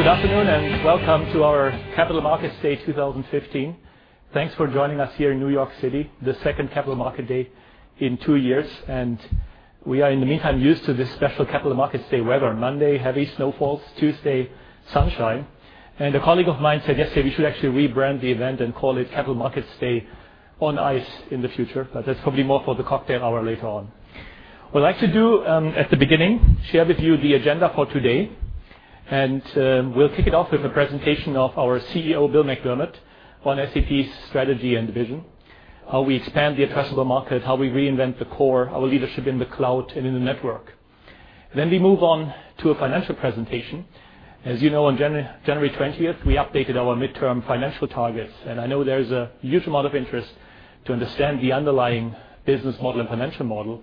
Good afternoon, welcome to our Capital Markets Day 2015. Thanks for joining us here in New York City, the second Capital Markets Day in two years. We are, in the meantime, used to this special Capital Markets Day weather. Monday, heavy snowfalls, Tuesday, sunshine. A colleague of mine said yesterday we should actually rebrand the event and call it Capital Markets Day on Ice in the future, that's probably more for the cocktail hour later on. What I'd like to do at the beginning, share with you the agenda for today. We'll kick it off with a presentation of our CEO, Bill McDermott, on SAP's strategy and vision, how we expand the addressable market, how we reinvent the core, our leadership in the cloud and in the network. We move on to a financial presentation. As you know, on January 20th, we updated our midterm financial targets, I know there is a huge amount of interest to understand the underlying business model and financial model.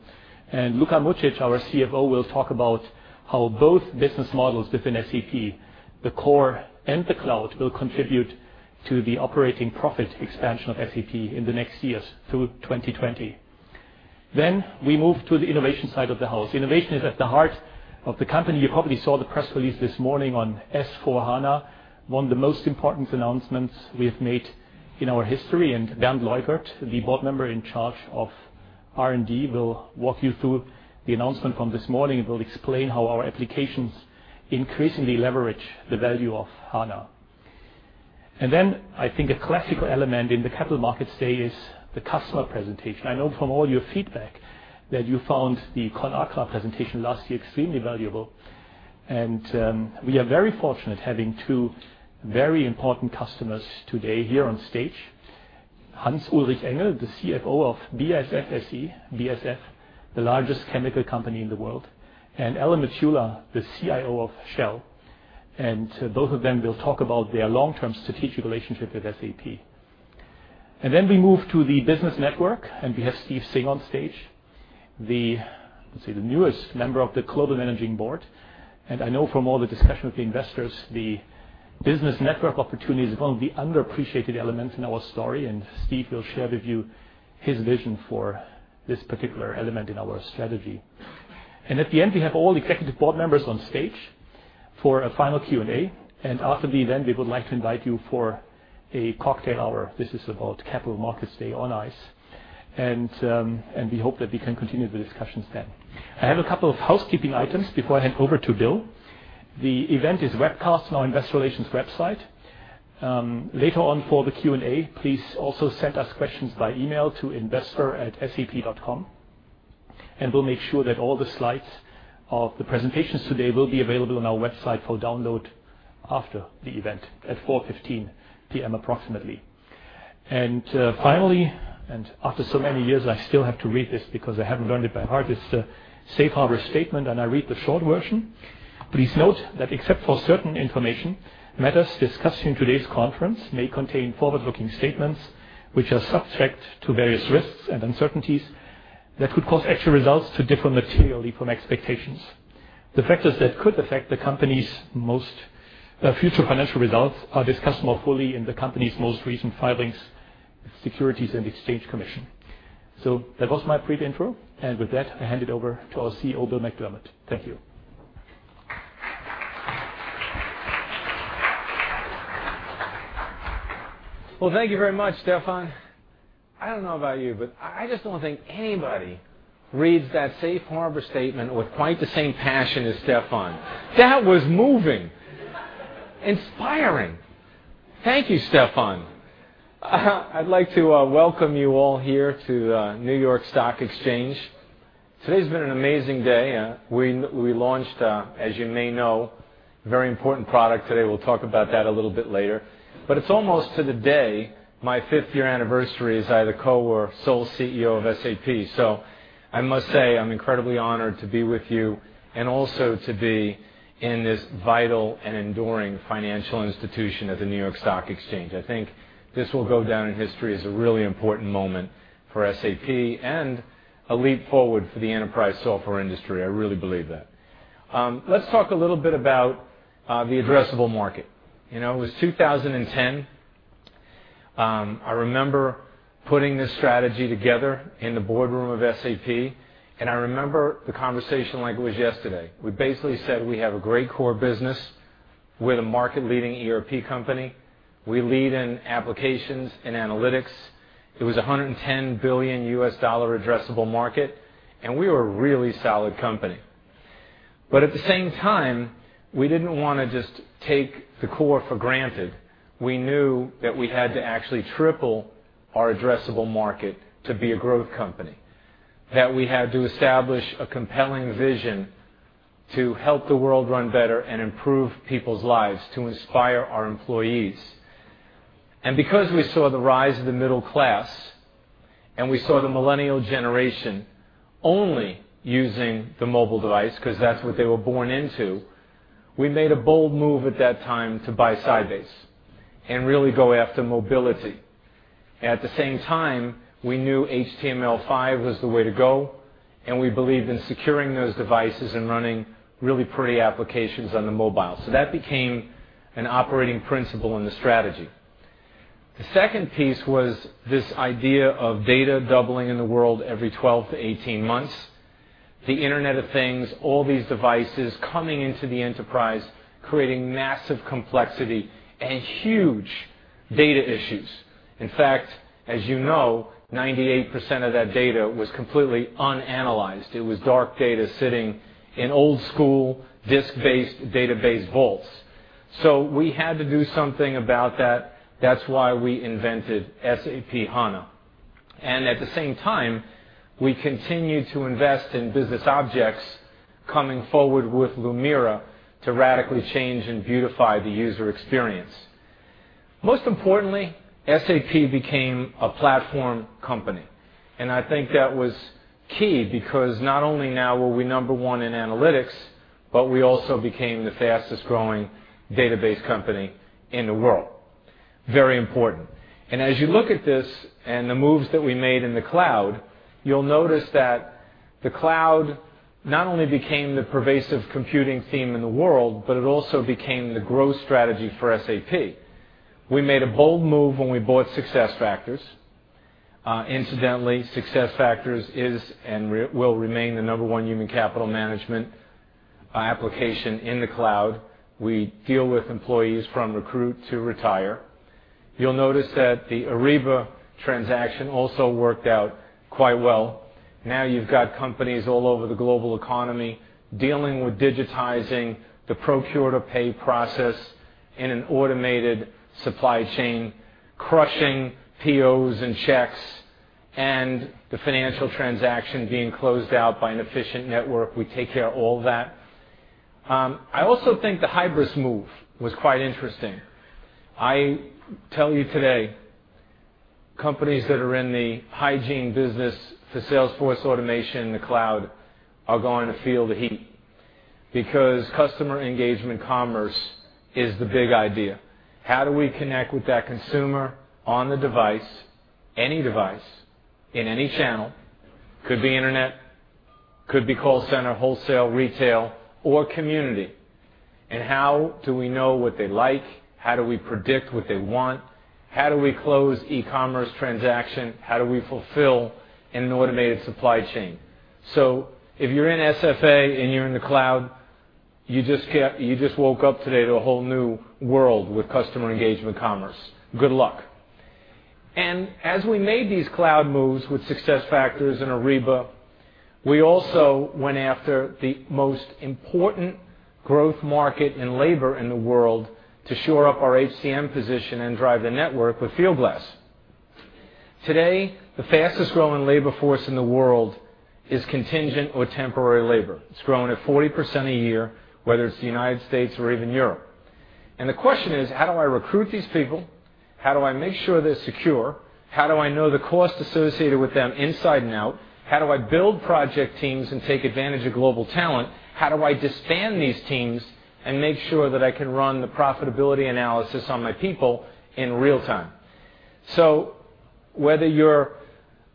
Luka Mucic, our CFO, will talk about how both business models within SAP, the core and the cloud, will contribute to the operating profit expansion of SAP in the next years through 2020. We move to the innovation side of the house. Innovation is at the heart of the company. You probably saw the press release this morning on S/4HANA, one of the most important announcements we have made in our history. Bernd Leukert, the board member in charge of R&D, will walk you through the announcement from this morning, will explain how our applications increasingly leverage the value of HANA. I think a classical element in the Capital Markets Day is the customer presentation. I know from all your feedback that you found the Conagra presentation last year extremely valuable. We are very fortunate having two very important customers today here on stage. Hans-Ulrich Engel, the CFO of BASF SE, BASF, the largest chemical company in the world, Alan Matula, the CIO of Shell. Both of them will talk about their long-term strategic relationship with SAP. We move to the business network, we have Steve Singh on stage, the, let's say, the newest member of the global managing board. I know from all the discussion with the investors, the business network opportunity is one of the underappreciated elements in our story, Steve will share with you his vision for this particular element in our strategy. At the end, we have all executive board members on stage for a final Q&A. After the event, we would like to invite you for a cocktail hour. This is about Capital Markets Day on Ice. We hope that we can continue the discussions then. I have a couple of housekeeping items before I hand over to Bill. The event is webcast on our investor relations website. Later on for the Q&A, please also send us questions by email to investor@sap.com. We'll make sure that all the slides of the presentations today will be available on our website for download after the event at 4:15 P.M. approximately. Finally, after so many years, I still have to read this because I haven't learned it by heart, it's the safe harbor statement, I read the short version. Please note that except for certain information, matters discussed in today's conference may contain forward-looking statements, which are subject to various risks and uncertainties that could cause actual results to differ materially from expectations. The factors that could affect the company's most future financial results are discussed more fully in the company's most recent filings with the Securities and Exchange Commission. That was my brief intro. With that, I hand it over to our CEO, Bill McDermott. Thank you. Thank you very much, Stefan. I don't know about you, but I just don't think anybody reads that safe harbor statement with quite the same passion as Stefan. That was moving. Inspiring. Thank you, Stefan. I'd like to welcome you all here to New York Stock Exchange. Today's been an amazing day. We launched, as you may know, a very important product today. We'll talk about that a little bit later. It's almost to the day my fifth-year anniversary as either co or sole CEO of SAP. I must say, I'm incredibly honored to be with you and also to be in this vital and enduring financial institution at the New York Stock Exchange. I think this will go down in history as a really important moment for SAP and a leap forward for the enterprise software industry. I really believe that. Let's talk a little bit about the addressable market. It was 2010. I remember putting this strategy together in the boardroom of SAP. I remember the conversation like it was yesterday. We basically said we have a great core business. We're the market leading ERP company. We lead in applications and analytics. It was $110 billion U.S. addressable market. We were a really solid company. At the same time, we didn't want to just take the core for granted. We knew that we had to actually triple our addressable market to be a growth company. That we had to establish a compelling vision to help the world run better and improve people's lives, to inspire our employees. Because we saw the rise of the middle class, and we saw the millennial generation only using the mobile device because that's what they were born into, we made a bold move at that time to buy Sybase and really go after mobility. At the same time, we knew HTML5 was the way to go, and we believed in securing those devices and running really pretty applications on the mobile. That became an operating principle in the strategy. The second piece was this idea of data doubling in the world every 12 to 18 months. The Internet of Things, all these devices coming into the enterprise, creating massive complexity and huge data issues. In fact, as you know, 98% of that data was completely unanalyzed. It was dark data sitting in old school disk-based database vaults. We had to do something about that. That's why we invented SAP HANA. At the same time, we continued to invest in SAP BusinessObjects coming forward with SAP Lumira to radically change and beautify the user experience. Most importantly, SAP became a platform company, and I think that was key because not only now were we number one in analytics, but we also became the fastest-growing database company in the world. Very important. As you look at this and the moves that we made in the cloud, you'll notice that the cloud not only became the pervasive computing theme in the world, but it also became the growth strategy for SAP. We made a bold move when we bought SuccessFactors. Incidentally, SuccessFactors is and will remain the number one human capital management application in the cloud. We deal with employees from recruit to retire. You'll notice that the Ariba transaction also worked out quite well. Now you've got companies all over the global economy dealing with digitizing the procure-to-pay process in an automated supply chain, crushing POs and checks and the financial transaction being closed out by an efficient network. We take care of all that. I also think the Hybris move was quite interesting. I tell you today, companies that are in the hygiene business for sales force automation in the cloud are going to feel the heat because customer engagement commerce is the big idea. How do we connect with that consumer on the device, any device, in any channel? Could be internet, could be call center, wholesale, retail, or community. How do we know what they like? How do we predict what they want? How do we close e-commerce transaction? How do we fulfill an automated supply chain? If you're in SFA and you're in the cloud, you just woke up today to a whole new world with customer engagement commerce. Good luck. As we made these cloud moves with SuccessFactors and Ariba, we also went after the most important growth market in labor in the world to shore up our HCM position and drive the network with Fieldglass. Today, the fastest growing labor force in the world is contingent or temporary labor. It's growing at 40% a year, whether it's the U.S. or even Europe. The question is: how do I recruit these people? How do I make sure they're secure? How do I know the cost associated with them inside and out? How do I build project teams and take advantage of global talent? How do I disband these teams and make sure that I can run the profitability analysis on my people in real time? Whether you're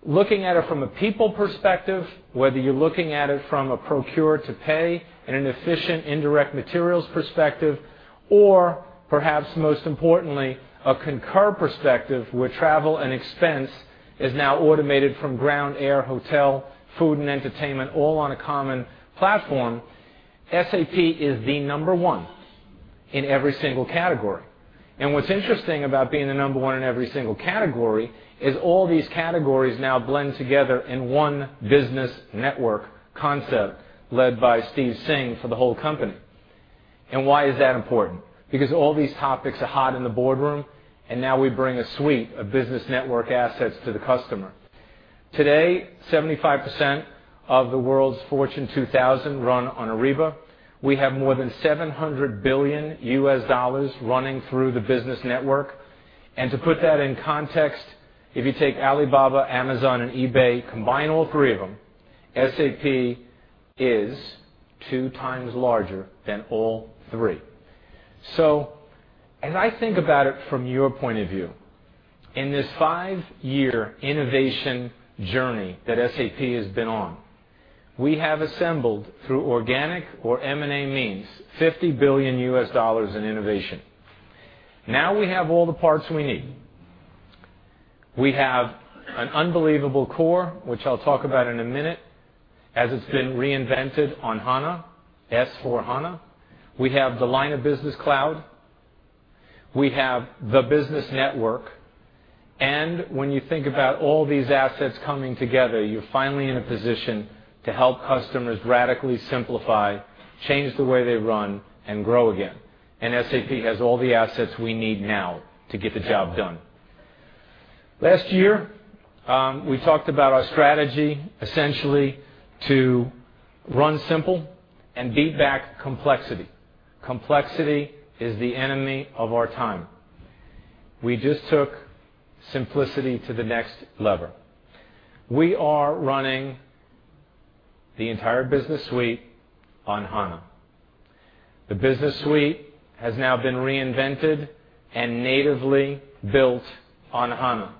looking at it from a people perspective, whether you're looking at it from a procure to pay in an efficient indirect materials perspective, or perhaps most importantly, a Concur perspective, where travel and expense is now automated from ground, air, hotel, food, and entertainment, all on a common platform, SAP is the number one in every single category. What's interesting about being the number one in every single category is all these categories now blend together in one business network concept led by Steve Singh for the whole company. Why is that important? Because all these topics are hot in the boardroom, and now we bring a suite of business network assets to the customer. Today, 75% of the world's Fortune 2000 run on Ariba. We have more than EUR 700 billion running through the Business Network. To put that in context, if you take Alibaba, Amazon, and eBay, combine all three of them, SAP is two times larger than all three. As I think about it from your point of view, in this five-year innovation journey that SAP has been on, we have assembled through organic or M&A means EUR 50 billion in innovation. Now we have all the parts we need. We have an unbelievable core, which I'll talk about in a minute, as it's been reinvented on HANA, S/4HANA. We have the line of business cloud. We have the Business Network. When you think about all these assets coming together, you're finally in a position to help customers radically simplify, change the way they run and grow again. SAP has all the assets we need now to get the job done. Last year, we talked about our strategy essentially to Run Simple and beat back complexity. Complexity is the enemy of our time. We just took simplicity to the next level. We are running the entire Business Suite on HANA. The Business Suite has now been reinvented and natively built on HANA.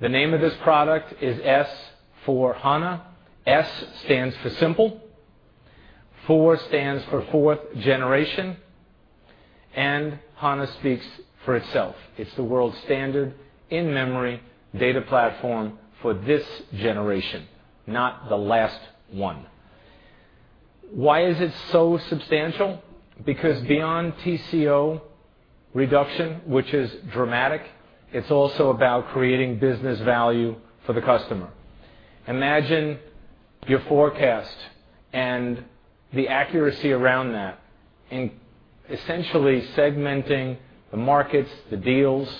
The name of this product is S/4HANA. S stands for simple, 4 stands for fourth generation, and HANA speaks for itself. It's the world standard in-memory data platform for this generation, not the last one. Why is it so substantial? Because beyond TCO reduction, which is dramatic, it's also about creating business value for the customer. Imagine your forecast and the accuracy around that, and essentially segmenting the markets, the deals,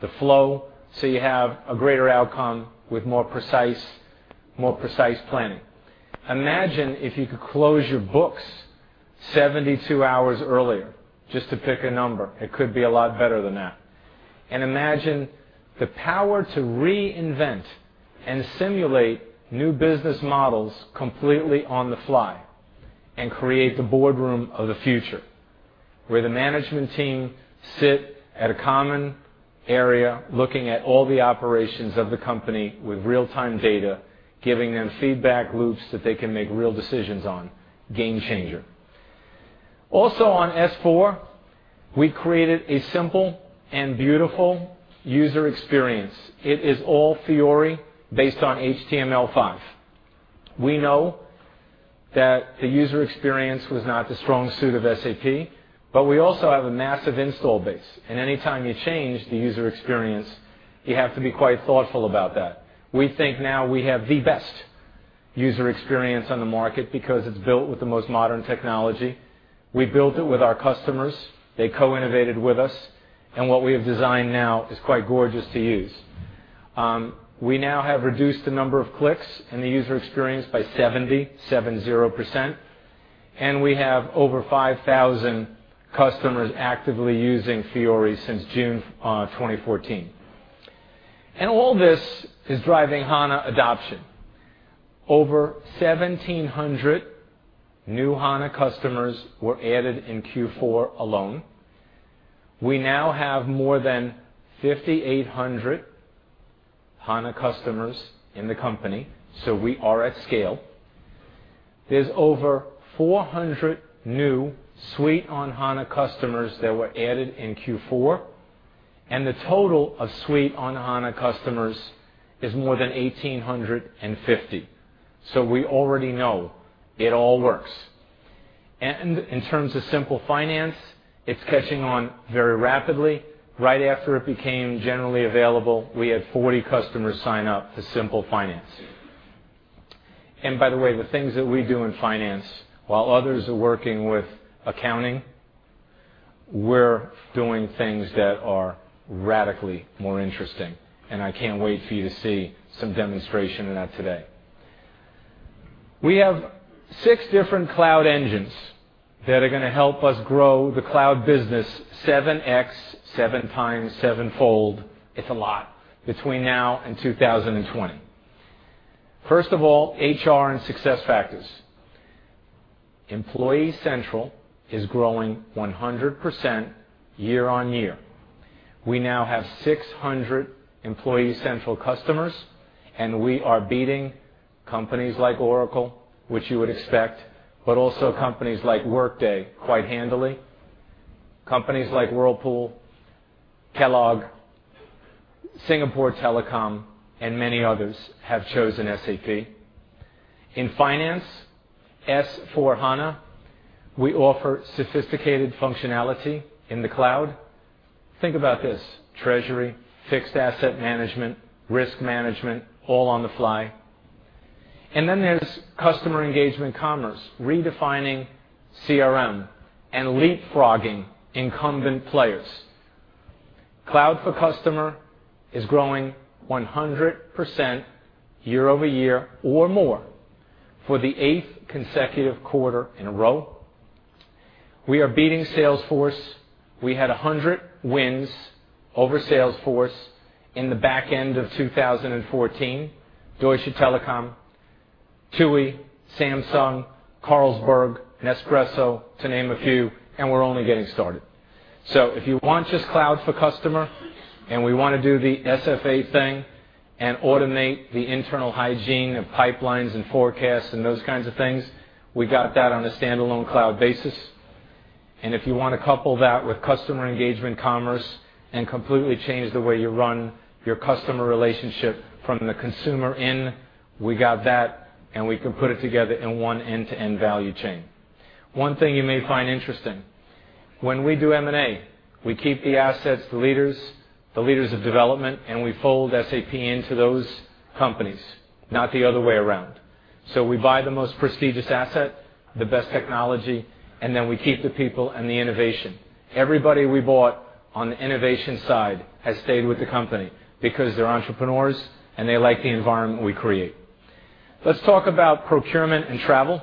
the flow, so you have a greater outcome with more precise planning. Imagine if you could close your books 72 hours earlier, just to pick a number. It could be a lot better than that. Imagine the power to reinvent and simulate new business models completely on the fly, and create the boardroom of the future, where the management team sit at a common area, looking at all the operations of the company with real-time data, giving them feedback loops that they can make real decisions on. Game changer. Also on S/4, we created a simple and beautiful user experience. It is all Fiori based on HTML5. We know that the user experience was not the strong suit of SAP, but we also have a massive install base, and any time you change the user experience, you have to be quite thoughtful about that. We think now we have the best user experience on the market because it's built with the most modern technology. We built it with our customers. They co-innovated with us, and what we have designed now is quite gorgeous to use. We now have reduced the number of clicks in the user experience by 70%, and we have over 5,000 customers actively using Fiori since June 2014. All this is driving HANA adoption. Over 1,700 new HANA customers were added in Q4 alone. We now have more than 5,800 HANA customers in the company. We are at scale. There's over 400 new Suite on HANA customers that were added in Q4, and the total of Suite on HANA customers is more than 1,850. We already know it all works. In terms of Simple Finance, it's catching on very rapidly. Right after it became generally available, we had 40 customers sign up for Simple Finance. By the way, the things that we do in finance, while others are working with accounting, we are doing things that are radically more interesting. I cannot wait for you to see some demonstration of that today. We have six different cloud engines that are going to help us grow the cloud business 7X, seven times, sevenfold, it is a lot, between now and 2020. First of all, HR and SuccessFactors. Employee Central is growing 100% year-over-year. We now have 600 Employee Central customers. We are beating companies like Oracle, which you would expect, but also companies like Workday quite handily. Companies like Whirlpool, Kellogg, Singapore Telecom, and many others have chosen SAP. In finance, S/4HANA, we offer sophisticated functionality in the cloud. Think about this, treasury, fixed asset management, risk management, all on the fly. Then there is customer engagement commerce, redefining CRM and leapfrogging incumbent players. Cloud for Customer is growing 100% year-over-year or more for the eighth consecutive quarter in a row. We are beating Salesforce. We had 100 wins over Salesforce in the back end of 2014, Deutsche Telekom, TUI, Samsung, Carlsberg, Nespresso, to name a few. We are only getting started. If you want just Cloud for Customer, we want to do the SFA thing and automate the internal hygiene of pipelines and forecasts and those kinds of things, we have that on a standalone cloud basis. If you want to couple that with customer engagement commerce and completely change the way you run your customer relationship from the consumer in, we have that. We can put it together in one end-to-end value chain. One thing you may find interesting, when we do M&A, we keep the assets, the leaders, the leaders of development. We fold SAP into those companies, not the other way around. We buy the most prestigious asset, the best technology. We keep the people and the innovation. Everybody we bought on the innovation side has stayed with the company because they are entrepreneurs and they like the environment we create. Let us talk about procurement and travel.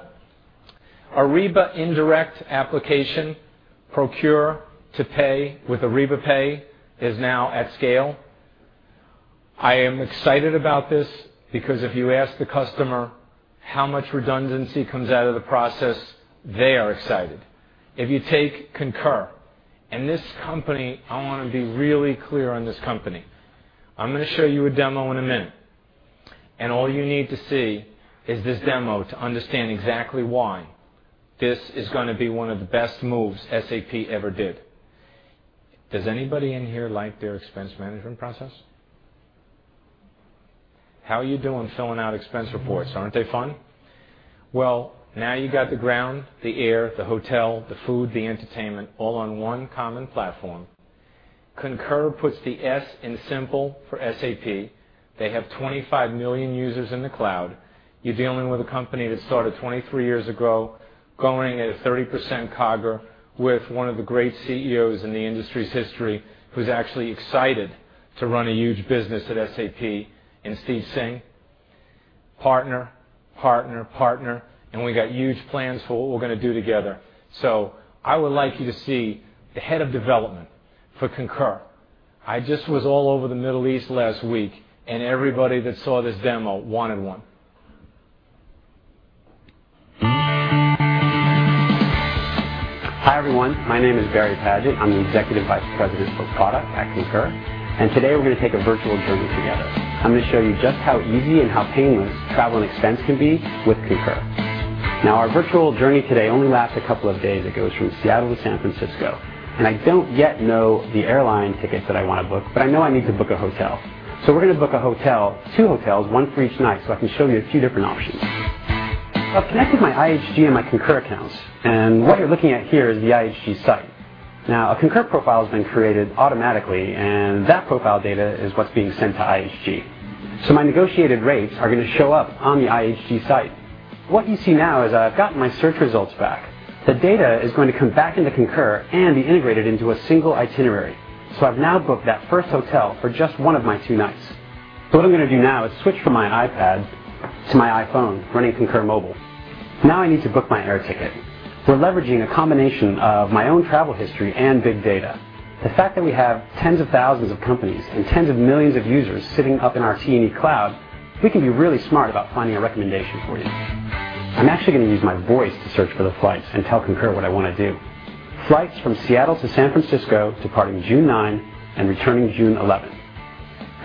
Ariba indirect application procure-to-pay with AribaPay is now at scale. I am excited about this because if you ask the customer how much redundancy comes out of the process, they are excited. If you take Concur. This company, I want to be really clear on this company. I am going to show you a demo in a minute. All you need to see is this demo to understand exactly why this is going to be one of the best moves SAP ever did. Does anybody in here like their expense management process? How are you doing filling out expense reports? Aren't they fun? Now you have the ground, the air, the hotel, the food, the entertainment, all on one common platform. Concur puts the S in simple for SAP. They have 25 million users in the cloud. You're dealing with a company that started 23 years ago, growing at a 30% CAGR with one of the great CEOs in the industry's history, who's actually excited to run a huge business at SAP in Steve Singh. Partner, partner, and we've got huge plans for what we're going to do together. I would like you to see the head of development for Concur. I just was all over the Middle East last week, and everybody that saw this demo wanted one. Hi everyone. My name is Barry Padgett. I'm the Executive Vice President for product at Concur, and today we're going to take a virtual journey together. I'm going to show you just how easy and how painless travel and expense can be with Concur. Now, our virtual journey today only lasts a couple of days. It goes from Seattle to San Francisco, and I don't yet know the airline ticket that I want to book, but I know I need to book a hotel. We're going to book a hotel, two hotels, one for each night, so I can show you a few different options. I've connected my IHG and my Concur accounts, and what you're looking at here is the IHG site. Now, a Concur profile has been created automatically, and that profile data is what's being sent to IHG. My negotiated rates are going to show up on the IHG site. What you see now is I've gotten my search results back. The data is going to come back into Concur and be integrated into a single itinerary. I've now booked that first hotel for just one of my two nights. What I'm going to do now is switch from my iPad to my iPhone running Concur Mobile. Now I need to book my air ticket. We're leveraging a combination of my own travel history and big data. The fact that we have tens of thousands of companies and tens of millions of users sitting up in our T&E cloud, we can be really smart about finding a recommendation for you. I'm actually going to use my voice to search for the flights and tell Concur what I want to do. Flights from Seattle to San Francisco, departing June 9 and returning June 11.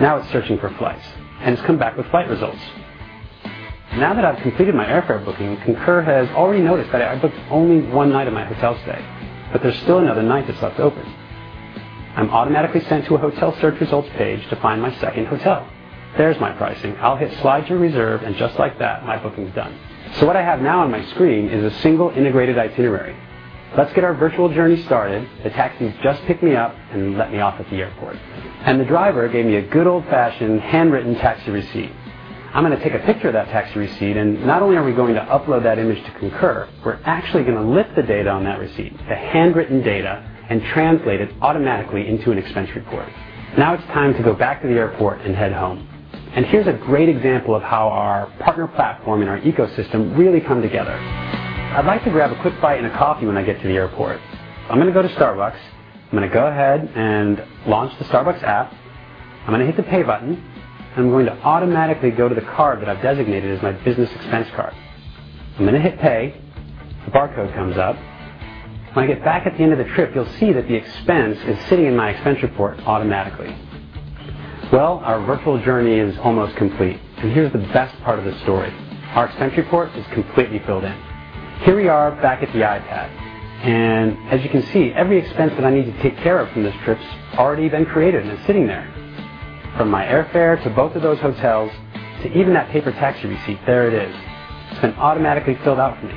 Now it's searching for flights, and it's come back with flight results. Now that I've completed my airfare booking, Concur has already noticed that I booked only one night of my hotel stay, but there's still another night that's left open. I'm automatically sent to a hotel search results page to find my second hotel. There's my pricing. I'll hit Slide to Reserve, and just like that, my booking's done. What I have now on my screen is a single integrated itinerary. Let's get our virtual journey started. The taxi's just picked me up and let me off at the airport. The driver gave me a good old-fashioned handwritten taxi receipt. I'm going to take a picture of that taxi receipt, not only are we going to upload that image to Concur, we're actually going to lift the data on that receipt, the handwritten data, and translate it automatically into an expense report. Now it's time to go back to the airport and head home. Here's a great example of how our partner platform and our ecosystem really come together. I'd like to grab a quick bite and a coffee when I get to the airport. I'm going to go to Starbucks. I'm going to go ahead and launch the Starbucks app. I'm going to hit the Pay button. I'm going to automatically go to the card that I've designated as my business expense card. I'm going to hit Pay. The barcode comes up. When I get back at the end of the trip, you'll see that the expense is sitting in my expense report automatically. Well, our virtual journey is almost complete, here's the best part of the story. Our expense report is completely filled in. Here we are back at the iPad. As you can see, every expense that I need to take care of from this trip's already been created and is sitting there. From my airfare to both of those hotels, to even that paper taxi receipt, there it is. It's been automatically filled out for me.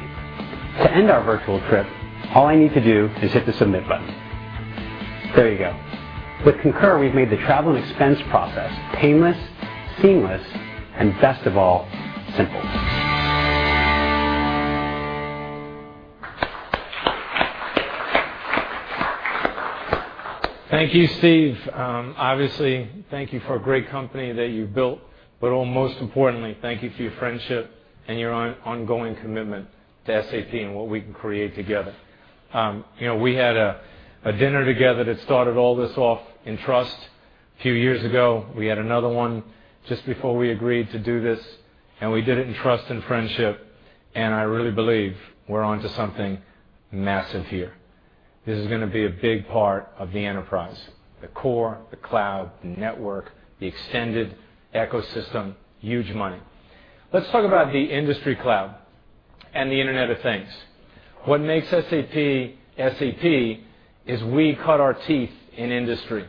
To end our virtual trip, all I need to do is hit the Submit button. There you go. With Concur, we've made the travel and expense process painless, seamless, and best of all, simple. Thank you, Steve. Obviously, thank you for a great company that you built, most importantly, thank you for your friendship and your ongoing commitment to SAP and what we can create together. We had a dinner together that started all this off in trust a few years ago. We had another one just before we agreed to do this, we did it in trust and friendship, I really believe we're onto something massive here. This is going to be a big part of the enterprise, the core, the cloud, the network, the extended ecosystem, huge money. Let's talk about the industry cloud and the Internet of Things. What makes SAP is we cut our teeth in industry.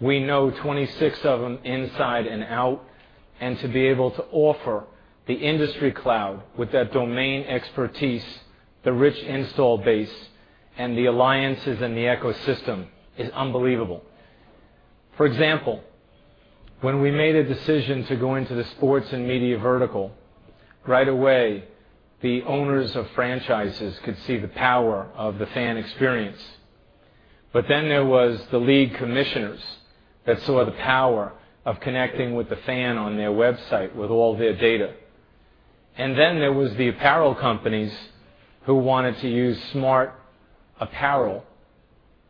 We know 26 of them inside and out, to be able to offer the industry cloud with that domain expertise, the rich install base, and the alliances and the ecosystem is unbelievable. For example, when we made a decision to go into the sports and media vertical, right away, the owners of franchises could see the power of the fan experience. There was the league commissioners that saw the power of connecting with the fan on their website with all their data. There was the apparel companies who wanted to use smart apparel,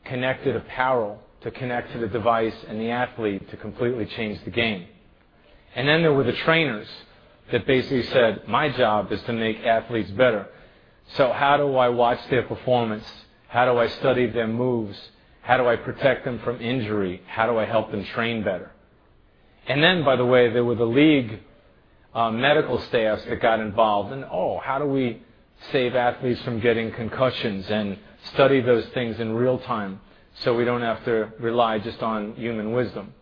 connected apparel to connect to the device and the athlete to completely change the game. There were the trainers that basically said, "My job is to make athletes better. How do I watch their performance? How do I study their moves? How do I protect them from injury? How do I help them train better?" There were the league medical staffs that got involved, "How do we save athletes from getting concussions and study those things in real-time so we don't have to rely just on human wisdom?"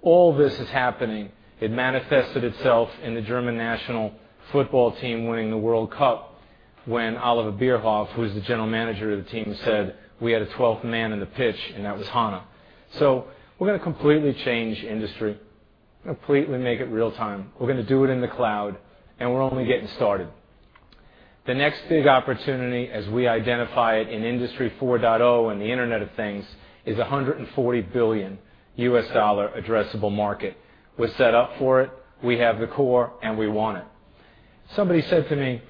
All this is happening. It manifested itself in the German national football team winning the World Cup when Oliver Bierhoff, who was the general manager of the team, said, "We had a 12th man on the pitch, and that was HANA." We're going to completely change industry, completely make it real-time. We're going to do it in the cloud, and we're only getting started. The next big opportunity as we identify it in Industry 4.0 and the Internet of Things is a $140 billion US dollar addressable market. We're set up for it. We have the core, and we want it. Somebody said to me,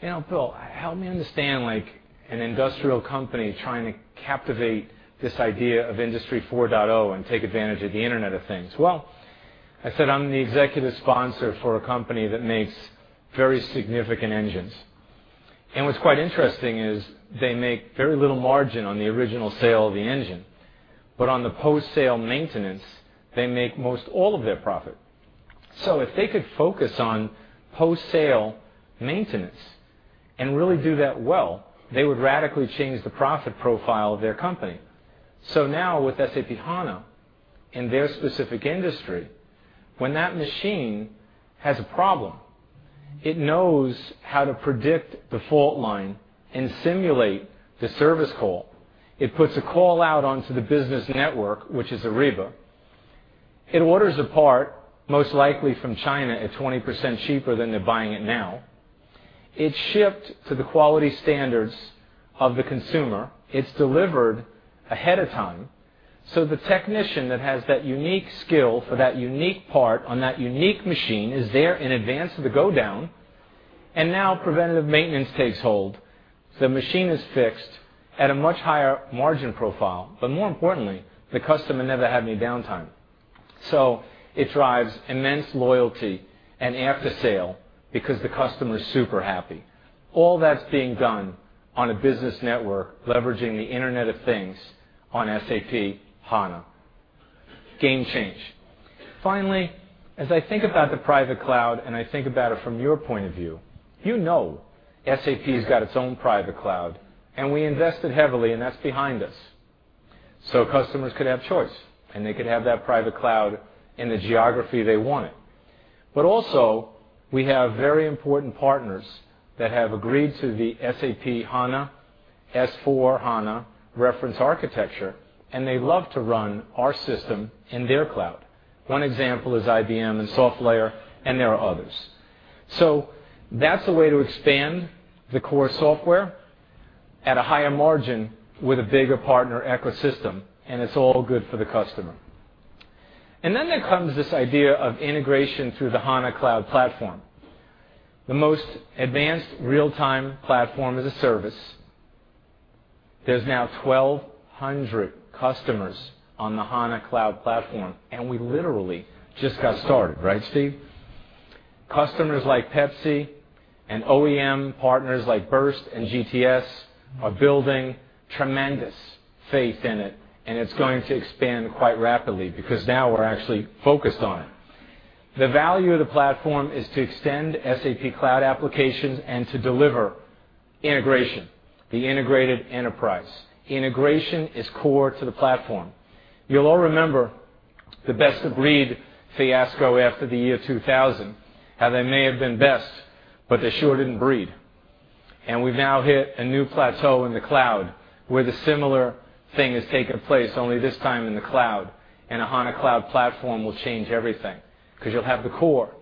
"Bill, help me understand an industrial company trying to captivate this idea of Industry 4.0 and take advantage of the Internet of Things." I said, I'm the executive sponsor for a company that makes very significant engines. What's quite interesting is they make very little margin on the original sale of the engine. On the post-sale maintenance, they make most all of their profit. If they could focus on post-sale maintenance and really do that well, they would radically change the profit profile of their company. Now with SAP HANA in their specific industry, when that machine has a problem, it knows how to predict the fault line and simulate the service call. It puts a call out onto the business network, which is Ariba. It orders a part, most likely from China, at 20% cheaper than they're buying it now. It's shipped to the quality standards of the consumer. It's delivered ahead of time. The technician that has that unique skill for that unique part on that unique machine is there in advance of the go-down, and now preventive maintenance takes hold. The machine is fixed at a much higher margin profile, but more importantly, the customer never had any downtime. It drives immense loyalty and after-sale because the customer is super happy. All that's being done on a business network leveraging the Internet of Things on SAP HANA. Game change. As I think about the private cloud, and I think about it from your point of view, you know SAP's got its own private cloud, and we invested heavily, and that's behind us. Customers could have choice, and they could have that private cloud in the geography they want it. Also, we have very important partners that have agreed to the SAP HANA, S/4HANA reference architecture, and they love to run our system in their cloud. One example is IBM and SoftLayer, and there are others. That's the way to expand the core software at a higher margin with a bigger partner ecosystem, and it's all good for the customer. Then there comes this idea of integration through the HANA Cloud Platform, the most advanced real-time platform as a service. There are now 1,200 customers on the HANA Cloud Platform, and we literally just got started. Right, Steve? Customers like Pepsi and OEM partners like Birst and GTS are building tremendous faith in it, and it's going to expand quite rapidly because now we're actually focused on it. The value of the platform is to extend SAP cloud applications and to deliver integration, the integrated enterprise. Integration is core to the platform. You'll all remember the best-of-breed fiasco after the year 2000, how they may have been best, but they sure didn't breed. We've now hit a new plateau in the cloud where the similar thing has taken place, only this time in the cloud. A HANA Cloud Platform will change everything because you'll have the core.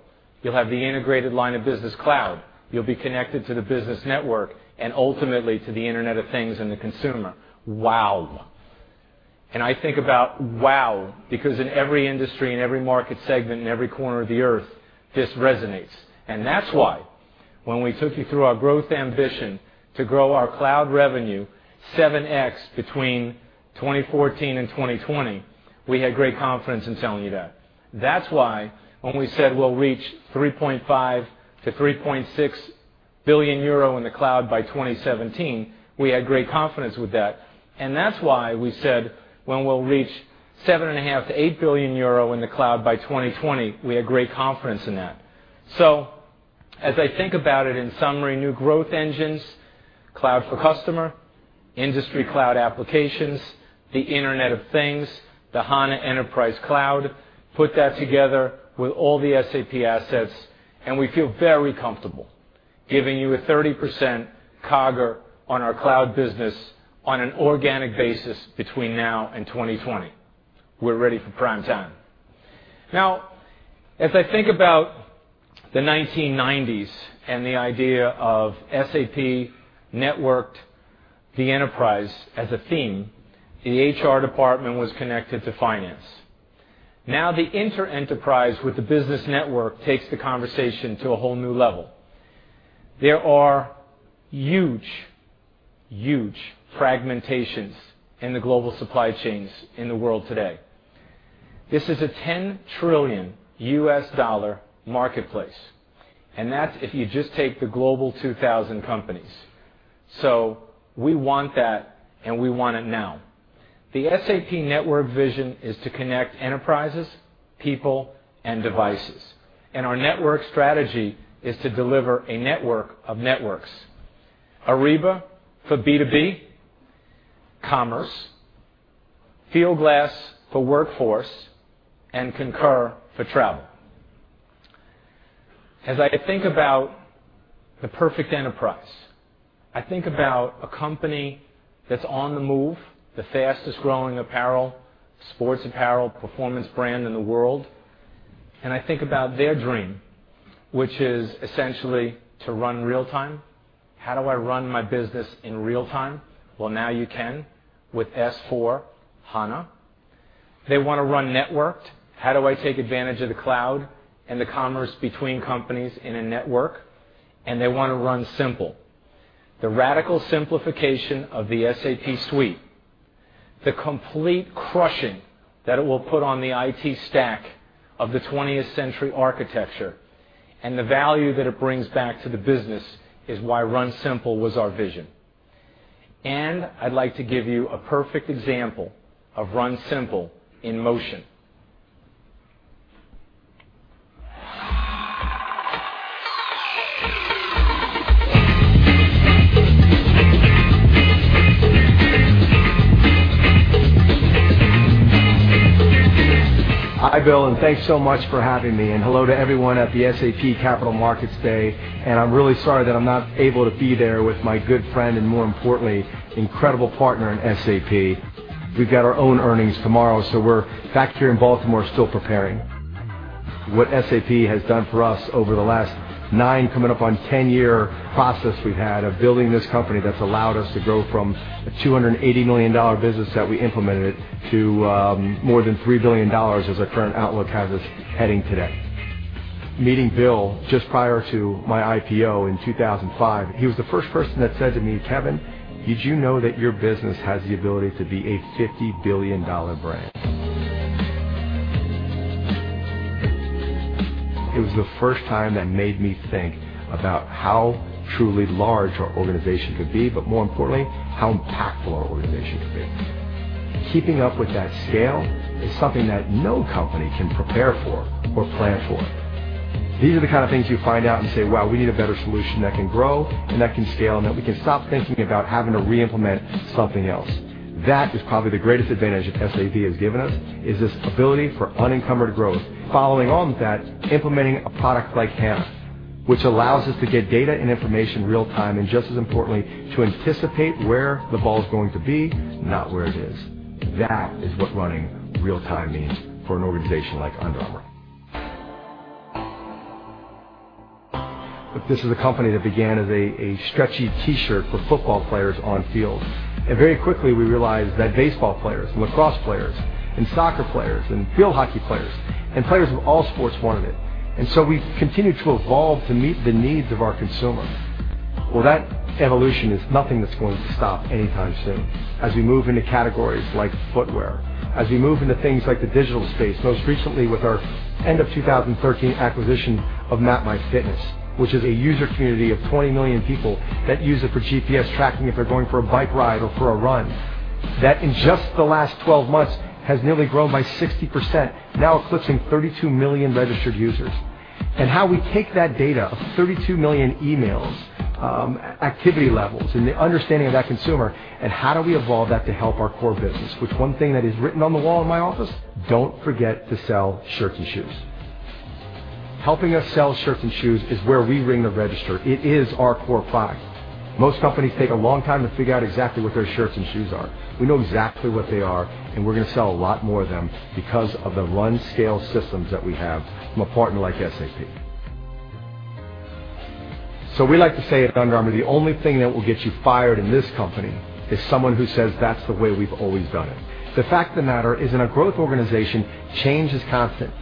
You'll have the integrated line of business cloud. You'll be connected to the business network and ultimately to the Internet of Things and the consumer. Wow. I think about wow, because in every industry, in every market segment, in every corner of the earth, this resonates. That's why when we took you through our growth ambition to grow our cloud revenue 7x between 2014 and 2020, we had great confidence in telling you that. That's why when we said we'll reach 3.5 billion-3.6 billion euro in the cloud by 2017, we had great confidence with that. That's why we said when we'll reach 7.5 billion-8 billion euro in the cloud by 2020, we had great confidence in that. As I think about it in summary, new growth engines, Cloud for Customer, Industry Cloud applications, the Internet of Things, the HANA Enterprise Cloud. Put that together with all the SAP assets, we feel very comfortable giving you a 30% CAGR on our cloud business on an organic basis between now and 2020. We're ready for prime time. As I think about the 1990s and the idea of SAP networked the enterprise as a theme, the HR department was connected to finance. The inter-enterprise with the business network takes the conversation to a whole new level. There are huge fragmentations in the global supply chains in the world today. This is a $10 trillion marketplace, and that's if you just take the Global 2,000 companies. We want that, and we want it now. The SAP network vision is to connect enterprises, people, and devices. Our network strategy is to deliver a network of networks. Ariba for B2B commerce, Fieldglass for workforce, and Concur for travel. As I think about the perfect enterprise, I think about a company that's on the move, the fastest-growing apparel, sports apparel, performance brand in the world. I think about their dream, which is essentially to run real time. How do I run my business in real time? Well, now you can with S/4HANA. They want to run networked. How do I take advantage of the cloud and the commerce between companies in a network? They want to run simple. The radical simplification of the SAP suite, the complete crushing that it will put on the IT stack of the 20th-century architecture. The value that it brings back to the business is why Run Simple was our vision. I'd like to give you a perfect example of Run Simple in motion. Hi, Bill. Thanks so much for having me. Hello to everyone at the SAP Capital Markets Day. I'm really sorry that I'm not able to be there with my good friend. More importantly, incredible partner in SAP. We've got our own earnings tomorrow, so we're back here in Baltimore still preparing. What SAP has done for us over the last nine, coming up on 10-year process we've had of building this company that's allowed us to go from a EUR 280 million business that we implemented to more than EUR 3 billion as our current outlook has us heading today. Meeting Bill McDermott just prior to my IPO in 2005, he was the first person that said to me, "Kevin Plank, did you know that your business has the ability to be a EUR 50 billion brand?" It was the first time that made me think about how truly large our organization could be, but more importantly, how impactful our organization could be. Keeping up with that scale is something that no company can prepare for or plan for. These are the kind of things you find out and say, "Wow, we need a better solution that can grow and that can scale, and that we can stop thinking about having to re-implement something else." That is probably the greatest advantage that SAP has given us, is this ability for unencumbered growth. Following on with that, implementing a product like SAP HANA, which allows us to get data and information real time, and just as importantly, to anticipate where the ball is going to be, not where it is. That is what running real time means for an organization like Under Armour. Look, this is a company that began as a stretchy T-shirt for football players on field. Very quickly, we realized that baseball players and lacrosse players and soccer players and field hockey players and players of all sports wanted it. We continued to evolve to meet the needs of our consumer. Well, that evolution is nothing that's going to stop anytime soon as we move into categories like footwear, as we move into things like the digital space, most recently with our end of 2013 acquisition of MapMyFitness, which is a user community of 20 million people that use it for GPS tracking if they're going for a bike ride or for a run. That, in just the last 12 months, has nearly grown by 60%, now eclipsing 32 million registered users. How we take that data of 32 million emails, activity levels, and the understanding of that consumer, and how do we evolve that to help our core business? Which one thing that is written on the wall in my office, don't forget to sell shirts and shoes. Helping us sell shirts and shoes is where we ring the register. It is our core product. Most companies take a long time to figure out exactly what their shirts and shoes are. We know exactly what they are, and we're going to sell a lot more of them because of the run scale systems that we have from a partner like SAP. We like to say at Under Armour, the only thing that will get you fired in this company is someone who says, "That's the way we've always done it." The fact of the matter is in a growth organization, change is constant.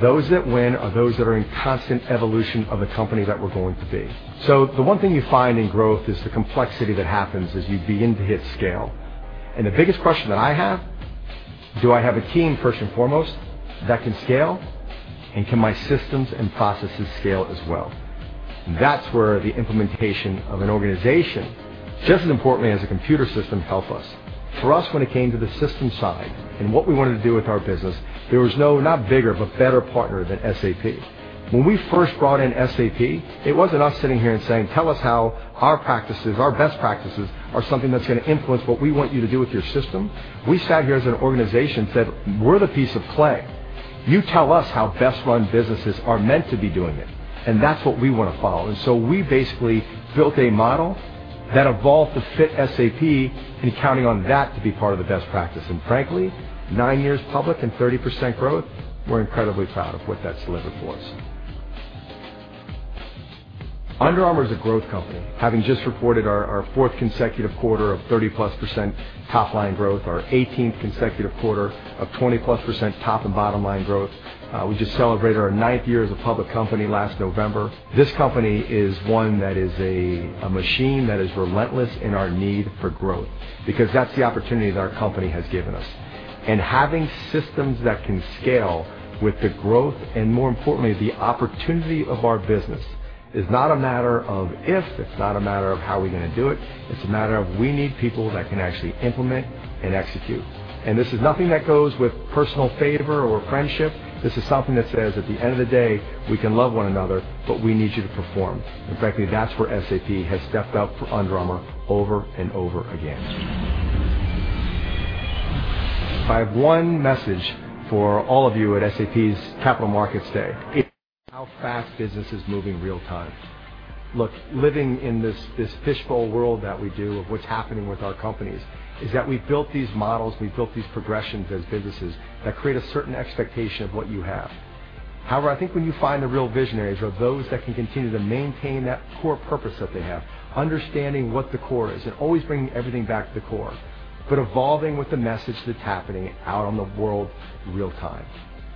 Those that win are those that are in constant evolution of the company that we're going to be. The one thing you find in growth is the complexity that happens as you begin to hit scale. The biggest question that I have, do I have a team, first and foremost, that can scale? Can my systems and processes scale as well? That's where the implementation of an organization, just as importantly as a computer system, help us. For us, when it came to the systems side and what we wanted to do with our business, there was no, not bigger, but better partner than SAP. When we first brought in SAP, it wasn't us sitting here and saying, "Tell us how our best practices are something that's going to influence what we want you to do with your system." We sat here as an organization and said, "We're the piece of clay. You tell us how best-run businesses are meant to be doing it, that's what we want to follow." So we basically built a model that evolved to fit SAP, counting on that to be part of the best practice. Frankly, 9 years public and 30% growth, we're incredibly proud of what that's delivered for us. Under Armour is a growth company, having just reported our 4th consecutive quarter of 30%+ top-line growth, our 18th consecutive quarter of 20%+ top and bottom-line growth. We just celebrated our 9th year as a public company last November. This company is one that is a machine that is relentless in our need for growth, because that's the opportunity that our company has given us. Having systems that can scale with the growth and, more importantly, the opportunity of our business is not a matter of if, it's not a matter of how we're going to do it's a matter of we need people that can actually implement and execute. This is nothing that goes with personal favor or friendship. This is something that says, at the end of the day, we can love one another, but we need you to perform. Frankly, that's where SAP has stepped up for Under Armour over and over again. If I have one message for all of you at SAP's Capital Markets Day, it's how fast business is moving real time. Look, living in this fishbowl world that we do of what's happening with our companies is that we've built these models, we've built these progressions as businesses that create a certain expectation of what you have. However, I think when you find the real visionaries are those that can continue to maintain that core purpose that they have, understanding what the core is and always bringing everything back to the core, but evolving with the message that's happening out on the world in real time.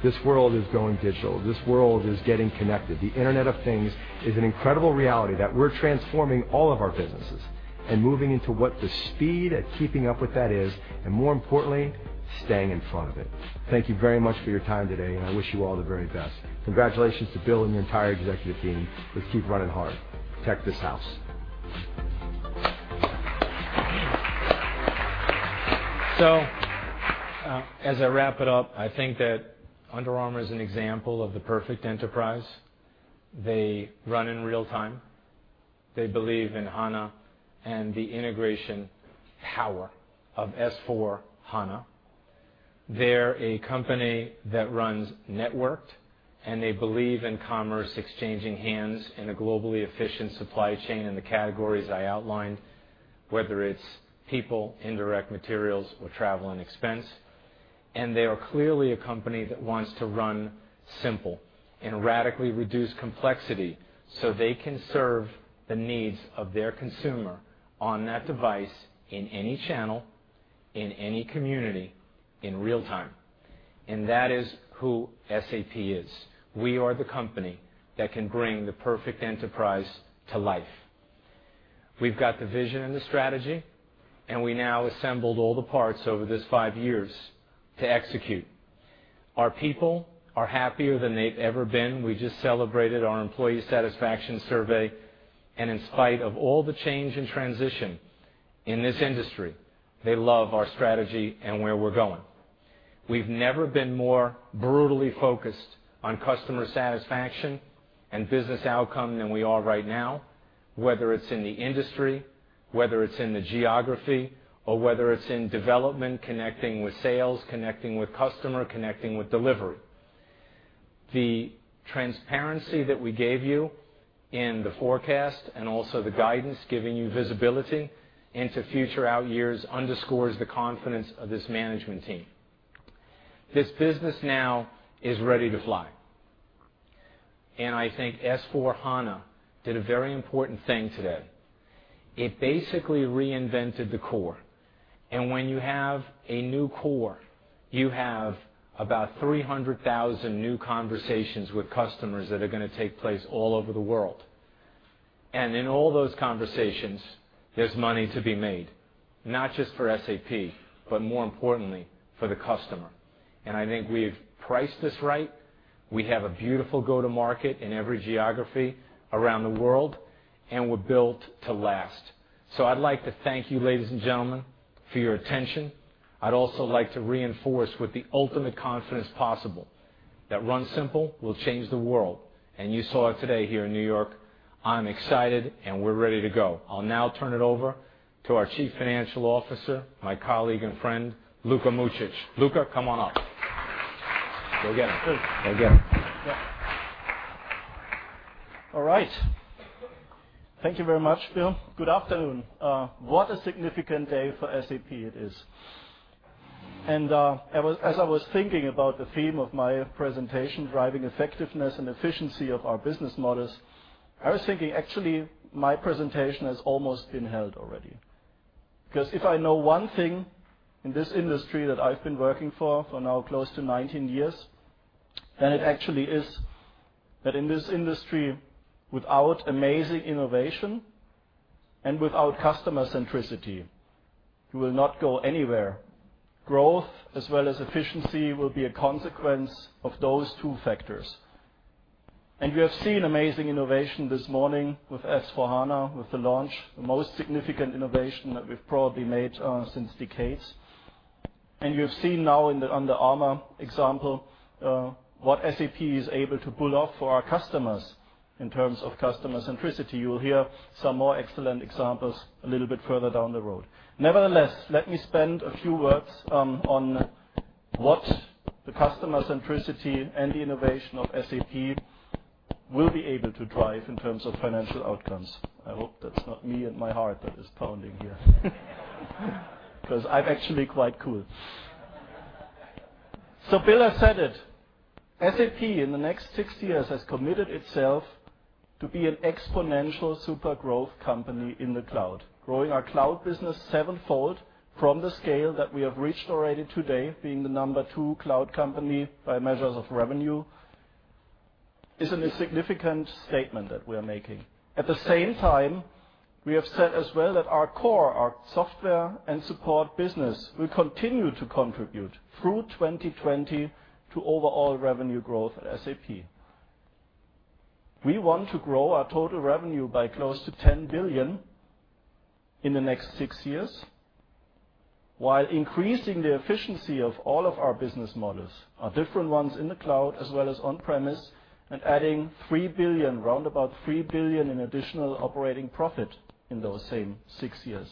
This world is going digital. This world is getting connected. The Internet of Things is an incredible reality that we're transforming all of our businesses and moving into what the speed at keeping up with that is, and more importantly, staying in front of it. Thank you very much for your time today, and I wish you all the very best. Congratulations to Bill and the entire executive team. Let's keep running hard. Protect this house. As I wrap it up, I think that Under Armour is an example of the perfect enterprise. They run in real time. They believe in HANA and the integration power of S/4HANA. They're a company that runs networked, and they believe in commerce exchanging hands in a globally efficient supply chain in the categories I outlined, whether it's people, indirect materials, or travel and expense. They are clearly a company that wants to Run Simple and radically reduce complexity so they can serve the needs of their consumer on that device in any channel, in any community, in real time. That is who SAP is. We are the company that can bring the perfect enterprise to life. We've got the vision and the strategy, and we now assembled all the parts over these five years to execute. Our people are happier than they've ever been. We just celebrated our employee satisfaction survey, in spite of all the change and transition in this industry, they love our strategy and where we're going. We've never been more brutally focused on customer satisfaction and business outcome than we are right now, whether it's in the industry, whether it's in the geography, or whether it's in development, connecting with sales, connecting with customer, connecting with delivery. The transparency that we gave you in the forecast and also the guidance giving you visibility into future out years underscores the confidence of this management team. This business now is ready to fly. I think S/4HANA did a very important thing today. It basically reinvented the core. When you have a new core, you have about 300,000 new conversations with customers that are going to take place all over the world. In all those conversations, there's money to be made, not just for SAP, but more importantly for the customer. I think we've priced this right. We have a beautiful go-to-market in every geography around the world, and we're built to last. I'd like to thank you, ladies and gentlemen, for your attention. I'd also like to reinforce with the ultimate confidence possible that Run Simple will change the world, and you saw it today here in New York. I'm excited, we're ready to go. I'll now turn it over to our Chief Financial Officer, my colleague and friend, Luka Mucic. Luka, come on up. Go get them. Good. Go get them. Yeah. All right. Thank you very much, Bill. Good afternoon. What a significant day for SAP it is. As I was thinking about the theme of my presentation, driving effectiveness and efficiency of our business models, I was thinking, actually, my presentation has almost been held already. If I know one thing in this industry that I've been working for now close to 19 years, then it actually is that in this industry, without amazing innovation and without customer centricity, you will not go anywhere. Growth as well as efficiency will be a consequence of those two factors. We have seen amazing innovation this morning with SAP S/4HANA, with the launch, the most significant innovation that we've probably made since decades. You have seen now in the Under Armour example, what SAP is able to pull off for our customers in terms of customer centricity. You will hear some more excellent examples a little bit further down the road. Nevertheless, let me spend a few words on what the customer centricity and the innovation of SAP will be able to drive in terms of financial outcomes. I hope that's not me and my heart that is pounding here. I'm actually quite cool. Bill has said it, SAP in the next six years has committed itself to be an exponential super growth company in the cloud, growing our cloud business sevenfold from the scale that we have reached already today, being the number two cloud company by measures of revenue, is a significant statement that we are making. At the same time, we have said as well that our core, our software and support business, will continue to contribute through 2020 to overall revenue growth at SAP. We want to grow our total revenue by close to 10 billion in the next six years, while increasing the efficiency of all of our business models, our different ones in the cloud as well as on-premise, and adding 3 billion, roundabout 3 billion in additional operating profit in those same six years.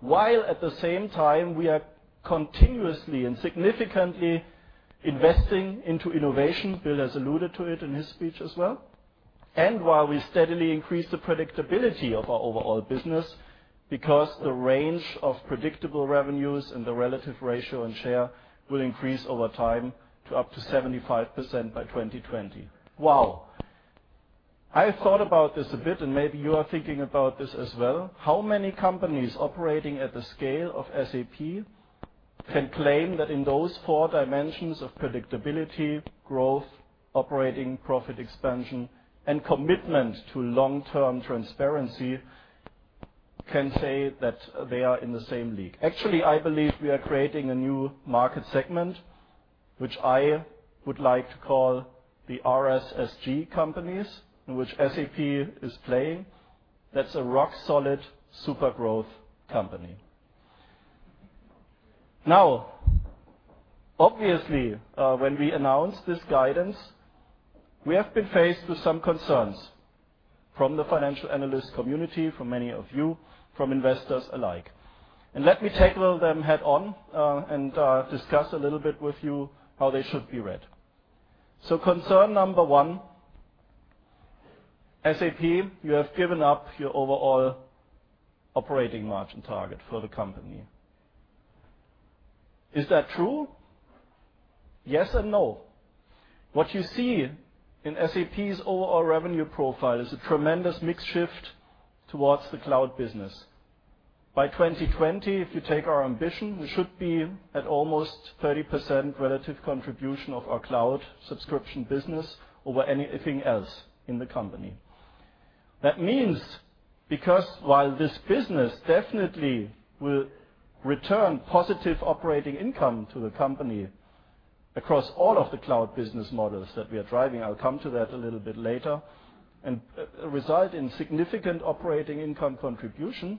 While at the same time, we are continuously and significantly investing into innovation. Bill has alluded to it in his speech as well. While we steadily increase the predictability of our overall business, because the range of predictable revenues and the relative ratio and share will increase over time to up to 75% by 2020. Wow. I thought about this a bit, and maybe you are thinking about this as well. How many companies operating at the scale of SAP can claim that in those four dimensions of predictability, growth, operating profit expansion, and commitment to long-term transparency, can say that they are in the same league? Actually, I believe we are creating a new market segment, which I would like to call the RSSG companies, in which SAP is playing. That's a rock solid super growth company. Obviously, when we announce this guidance, we have been faced with some concerns from the financial analyst community, from many of you, from investors alike. Let me take them head on, and discuss a little bit with you how they should be read. Concern number 1, SAP, you have given up your overall operating margin target for the company. Is that true? Yes and no. What you see in SAP's overall revenue profile is a tremendous mix shift towards the cloud business. By 2020, if you take our ambition, we should be at almost 30% relative contribution of our cloud subscription business over anything else in the company. That means because while this business definitely will return positive operating income to the company across all of the cloud business models that we are driving, I'll come to that a little bit later, and result in significant operating income contribution.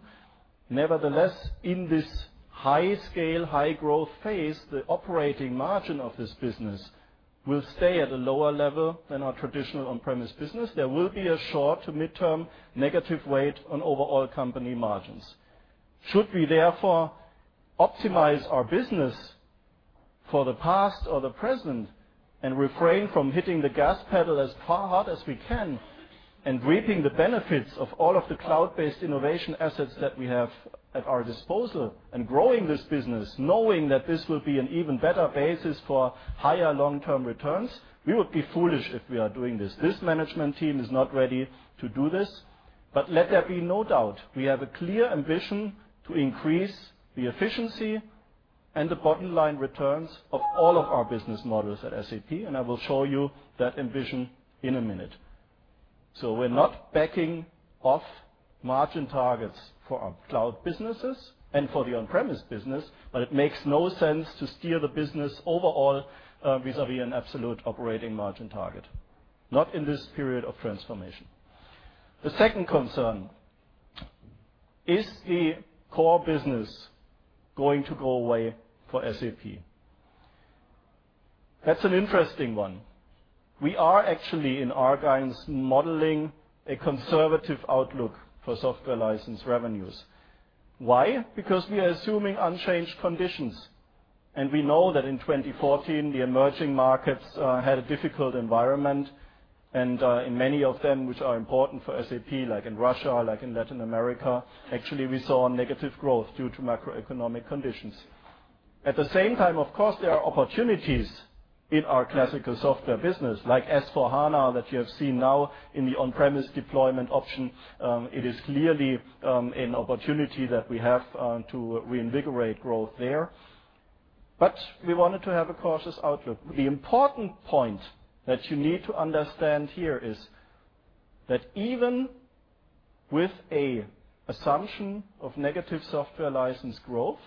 Nevertheless, in this high scale, high growth phase, the operating margin of this business will stay at a lower level than our traditional on-premise business. There will be a short-to-midterm negative weight on overall company margins. Should we therefore optimize our business for the past or the present and refrain from hitting the gas pedal as hard as we can and reaping the benefits of all of the cloud-based innovation assets that we have at our disposal and growing this business knowing that this will be an even better basis for higher long-term returns? We would be foolish if we are doing this. This management team is not ready to do this, let there be no doubt, we have a clear ambition to increase the efficiency and the bottom line returns of all of our business models at SAP, and I will show you that ambition in a minute. We're not backing off margin targets for our cloud businesses and for the on-premise business, it makes no sense to steer the business overall vis-à-vis an absolute operating margin target, not in this period of transformation. The second concern, is the core business going to go away for SAP? That's an interesting one. We are actually in our guidance modeling a conservative outlook for software license revenues. Why? Because we are assuming unchanged conditions, and we know that in 2014, the emerging markets had a difficult environment. In many of them, which are important for SAP, like in Russia, like in Latin America, actually, we saw negative growth due to macroeconomic conditions. At the same time, of course, there are opportunities in our classical software business, like S/4HANA that you have seen now in the on-premise deployment option. It is clearly an opportunity that we have to reinvigorate growth there. We wanted to have a cautious outlook. The important point that you need to understand here is that even with an assumption of negative software license growth,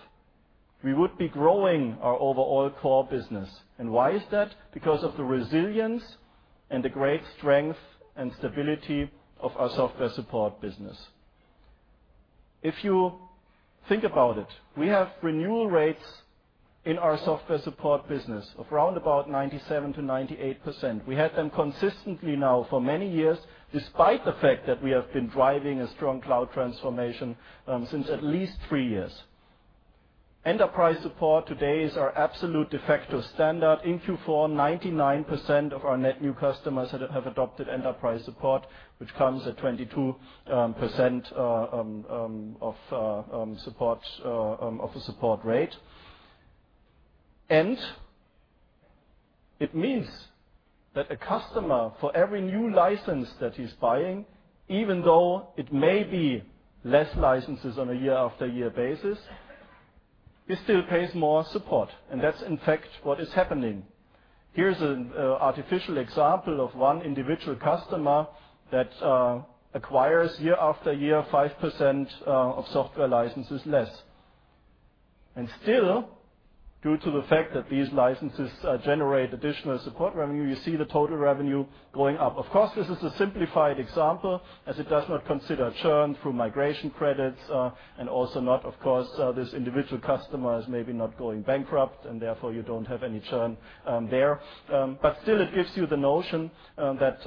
we would be growing our overall core business. Why is that? Because of the resilience and the great strength and stability of our software support business. If you think about it, we have renewal rates in our software support business of round about 97%-98%. We had them consistently now for many years, despite the fact that we have been driving a strong cloud transformation since at least three years. Enterprise support today is our absolute de facto standard. In Q4, 99% of our net new customers have adopted enterprise support, which comes at 22% of a support rate. It means that a customer, for every new license that he's buying, even though it may be less licenses on a year-after-year basis, it still pays more support. That's, in fact, what is happening. Here's an artificial example of one individual customer that acquires, year after year, 5% of software licenses less. Still, due to the fact that these licenses generate additional support revenue, you see the total revenue going up. Of course, this is a simplified example, as it does not consider churn through migration credits and also not, of course, this individual customer is maybe not going bankrupt, and therefore you don't have any churn there. Still it gives you the notion that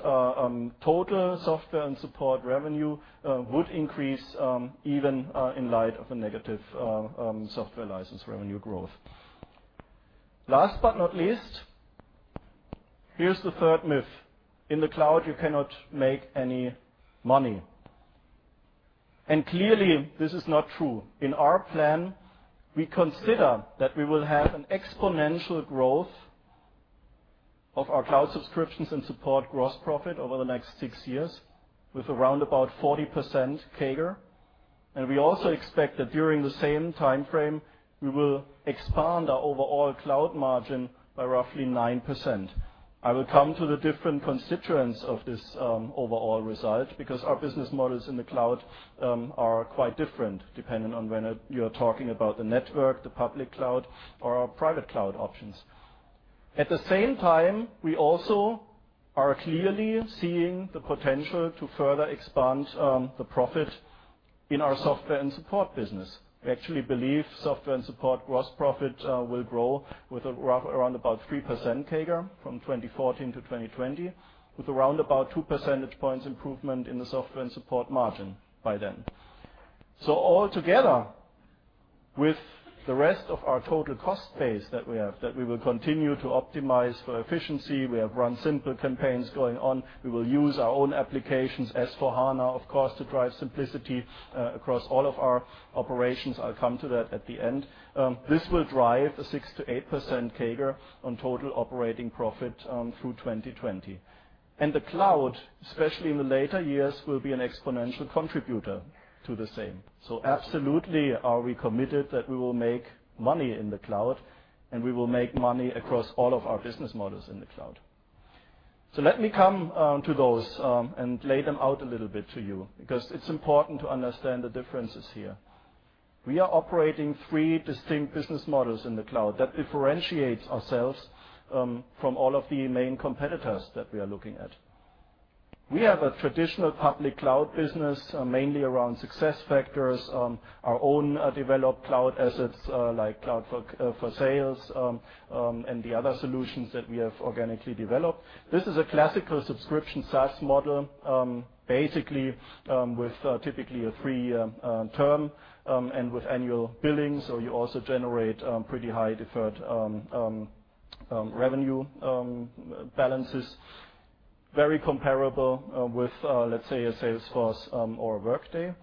total software and support revenue would increase, even in light of a negative software license revenue growth. Last but not least, here's the third myth. In the cloud, you cannot make any money. Clearly, this is not true. In our plan, we consider that we will have an exponential growth of our cloud subscriptions and support gross profit over the next six years, with around about 40% CAGR. We also expect that during the same time frame, we will expand our overall cloud margin by roughly 9%. I will come to the different constituents of this overall result because our business models in the cloud are quite different, depending on whether you're talking about the network, the public cloud, or our private cloud options. At the same time, we also are clearly seeing the potential to further expand the profit in our software and support business. We actually believe software and support gross profit will grow with around about 3% CAGR from 2014-2020, with around about two percentage points improvement in the software and support margin by then. Altogether, with the rest of our total cost base that we have, that we will continue to optimize for efficiency. We have Run Simple campaigns going on. We will use our own applications, SAP S/4HANA, of course, to drive simplicity across all of our operations. I'll come to that at the end. This will drive a 6%-8% CAGR on total operating profit through 2020. The cloud, especially in the later years, will be an exponential contributor to the same. Absolutely are we committed that we will make money in the cloud, and we will make money across all of our business models in the cloud. Let me come to those and lay them out a little bit to you because it's important to understand the differences here. We are operating three distinct business models in the cloud that differentiates ourselves from all of the main competitors that we are looking at. We have a traditional public cloud business, mainly around SuccessFactors, our own developed cloud assets like SAP Cloud for Sales, and the other solutions that we have organically developed. This is a classical subscription SaaS model, basically with typically a three-year term, and with annual billing, you also generate pretty high deferred revenue balances. Very comparable with, let's say, a Salesforce or a Workday.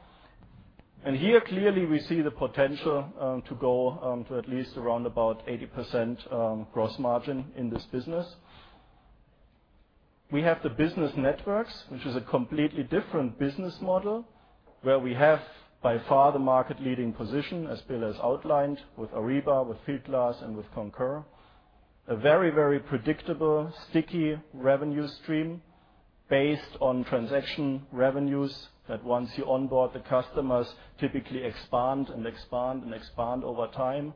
Here, clearly, we see the potential to go to at least around about 80% gross margin in this business. We have the business networks, which is a completely different business model, where we have by far the market leading position, as Bill has outlined, with Ariba, with Fieldglass, and with Concur. A very predictable, sticky revenue stream based on transaction revenues that, once you onboard the customers, typically expand over time.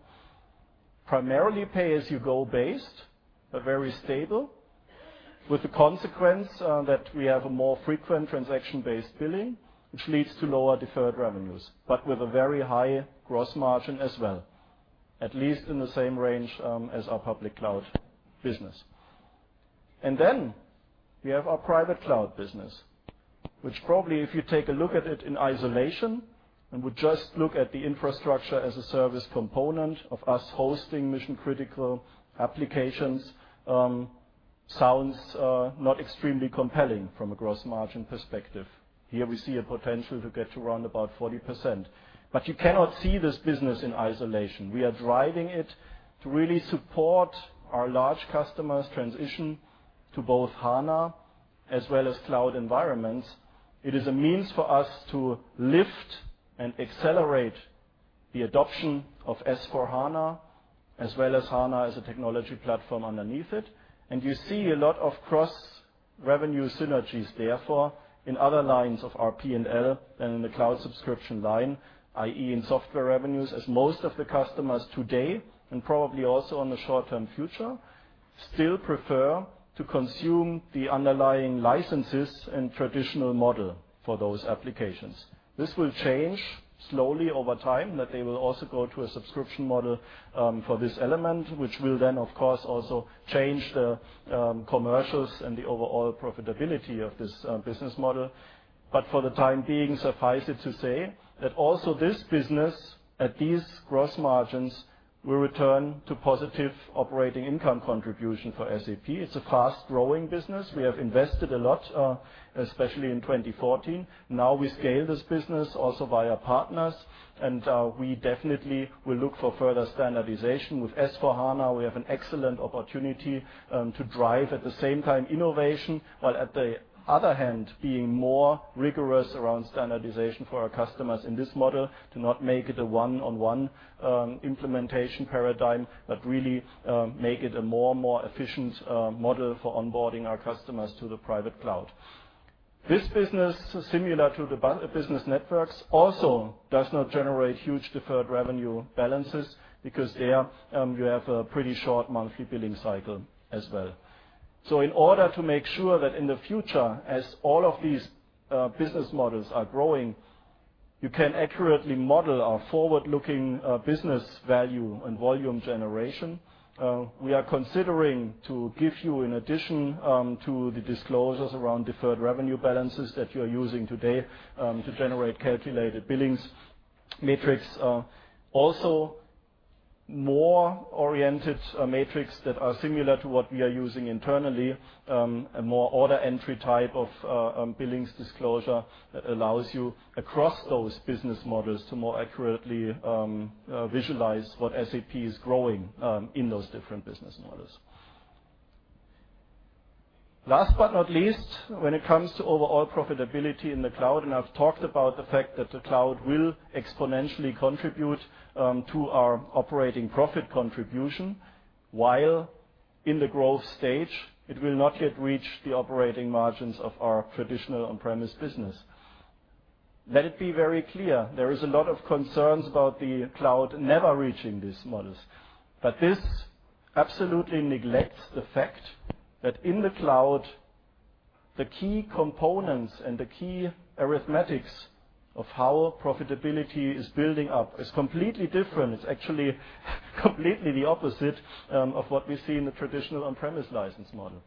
Primarily pay-as-you-go based, but very stable, with the consequence that we have a more frequent transaction-based billing, which leads to lower deferred revenues, but with a very high gross margin as well, at least in the same range as our public cloud business. We have our private cloud business, which probably, if you take a look at it in isolation and would just look at the infrastructure as a service component of us hosting mission-critical applications, sounds not extremely compelling from a gross margin perspective. Here we see a potential to get to around about 40%. You cannot see this business in isolation. We are driving it to really support our large customers transition to both SAP HANA as well as cloud environments. It is a means for us to lift and accelerate the adoption of SAP S/4HANA, as well as SAP HANA as a technology platform underneath it. You see a lot of cross-revenue synergies, therefore, in other lines of our P&L than in the cloud subscription line, i.e., in software revenues, as most of the customers today, and probably also in the short-term future, still prefer to consume the underlying licenses and traditional model for those applications. This will change slowly over time, that they will also go to a subscription model for this element, which will then, of course, also change the commercials and the overall profitability of this business model. For the time being, suffice it to say that also this business at these gross margins will return to positive operating income contribution for SAP. It's a fast-growing business. We have invested a lot, especially in 2014. Now we scale this business also via partners, and we definitely will look for further standardization. With SAP S/4HANA, we have an excellent opportunity to drive, at the same time, innovation, while at the other hand, being more rigorous around standardization for our customers in this model to not make it a one-on-one implementation paradigm, but really make it a more efficient model for onboarding our customers to the private cloud. This business, similar to the business networks, also does not generate huge deferred revenue balances because there you have a pretty short monthly billing cycle as well. In order to make sure that in the future, as all of these business models are growing, you can accurately model our forward-looking business value and volume generation. We are considering to give you, in addition to the disclosures around deferred revenue balances that you're using today to generate calculated billings metrics, also more oriented metrics that are similar to what we are using internally, a more order entry type of billings disclosure that allows you, across those business models, to more accurately visualize what SAP is growing in those different business models. Last but not least, when it comes to overall profitability in the cloud, and I've talked about the fact that the cloud will exponentially contribute to our operating profit contribution while in the growth stage, it will not yet reach the operating margins of our traditional on-premise business. Let it be very clear, there is a lot of concerns about the cloud never reaching these models. This absolutely neglects the fact that in the cloud, the key components and the key arithmetics of how profitability is building up is completely different. It's actually completely the opposite of what we see in the traditional on-premise license model.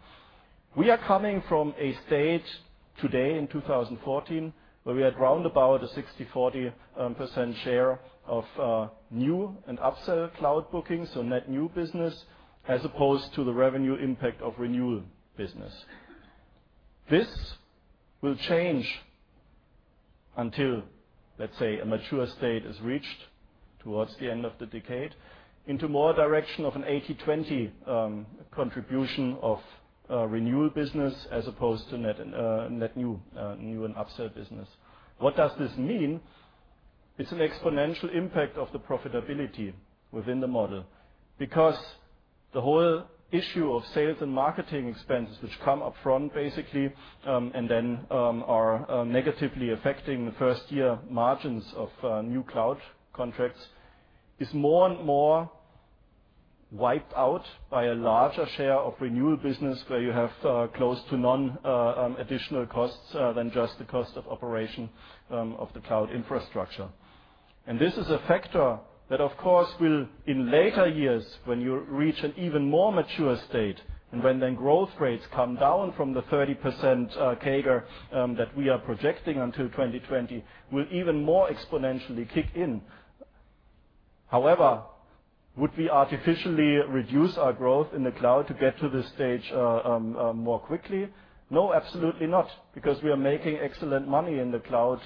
We are coming from a stage today in 2014, where we had roundabout a 60/40% share of new and upsell cloud bookings or net new business as opposed to the revenue impact of renewal business. This will change until, let's say, a mature state is reached towards the end of the decade into more direction of an 80/20 contribution of renewal business as opposed to net new and upsell business. What does this mean? It's an exponential impact of the profitability within the model. The whole issue of sales and marketing expenses, which come up front, basically, and then are negatively affecting the first-year margins of new cloud contracts, is more and more wiped out by a larger share of renewal business where you have close to none additional costs than just the cost of operation of the cloud infrastructure. This is a factor that, of course, will in later years, when you reach an even more mature state and when then growth rates come down from the 30% CAGR that we are projecting until 2020, will even more exponentially kick in. Would we artificially reduce our growth in the cloud to get to this stage more quickly? No, absolutely not, because we are making excellent money in the cloud,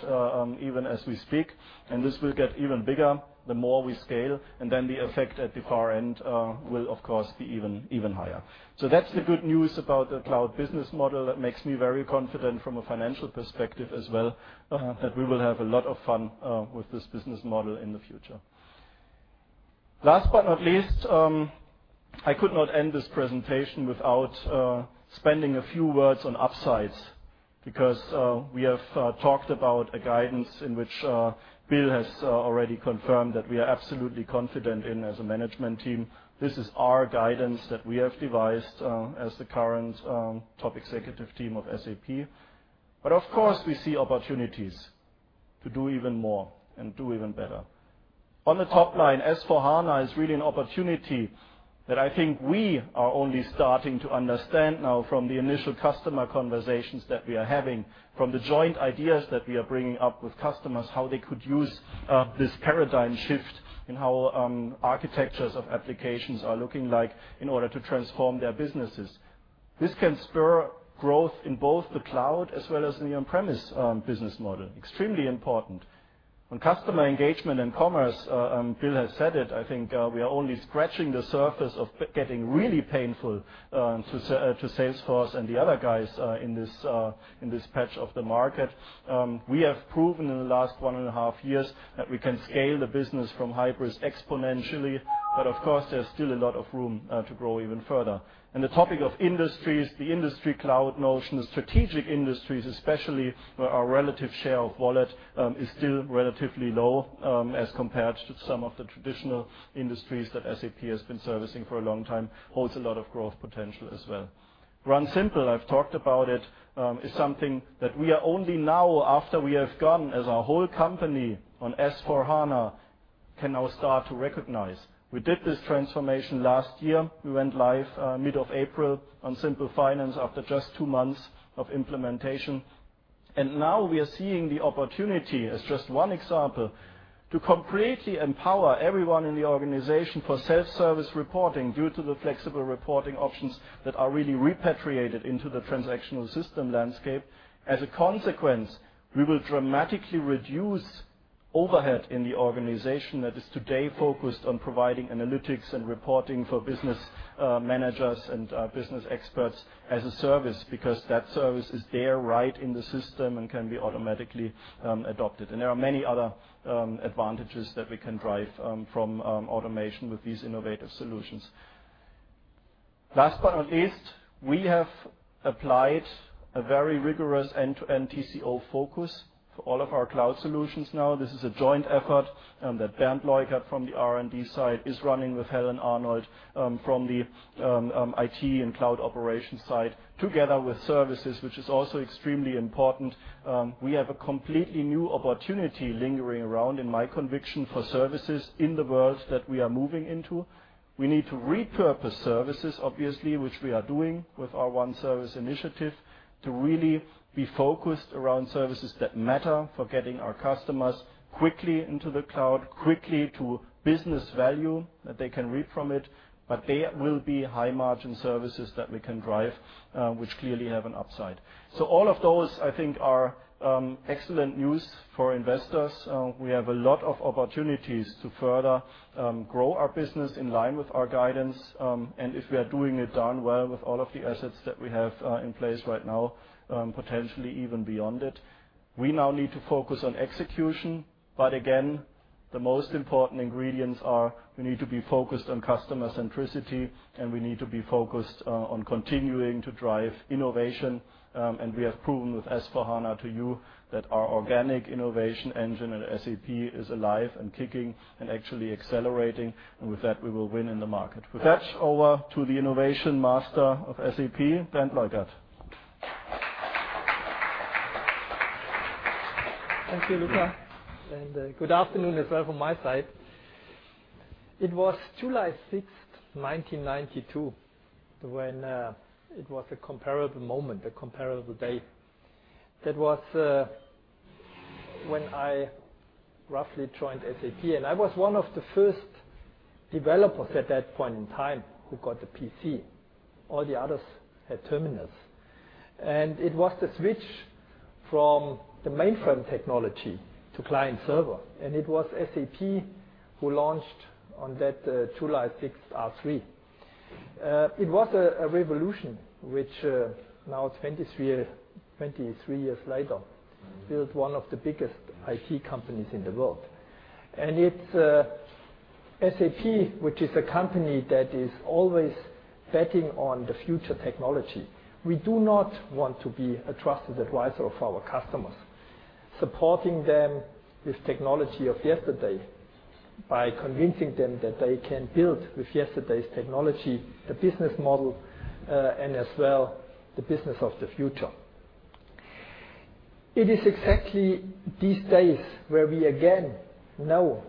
even as we speak, and this will get even bigger the more we scale, and then the effect at the far end will, of course, be even higher. That's the good news about the cloud business model that makes me very confident from a financial perspective as well, that we will have a lot of fun with this business model in the future. Last but not least, I could not end this presentation without spending a few words on upsides because we have talked about a guidance in which Bill has already confirmed that we are absolutely confident in as a management team. This is our guidance that we have devised as the current top executive team of SAP. Of course, we see opportunities to do even more and do even better. On the top line, S/4HANA is really an opportunity that I think we are only starting to understand now from the initial customer conversations that we are having, from the joint ideas that we are bringing up with customers, how they could use this paradigm shift in how architectures of applications are looking like in order to transform their businesses. This can spur growth in both the cloud as well as in the on-premise business model. Extremely important. On customer engagement and commerce, Bill has said it, I think we are only scratching the surface of getting really painful to Salesforce and the other guys in this patch of the market. We have proven in the last one and a half years that we can scale the business from Hybris exponentially. Of course, there's still a lot of room to grow even further. The topic of industries, the industry cloud notion, the strategic industries, especially where our relative share of wallet is still relatively low, as compared to some of the traditional industries that SAP has been servicing for a long time, holds a lot of growth potential as well. Run Simple, I've talked about it, is something that we are only now, after we have gone as a whole company on S/4HANA, can now start to recognize. We did this transformation last year. We went live mid of April on Simple Finance after just two months of implementation. Now we are seeing the opportunity, as just one example, to completely empower everyone in the organization for self-service reporting due to the flexible reporting options that are really repatriated into the transactional system landscape. As a consequence, we will dramatically reduce overhead in the organization that is today focused on providing analytics and reporting for business managers and business experts as a service because that service is there right in the system and can be automatically adopted. There are many other advantages that we can drive from automation with these innovative solutions. Last but not least, we have applied a very rigorous end-to-end TCO focus for all of our cloud solutions now. This is a joint effort that Bernd Leukert from the R&D side is running with Helen Arnold from the IT and cloud operations side, together with services, which is also extremely important. We have a completely new opportunity lingering around, in my conviction, for services in the world that we are moving into. We need to repurpose services, obviously, which we are doing with our One Service initiative, to really be focused around services that matter for getting our customers quickly into the cloud, quickly to business value that they can reap from it. They will be high-margin services that we can drive, which clearly have an upside. All of those, I think, are excellent news for investors. We have a lot of opportunities to further grow our business in line with our guidance. If we are doing it darn well with all of the assets that we have in place right now, potentially even beyond it. We now need to focus on execution. Again, the most important ingredients are we need to be focused on customer centricity, and we need to be focused on continuing to drive innovation. We have proven with S/4HANA to you that our organic innovation engine at SAP is alive and kicking and actually accelerating. With that, we will win in the market. With that, over to the innovation master of SAP, Bernd Leukert. Thank you, Luka. Good afternoon as well from my side. It was July 6th, 1992, when it was a comparable moment, a comparable day. That was when I roughly joined SAP, and I was one of the first developers at that point in time who got the PC. All the others had terminals. It was the switch from the mainframe technology to client-server, and it was SAP who launched on that July 6th, R3. It was a revolution, which now 23 years later, built one of the biggest IT companies in the world. It's SAP, which is a company that is always betting on the future technology. We do not want to be a trusted advisor of our customers, supporting them with technology of yesterday by convincing them that they can build with yesterday's technology, the business model, and as well the business of the future. It is exactly these days where we again know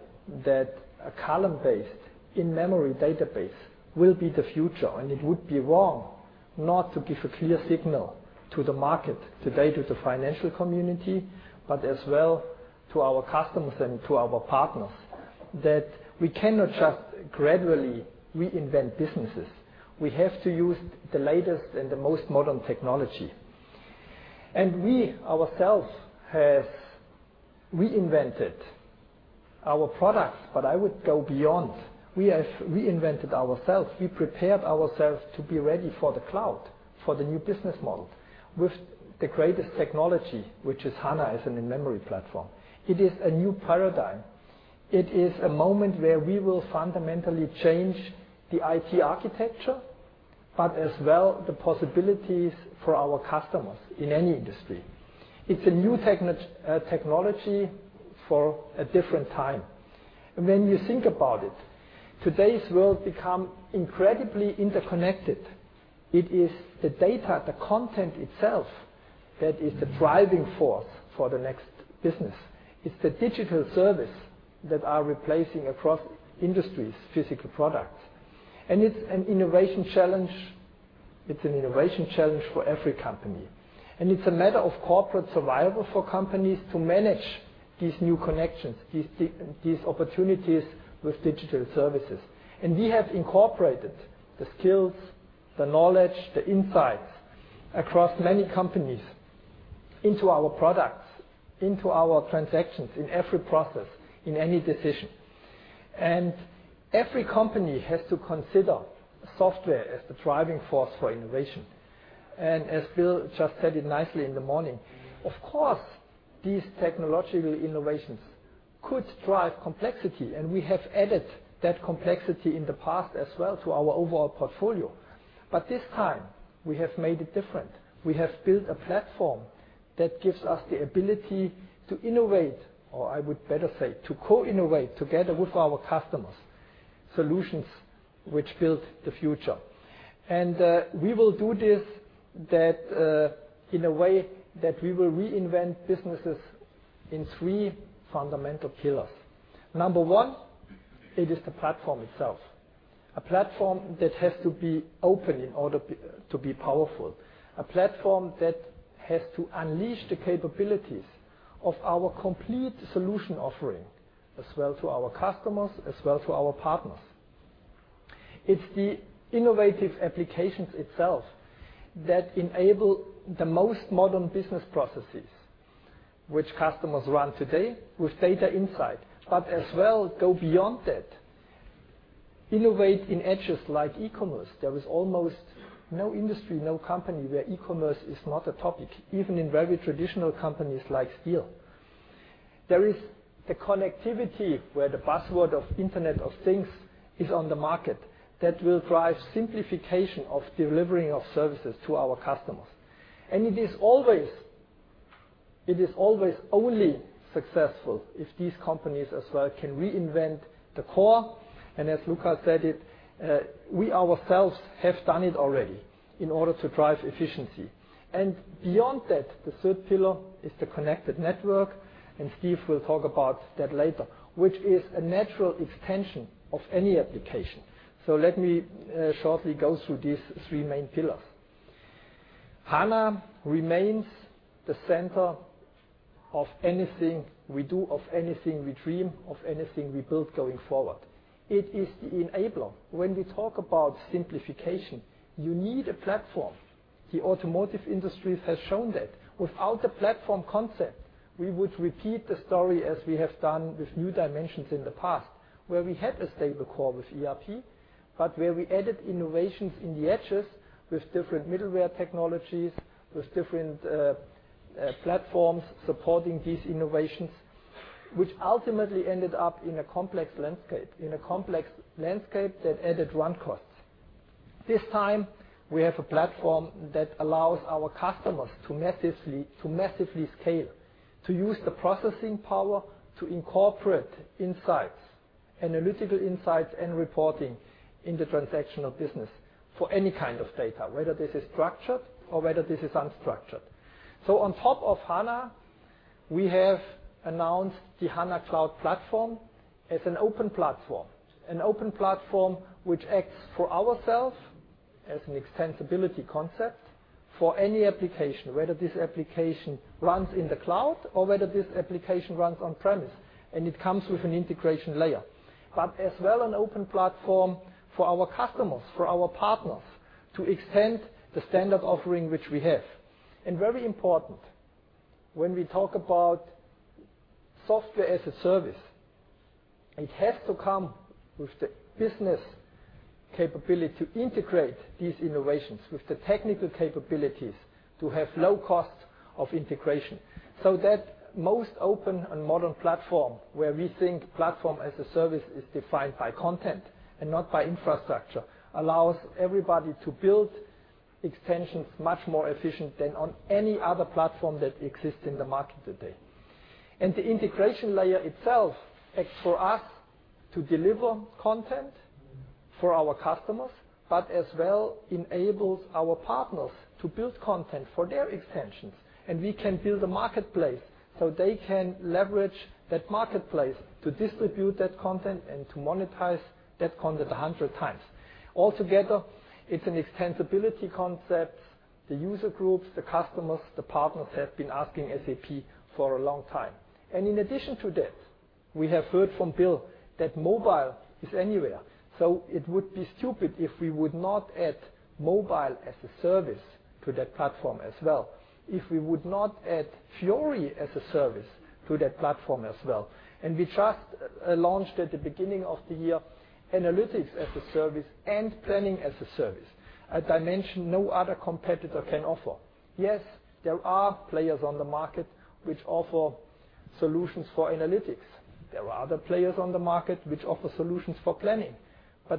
that a column-based in-memory database will be the future, and it would be wrong not to give a clear signal to the market, today to the financial community, but as well to our customers and to our partners, that we cannot just gradually reinvent businesses. We have to use the latest and the most modern technology. We ourselves have reinvented our products, but I would go beyond. We have reinvented ourselves. We prepared ourselves to be ready for the cloud, for the new business model with the greatest technology, which is HANA as an in-memory platform. It is a new paradigm. It is a moment where we will fundamentally change the IT architecture, but as well the possibilities for our customers in any industry. It's a new technology for a different time. When you think about it, today's world become incredibly interconnected. It is the data, the content itself, that is the driving force for the next business. It's the digital service that are replacing across industries, physical products. It's an innovation challenge for every company. It's a matter of corporate survival for companies to manage these new connections, these opportunities with digital services. We have incorporated the skills, the knowledge, the insights across many companies into our products, into our transactions, in every process, in any decision. Every company has to consider software as the driving force for innovation. As Bill just said it nicely in the morning, of course, these technological innovations could drive complexity, and we have added that complexity in the past as well to our overall portfolio. This time, we have made it different. We have built a platform that gives us the ability to innovate, or I would better say, to co-innovate together with our customers, solutions which build the future. We will do this in a way that we will reinvent businesses in three fundamental pillars. Number one, it is the platform itself, a platform that has to be open in order to be powerful. A platform that has to unleash the capabilities of our complete solution offering, as well to our customers, as well to our partners. It's the innovative applications itself that enable the most modern business processes, which customers run today with data insight, but as well go beyond that. Innovate in edges like e-commerce. There is almost no industry, no company, where e-commerce is not a topic, even in very traditional companies like steel. There is the connectivity where the buzzword of Internet of Things is on the market that will drive simplification of delivering of services to our customers. It is always only successful if these companies as well can reinvent the core. As Luka said it, we ourselves have done it already in order to drive efficiency. Beyond that, the third pillar is the connected network, and Steve will talk about that later, which is a natural extension of any application. Let me shortly go through these three main pillars. HANA remains the center of anything we do, of anything we dream, of anything we build going forward. It is the enabler. When we talk about simplification, you need a platform. The automotive industry has shown that. Without a platform concept, we would repeat the story as we have done with new dimensions in the past, where we had a stable core with ERP, but where we added innovations in the edges with different middleware technologies, with different platforms supporting these innovations, which ultimately ended up in a complex landscape that added run costs. This time, we have a platform that allows our customers to massively scale, to use the processing power to incorporate insights, analytical insights and reporting in the transactional business for any kind of data, whether this is structured or whether this is unstructured. On top of HANA, we have announced the HANA Cloud Platform as an open platform, an open platform which acts for ourselves as an extensibility concept for any application, whether this application runs in the cloud or whether this application runs on-premise, and it comes with an integration layer. As well an open platform for our customers, for our partners to extend the standard offering which we have. Very important, when we talk about software as a service, it has to come with the business capability to integrate these innovations with the technical capabilities to have low costs of integration. That most open and modern platform, where we think platform as a service is defined by content and not by infrastructure, allows everybody to build extensions much more efficient than on any other platform that exists in the market today. The integration layer itself acts for us to deliver content for our customers, but as well enables our partners to build content for their extensions. We can build a marketplace, so they can leverage that marketplace to distribute that content and to monetize that content 100 times. All together, it's an extensibility concept. The user groups, the customers, the partners have been asking SAP for a long time. In addition to that, we have heard from Bill that mobile is anywhere. It would be stupid if we would not add mobile as a service to that platform as well, if we would not add SAP Fiori as a service to that platform as well. We just launched at the beginning of the year, analytics as a service and planning as a service. A dimension no other competitor can offer. There are players on the market which offer solutions for analytics. There are other players on the market which offer solutions for planning.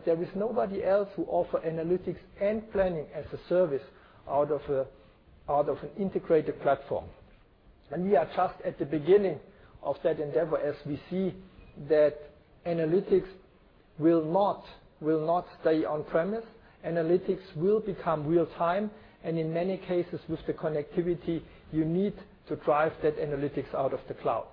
There is nobody else who offer analytics and planning as a service out of an integrated platform. We are just at the beginning of that endeavor, as we see that analytics will not stay on-premise. Analytics will become real-time, in many cases, with the connectivity you need to drive that analytics out of the cloud.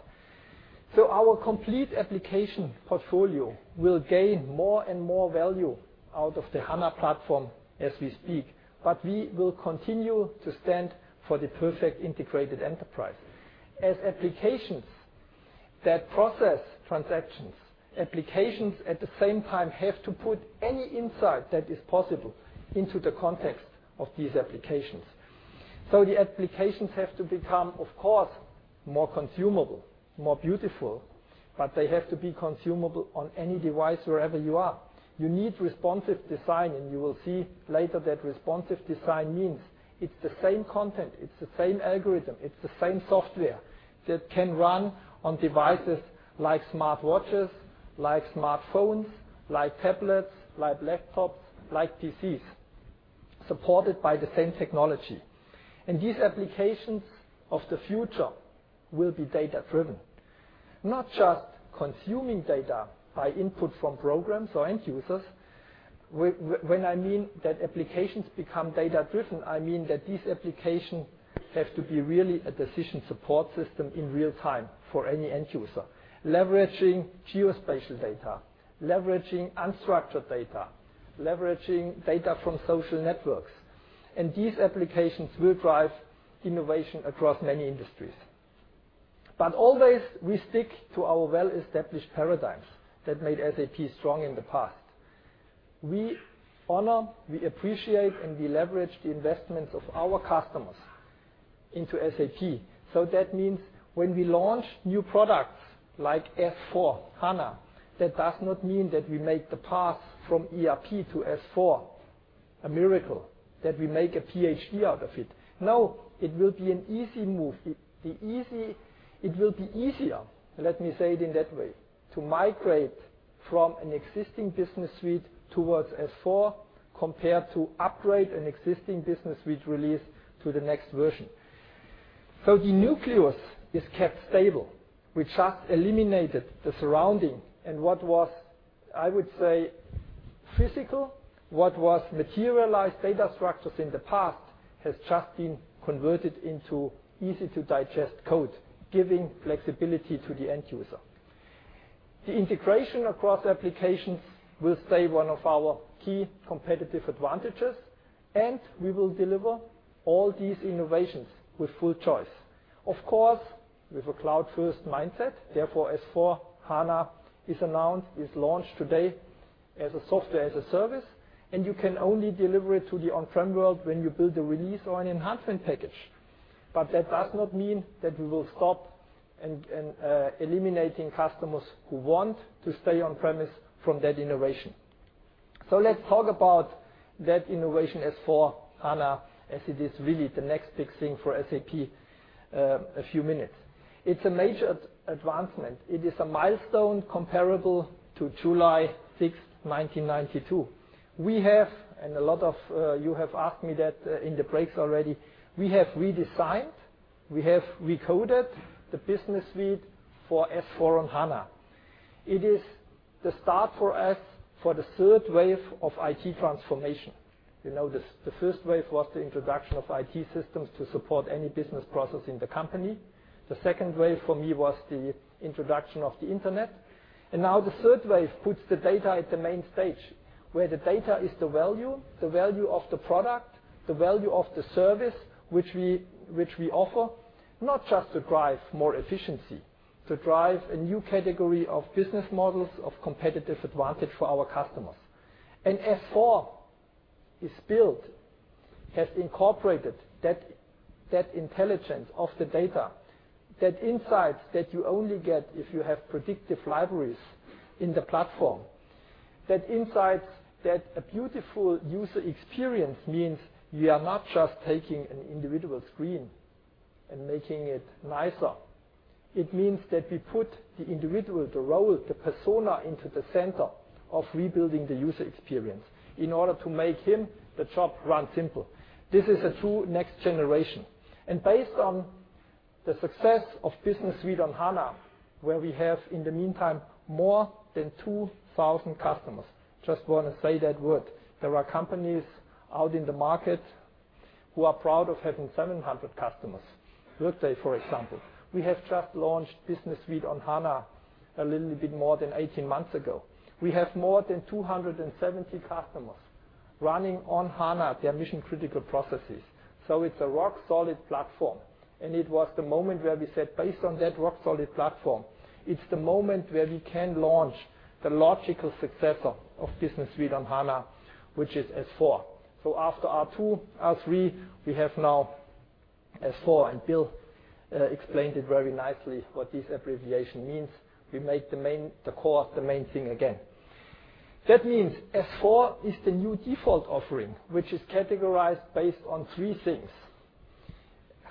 Our complete application portfolio will gain more and more value out of the SAP HANA platform as we speak, but we will continue to stand for the perfect integrated enterprise. Applications that process transactions, applications at the same time have to put any insight that is possible into the context of these applications. The applications have to become, of course, more consumable, more beautiful, but they have to be consumable on any device wherever you are. You need responsive design, you will see later that responsive design means it's the same content, it's the same algorithm, it's the same software that can run on devices like smartwatches, like smartphones, like tablets, like laptops, like PCs, supported by the same technology. These applications of the future will be data-driven, not just consuming data by input from programs or end users. When I mean that applications become data-driven, I mean that these applications have to be really a decision support system in real-time for any end user, leveraging geospatial data, leveraging unstructured data, leveraging data from social networks. These applications will drive innovation across many industries. Always, we stick to our well-established paradigms that made SAP strong in the past. We honor, we appreciate, and we leverage the investments of our customers into SAP. That means when we launch new products like SAP S/4HANA, that does not mean that we make the path from ERP to S/4. A miracle that we make a Ph.D. out of it. No, it will be an easy move. It will be easier, let me say it in that way, to migrate from an existing SAP Business Suite towards S/4 compared to upgrade an existing SAP Business Suite release to the next version. The nucleus is kept stable. We just eliminated the surrounding and what was, I would say, physical, what was materialized data structures in the past, has just been converted into easy-to-digest code, giving flexibility to the end user. The integration across applications will stay one of our key competitive advantages, we will deliver all these innovations with full choice. Of course, with a cloud-first mindset, therefore, SAP S/4HANA is announced, is launched today as a software as a service, you can only deliver it to the on-prem world when you build a release or an enhancement package. That does not mean that we will stop in eliminating customers who want to stay on-premise from that innovation. Let's talk about that innovation S/4HANA as it is really the next big thing for SAP, a few minutes. It is a major advancement. It is a milestone comparable to July 6th, 1992. We have, and a lot of you have asked me that in the breaks already, we have redesigned, we have recoded the Business Suite for S/4 on HANA. It is the start for us for the third wave of IT transformation. You know, the first wave was the introduction of IT systems to support any business process in the company. The second wave for me was the introduction of the internet. Now the third wave puts the data at the main stage, where the data is the value, the value of the product, the value of the service, which we offer. Not just to drive more efficiency, to drive a new category of business models of competitive advantage for our customers. S/4 is built, has incorporated that intelligence of the data, that insight that you only get if you have predictive libraries in the platform. That insight that a beautiful user experience means we are not just taking an individual screen and making it nicer. It means that we put the individual, the role, the persona into the center of rebuilding the user experience in order to make him the job run simple. This is a true next generation. Based on the success of Business Suite on HANA, where we have, in the meantime, more than 2,000 customers. Just want to say that word. There are companies out in the market who are proud of having 700 customers. Workday, for example. We have just launched Business Suite on HANA a little bit more than 18 months ago. We have more than 270 customers running on HANA their mission-critical processes. It is a rock-solid platform. It was the moment where we said, based on that rock-solid platform, it is the moment where we can launch the logical successor of Business Suite on HANA, which is S/4. After R/2, R/3, we have now S/4, and Bill explained it very nicely what this abbreviation means. We make the main, the core, the main thing again. That means S/4 is the new default offering, which is categorized based on three things.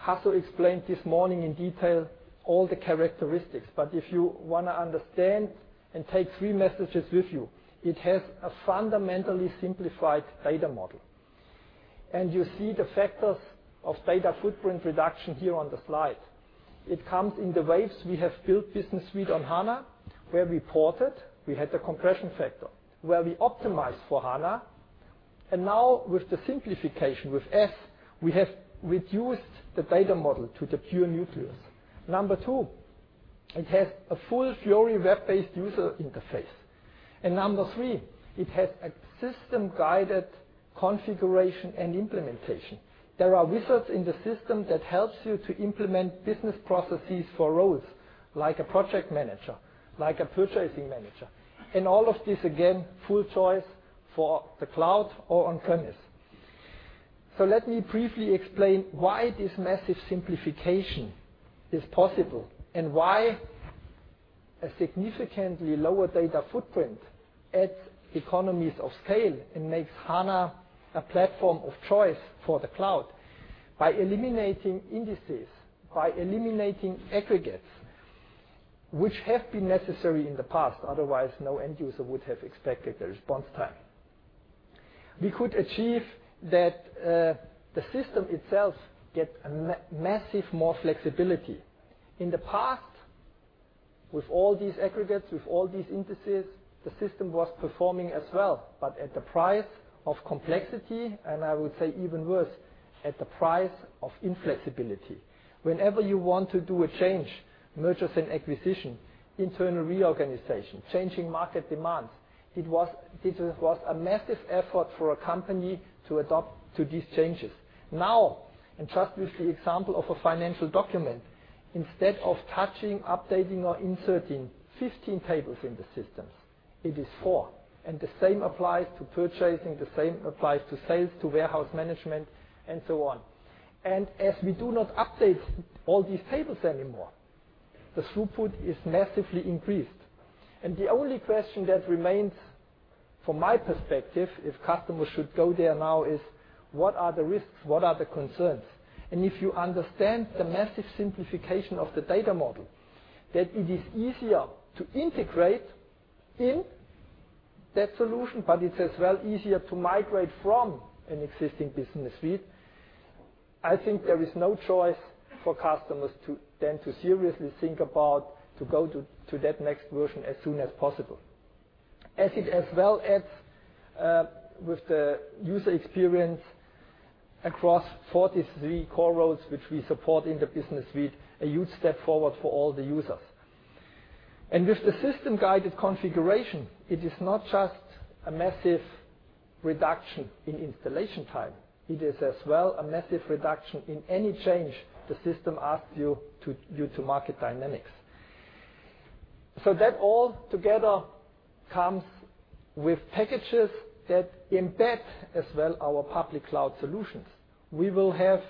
Hasso explained this morning in detail all the characteristics, if you want to understand and take three messages with you, it has a fundamentally simplified data model. You see the factors of data footprint reduction here on the slide. It comes in the waves we have built Business Suite on HANA, where we ported, we had the compression factor, where we optimized for HANA. Now with the simplification, with S, we have reduced the data model to the pure nucleus. Number two, it has a full Fiori web-based user interface. Number three, it has a system-guided configuration and implementation. There are wizards in the system that helps you to implement business processes for roles like a project manager, like a purchasing manager. All of this, again, full choice for the cloud or on-premise. Let me briefly explain why this massive simplification is possible and why a significantly lower data footprint adds economies of scale and makes HANA a platform of choice for the cloud. By eliminating indices, by eliminating aggregates, which have been necessary in the past, otherwise, no end user would have expected a response time. We could achieve that the system itself get massive more flexibility. In the past, with all these aggregates, with all these indices, the system was performing as well, but at the price of complexity, and I would say even worse, at the price of inflexibility. Whenever you want to do a change, mergers and acquisition, internal reorganization, changing market demands, it was a massive effort for a company to adapt to these changes. Now, just with the example of a financial document, instead of touching, updating, or inserting 15 tables in the systems, it is four. The same applies to purchasing, the same applies to sales, to warehouse management, and so on. As we do not update all these tables anymore, the throughput is massively increased. The only question that remains from my perspective, if customers should go there now is, what are the risks? What are the concerns? If you understand the massive simplification of the data model, that it is easier to integrate in that solution, but it's as well easier to migrate from an existing Business Suite. I think there is no choice for customers than to seriously think about to go to that next version as soon as possible. As it as well adds with the user experience across 43 core roles, which we support in the Business Suite, a huge step forward for all the users. With the system-guided configuration, it is not just a massive reduction in installation time, it is as well a massive reduction in any change the system asks you due to market dynamics. That all together comes with packages that embed as well our public cloud solutions. We will have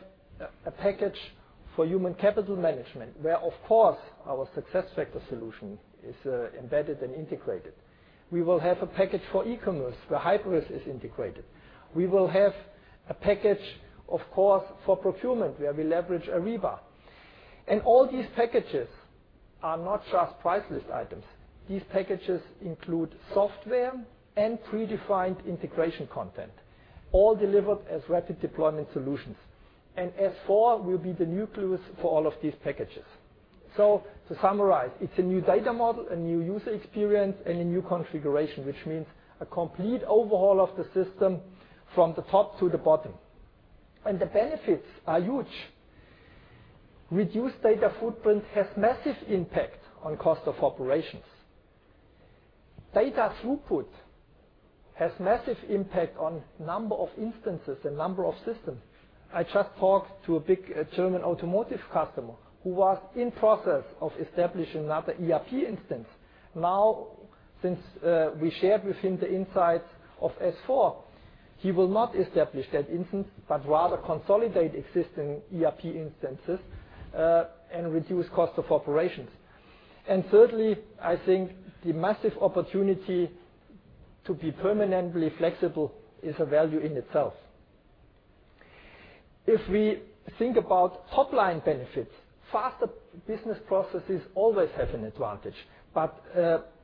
a package for human capital management, where, of course, our SuccessFactors solution is embedded and integrated. We will have a package for e-commerce, where Hybris is integrated. We will have a package, of course, for procurement, where we leverage Ariba. All these packages are not just pricelist items. These packages include software and predefined integration content, all delivered as Rapid Deployment Solutions. S/4 will be the nucleus for all of these packages. To summarize, it's a new data model, a new user experience, and a new configuration, which means a complete overhaul of the system from the top to the bottom. The benefits are huge. Reduced data footprint has massive impact on cost of operations. Data throughput has massive impact on number of instances and number of systems. I just talked to a big German automotive customer who was in process of establishing another ERP instance. Now, since we shared with him the insights of S/4, he will not establish that instance, but rather consolidate existing ERP instances, and reduce cost of operations. Thirdly, I think the massive opportunity to be permanently flexible is a value in itself. If we think about top-line benefits, faster business processes always have an advantage.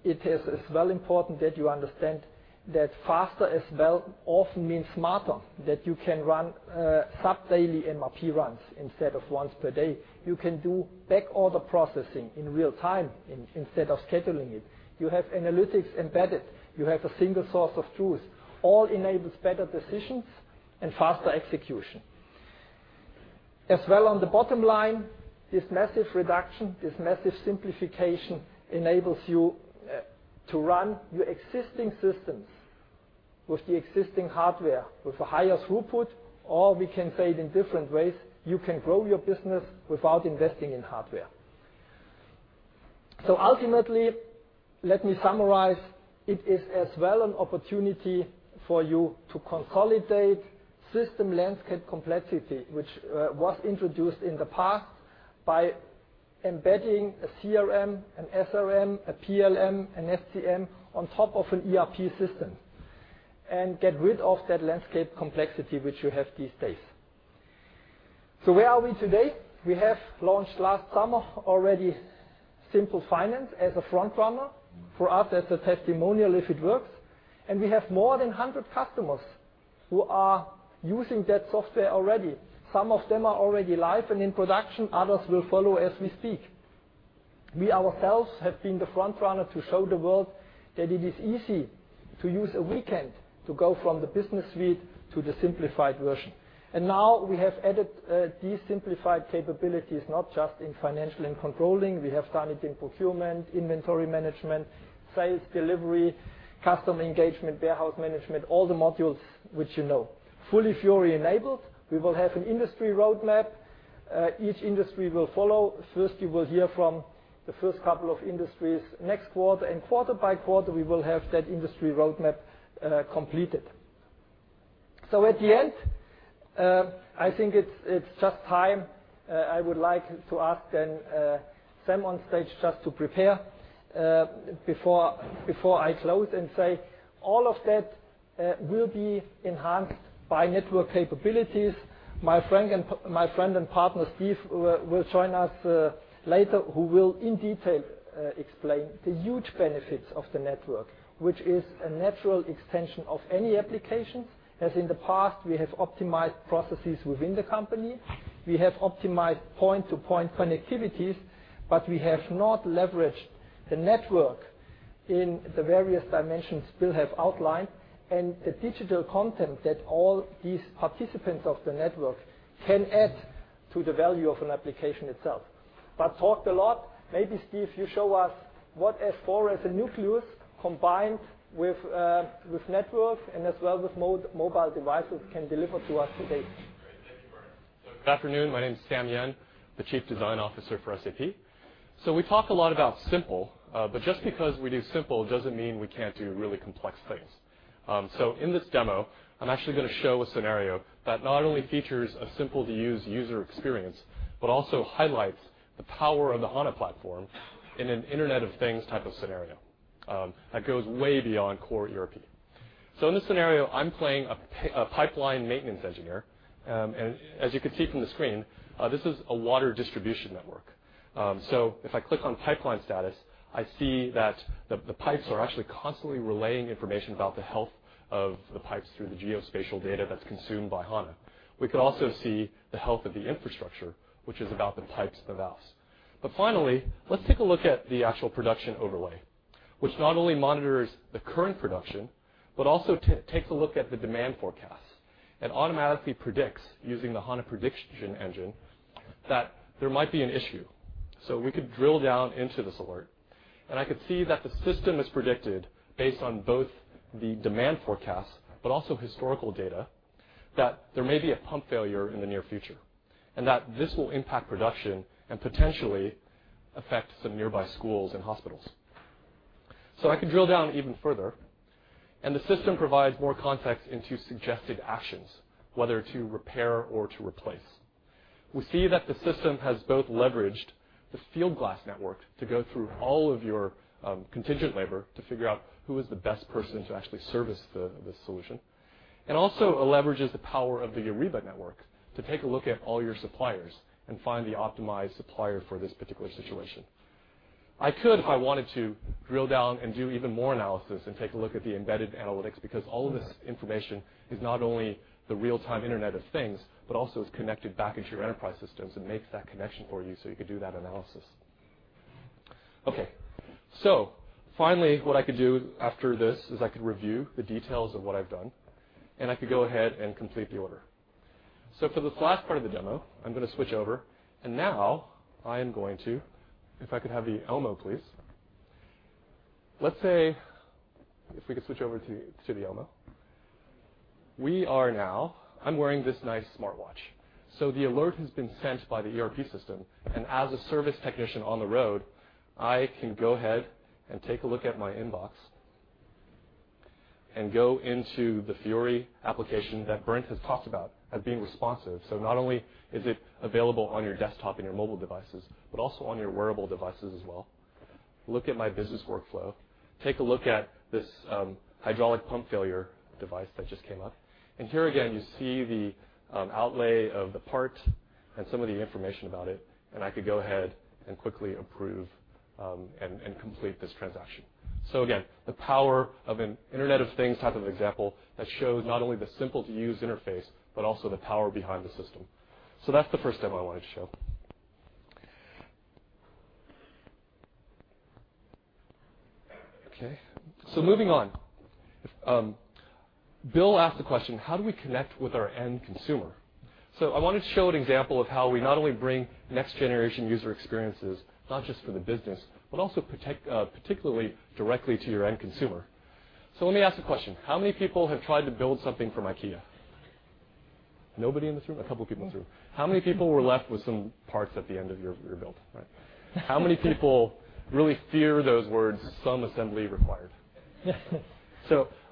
It is as well important that you understand that faster as well often means smarter, that you can run sub-daily MRP runs instead of once per day. You can do back-order processing in real time instead of scheduling it. You have analytics embedded. You have a single source of truth. All enables better decisions and faster execution. As well on the bottom line, this massive reduction, this massive simplification enables you to run your existing systems with the existing hardware with a higher throughput, or we can say it in different ways, you can grow your business without investing in hardware. Ultimately, let me summarize, it is as well an opportunity for you to consolidate system landscape complexity, which was introduced in the past by embedding a CRM, an SRM, a PLM, an SCM on top of an ERP system, and get rid of that landscape complexity which you have these days. Where are we today? We have launched last summer, already Simple Finance as a front runner for us as a testimonial if it works. We have more than 100 customers who are using that software already. Some of them are already live and in production. Others will follow as we speak. We ourselves have been the front runner to show the world that it is easy to use a weekend to go from the Business Suite to the simplified version. Now we have added these simplified capabilities, not just in financial and controlling. We have started in procurement, inventory management, sales, delivery, customer engagement, warehouse management, all the modules which you know. Fully Fiori enabled. We will have an industry roadmap. Each industry will follow. First, you will hear from the first couple of industries next quarter. Quarter by quarter, we will have that industry roadmap completed. At the end, I think it's just time. I would like to ask then Sam on stage just to prepare before I close and say all of that will be enhanced by network capabilities. My friend and partner, Steve, will join us later, who will in detail explain the huge benefits of the network, which is a natural extension of any application. As in the past, we have optimized processes within the company. We have optimized point-to-point connectivities, but we have not leveraged the network in the various dimensions Bill have outlined, and the digital content that all these participants of the network can add to the value of an application itself. Talked a lot. Maybe, Steve, you show us what S/4 as a nucleus combined with network and as well with mobile devices can deliver to us today. Great. Thank you, Bernd. Good afternoon. My name is Sam Yen, the Chief Design Officer for SAP. We talk a lot about simple. But just because we do simple doesn't mean we can't do really complex things. In this demo, I'm actually gonna show a scenario that not only features a simple to use user experience, but also highlights the power of the HANA platform in an Internet of Things type of scenario. That goes way beyond core ERP. In this scenario, I'm playing a pipeline maintenance engineer. As you can see from the screen, this is a water distribution network. If I click on pipeline status, I see that the pipes are actually constantly relaying information about the health of the pipes through the geospatial data that's consumed by HANA. We could also see the health of the infrastructure, which is about the pipes and the valves. Finally, let's take a look at the actual production overlay. Which not only monitors the current production, but also takes a look at the demand forecast, and automatically predicts, using the HANA prediction engine, that there might be an issue. We could drill down into this alert. I could see that the system has predicted, based on both the demand forecast, but also historical data, that there may be a pump failure in the near future, and that this will impact production and potentially affect some nearby schools and hospitals. I can drill down even further, and the system provides more context into suggested actions, whether to repair or to replace. We see that the system has both leveraged the Fieldglass network to go through all of your contingent labor to figure out who is the best person to actually service the solution, and also leverages the power of the Ariba network to take a look at all your suppliers and find the optimized supplier for this particular situation. I could, if I wanted to, drill down and do even more analysis and take a look at the embedded analytics because all of this information is not only the real-time Internet of Things, but also is connected back into your enterprise systems and makes that connection for you so you could do that analysis. Okay. Finally, what I could do after this is I could review the details of what I've done, and I could go ahead and complete the order. For this last part of the demo, I'm going to switch over, and now I am going to, if I could have the ELMO, please. Let's say, if we could switch over to the ELMO. I'm wearing this nice smartwatch. The alert has been sent by the ERP system, and as a service technician on the road, I can go ahead and take a look at my inbox and go into the Fiori application that Bernd has talked about as being responsive. Not only is it available on your desktop and your mobile devices, but also on your wearable devices as well. Look at my business workflow. Take a look at this hydraulic pump failure device that just came up. Here again, you see the outlay of the part and some of the information about it, and I could go ahead and quickly approve and complete this transaction. Again, the power of an Internet of Things type of example that shows not only the simple-to-use interface, but also the power behind the system. That's the first demo I wanted to show. Okay. Moving on. Bill asked the question: How do we connect with our end consumer? I wanted to show an example of how we not only bring next generation user experiences, not just for the business, but also particularly directly to your end consumer. Let me ask a question. How many people have tried to build something from IKEA? Nobody in this room? A couple people in this room. How many people were left with some parts at the end of your build? Right. How many people really fear those words, "Some assembly required?"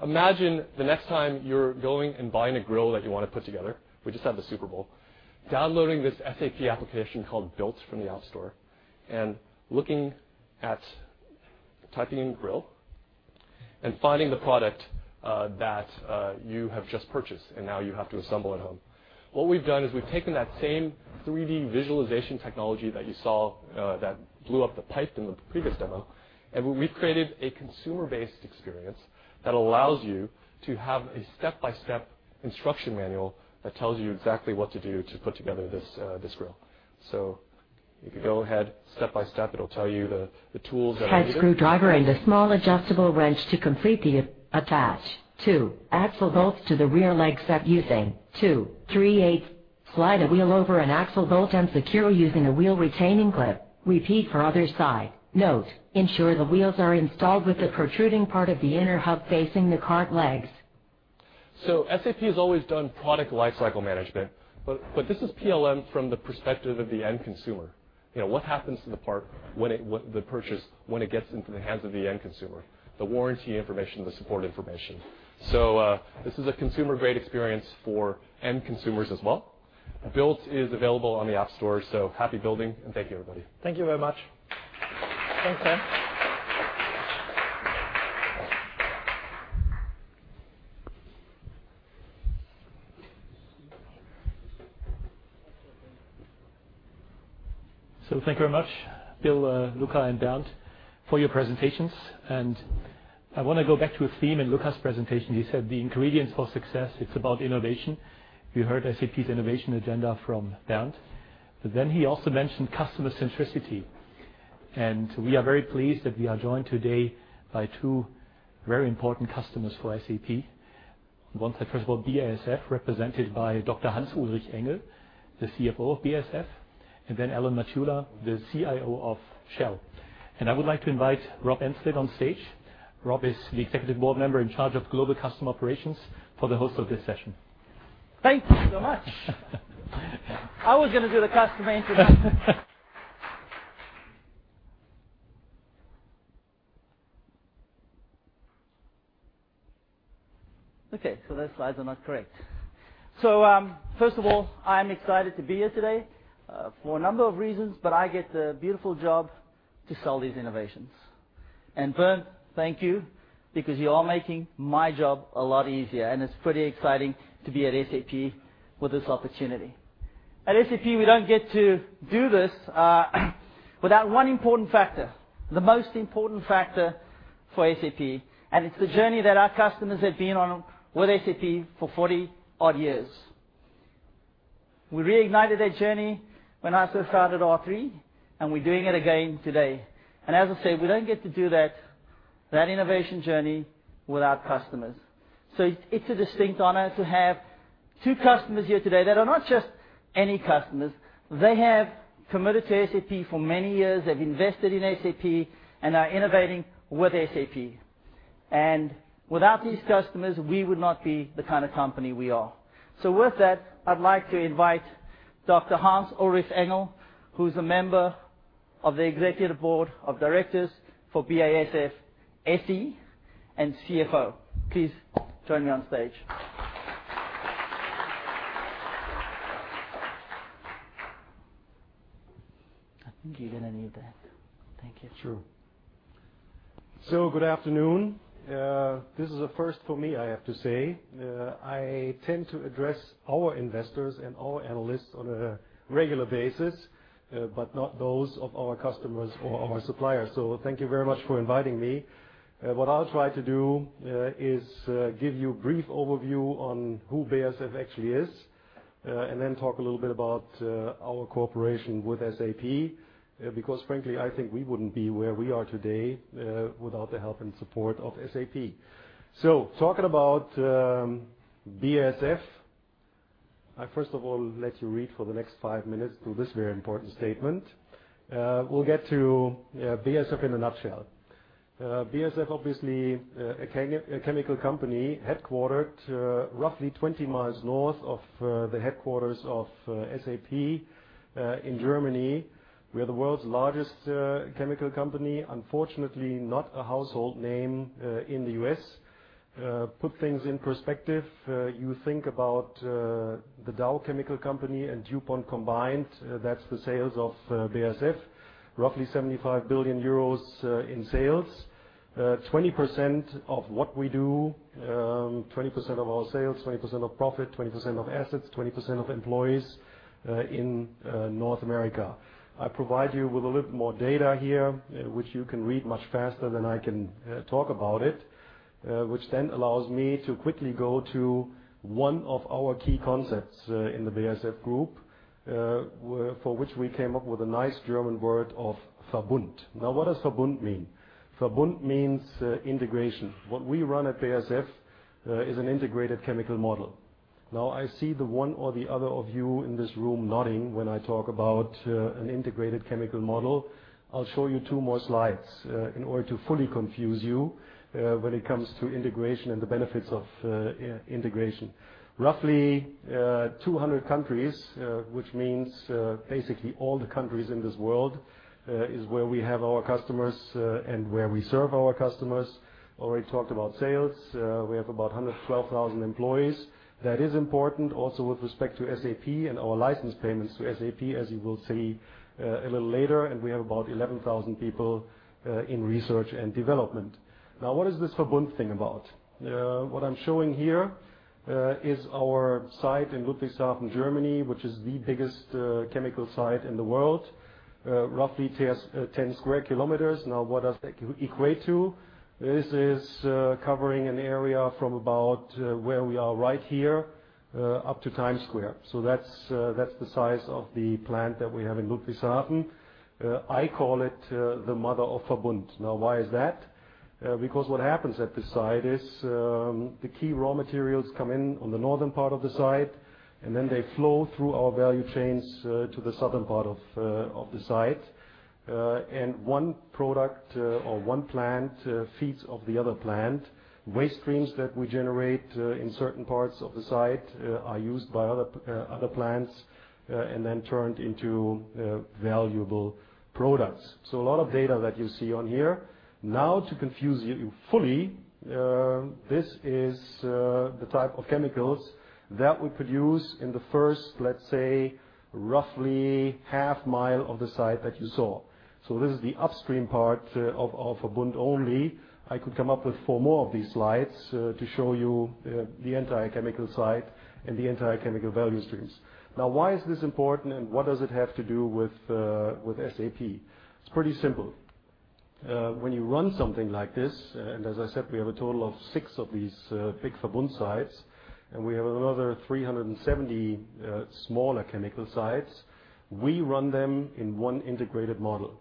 Imagine the next time you're going and buying a grill that you want to put together, we just had the Super Bowl, downloading this SAP application called BILT from the App Store, and looking at typing in grill and finding the product that you have just purchased and now you have to assemble at home. What we've done is we've taken that same 3D visualization technology that you saw that blew up the pipe in the previous demo, and we've created a consumer-based experience that allows you to have a step-by-step instruction manual that tells you exactly what to do to put together this grill. If you go ahead step by step, it'll tell you the tools that are needed. Head screwdriver and a small adjustable wrench to complete the. Attach two axle bolts to the rear leg set using two three-eighth. Slide a wheel over an axle bolt and secure using a wheel retaining clip. Repeat for other side. Note, ensure the wheels are installed with the protruding part of the inner hub facing the cart legs. SAP has always done product lifecycle management, but this is PLM from the perspective of the end consumer. What happens to the purchase when it gets into the hands of the end consumer? The warranty information, the support information. This is a consumer-grade experience for end consumers as well. BILT is available on the App Store, Happy building, and thank you, everybody. Thank you very much. Thanks, Sam. Thank you very much, Bill, Luka, and Bernd for your presentations. I want to go back to a theme in Luka's presentation. He said the ingredients for success, it's about innovation. You heard SAP's innovation agenda from Bernd. He also mentioned customer centricity. We are very pleased that we are joined today by two very important customers for SAP. First of all, BASF, represented by Dr. Hans-Ulrich Engel, the CFO of BASF, and Alan Matula, the CIO of Shell. I would like to invite Rob Enslin on stage. Rob is the Executive Board Member in charge of Global Customer Operations for the host of this session. Thank you so much. I was going to do the customer introduction. Okay, those slides are not correct. First of all, I'm excited to be here today for a number of reasons, but I get the beautiful job to sell these innovations. Bernd, thank you, because you are making my job a lot easier, and it's pretty exciting to be at SAP with this opportunity. At SAP, we don't get to do this without one important factor, the most important factor for SAP, and it's the journey that our customers have been on with SAP for 40-odd years. We reignited that journey when I first started SAP R/3, and we're doing it again today. As I said, we don't get to do that innovation journey without customers. It's a distinct honor to have two customers here today that are not just any customers. They have committed to SAP for many years, they've invested in SAP, and are innovating with SAP. Without these customers, we would not be the kind of company we are. With that, I'd like to invite Dr. Hans-Ulrich Engel, who's a Member of the Executive Board of Directors for BASF SE and CFO. Please join me on stage. I think you're going to need that. Thank you. Sure. Good afternoon. This is a first for me, I have to say. I tend to address our investors and our analysts on a regular basis, but not those of our customers or our suppliers, thank you very much for inviting me. What I'll try to do is give you a brief overview on who BASF actually is, talk a little bit about our cooperation with SAP, because frankly, I think we wouldn't be where we are today without the help and support of SAP. Talking about BASF, I first of all let you read for the next five minutes through this very important statement. We'll get to BASF in a nutshell. BASF, obviously, a chemical company headquartered roughly 20 miles north of the headquarters of SAP in Germany. We are the world's largest chemical company, unfortunately, not a household name in the U.S. Put things in perspective, you think about The Dow Chemical Company and DuPont combined, that's the sales of BASF, roughly 75 billion euros in sales. 20% of what we do, 20% of our sales, 20% of profit, 20% of assets, 20% of employees in North America. I provide you with a little more data here, which you can read much faster than I can talk about it, which then allows me to quickly go to one of our key concepts in the BASF Group, for which we came up with a nice German word of "Verbund." What does Verbund mean? Verbund means integration. What we run at BASF is an integrated chemical model. I see the one or the other of you in this room nodding when I talk about an integrated chemical model. I'll show you two more slides in order to fully confuse you when it comes to integration and the benefits of integration. Roughly 200 countries, which means basically all the countries in this world, is where we have our customers and where we serve our customers. Already talked about sales. We have about 112,000 employees. That is important also with respect to SAP and our license payments to SAP, as you will see a little later. We have about 11,000 people in research and development. What is this Verbund thing about? What I'm showing here is our site in Ludwigshafen, Germany, which is the biggest chemical site in the world. Roughly 10 square kilometers. What does that equate to? This is covering an area from about where we are right here up to Times Square. That's the size of the plant that we have in Ludwigshafen. I call it the mother of Verbund. Why is that? Because what happens at the site is the key raw materials come in on the northern part of the site, they flow through our value chains to the southern part of the site. One product or one plant feeds off the other plant. Waste streams that we generate in certain parts of the site are used by other plants, turned into valuable products. A lot of data that you see on here. To confuse you fully, this is the type of chemicals that we produce in the first, let's say, roughly half mile of the site that you saw. This is the upstream part of Verbund only. I could come up with four more of these slides to show you the entire chemical site and the entire chemical value streams. Why is this important and what does it have to do with SAP? It's pretty simple. When you run something like this, as I said, we have a total of six of these big Verbund sites, we have another 370 smaller chemical sites. We run them in one integrated model.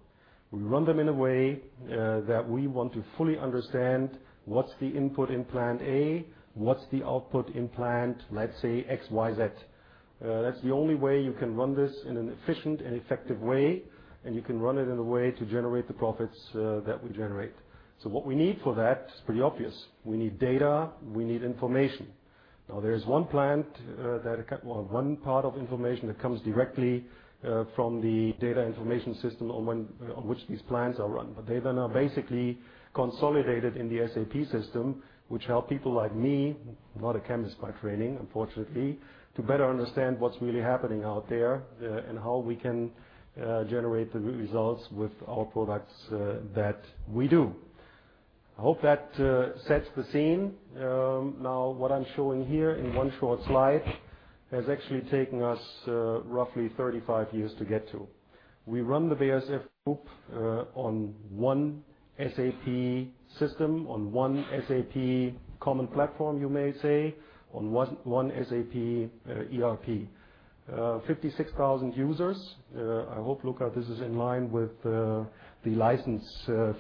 We run them in a way that we want to fully understand what's the input in plant A, what's the output in plant, let's say, XYZ. That's the only way you can run this in an efficient and effective way, you can run it in a way to generate the profits that we generate. What we need for that is pretty obvious. We need data, we need information. There is one plant that, well, one part of information that comes directly from the data information system on which these plants are run. They then are basically consolidated in the SAP system, which help people like me, not a chemist by training, unfortunately, to better understand what's really happening out there, and how we can generate the results with our products that we do. I hope that sets the scene. What I'm showing here in one short slide has actually taken us roughly 35 years to get to. We run the BASF group on one SAP system, on one SAP common platform, you may say, on one SAP ERP. 56,000 users. I hope, Luka, this is in line with the license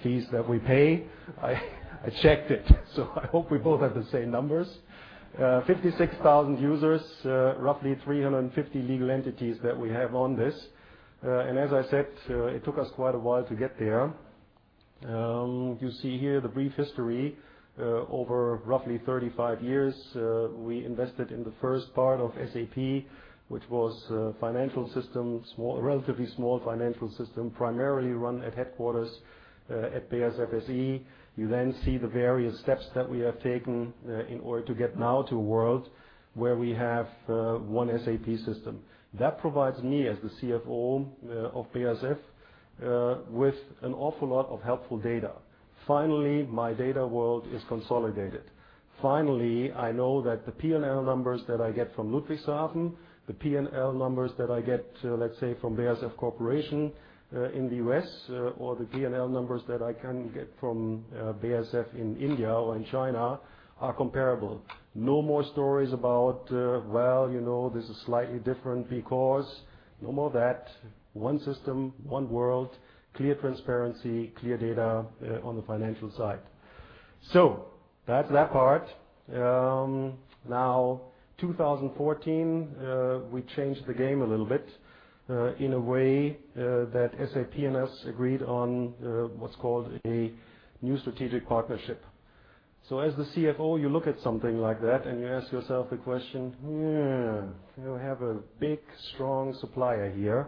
fees that we pay. I checked it, so I hope we both have the same numbers. 56,000 users, roughly 350 legal entities that we have on this. As I said, it took us quite a while to get there. You see here the brief history. Over roughly 35 years, we invested in the first part of SAP, which was a financial system, a relatively small financial system, primarily run at headquarters, at BASF SE. You then see the various steps that we have taken in order to get now to a world where we have one SAP system. That provides me, as the CFO of BASF, with an awful lot of helpful data. Finally, my data world is consolidated. Finally, I know that the P&L numbers that I get from Ludwigshafen, the P&L numbers that I get, let's say, from BASF Corporation in the U.S., or the P&L numbers that I can get from BASF in India or in China are comparable. No more stories about, well, this is slightly different because. No more of that. One system, one world, clear transparency, clear data on the financial side. That's that part. 2014, we changed the game a little bit in a way that SAP and us agreed on what's called a new strategic partnership. As the CFO, you look at something like that, and you ask yourself the question, "You have a big, strong supplier here.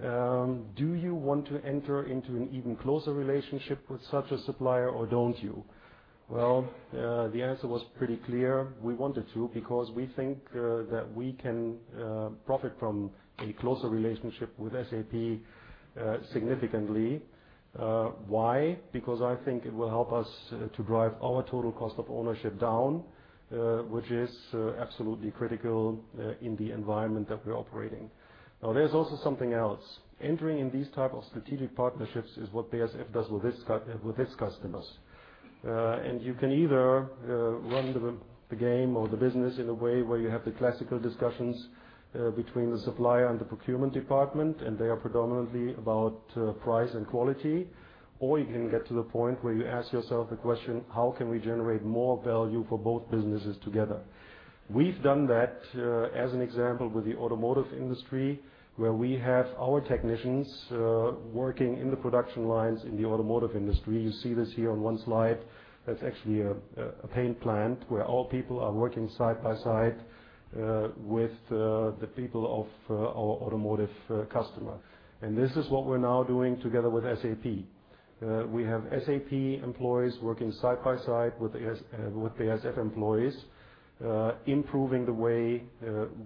Do you want to enter into an even closer relationship with such a supplier, or don't you?" The answer was pretty clear. We wanted to, because we think that we can profit from a closer relationship with SAP significantly. Why? Because I think it will help us to drive our total cost of ownership down, which is absolutely critical in the environment that we're operating. There's also something else. Entering in these type of strategic partnerships is what BASF does with its customers. You can either run the game or the business in a way where you have the classical discussions between the supplier and the procurement department, and they are predominantly about price and quality. Or you can get to the point where you ask yourself the question: how can we generate more value for both businesses together? We've done that, as an example, with the automotive industry, where we have our technicians working in the production lines in the automotive industry. You see this here on one slide. That's actually a paint plant where our people are working side by side with the people of our automotive customer. This is what we're now doing together with SAP. We have SAP employees working side by side with BASF employees, improving the way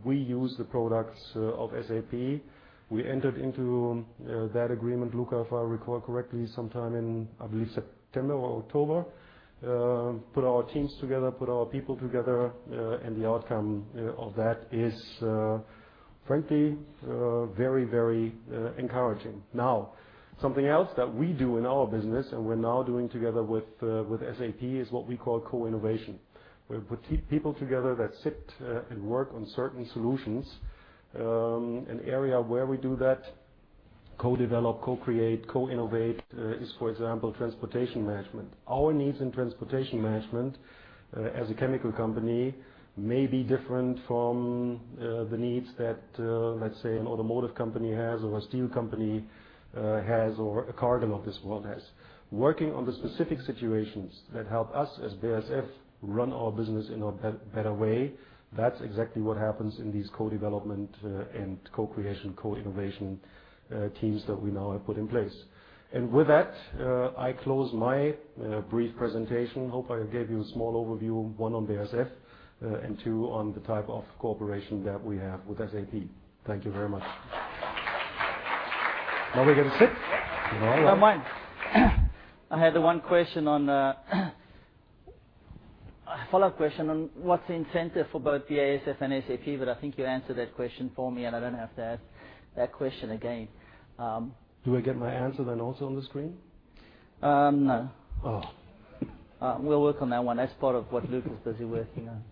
we use the products of SAP. We entered into that agreement, Luka, if I recall correctly, sometime in, I believe, September or October. Put our teams together, put our people together, the outcome of that is frankly very encouraging. Now, something else that we do in our business, and we're now doing together with SAP, is what we call co-innovation, where we put people together that sit and work on certain solutions. An area where we do that, co-develop, co-create, co-innovate is, for example, transportation management. Our needs in transportation management as a chemical company may be different from the needs that, let's say, an automotive company has or a steel company has or a cargo of this world has. Working on the specific situations that help us as BASF run our business in a better way, that's exactly what happens in these co-development and co-creation, co-innovation teams that we now have put in place. With that, I close my brief presentation. Hope I gave you a small overview, one on BASF, and two on the type of cooperation that we have with SAP. Thank you very much. Now we're gonna sit. No, mine. I had the one question. A follow-up question on what's the incentive for both BASF and SAP, I think you answered that question for me, I don't have to ask that question again. Do I get my answer then also on the screen? No. Oh. We'll work on that one. That's part of what Luka is busy working on.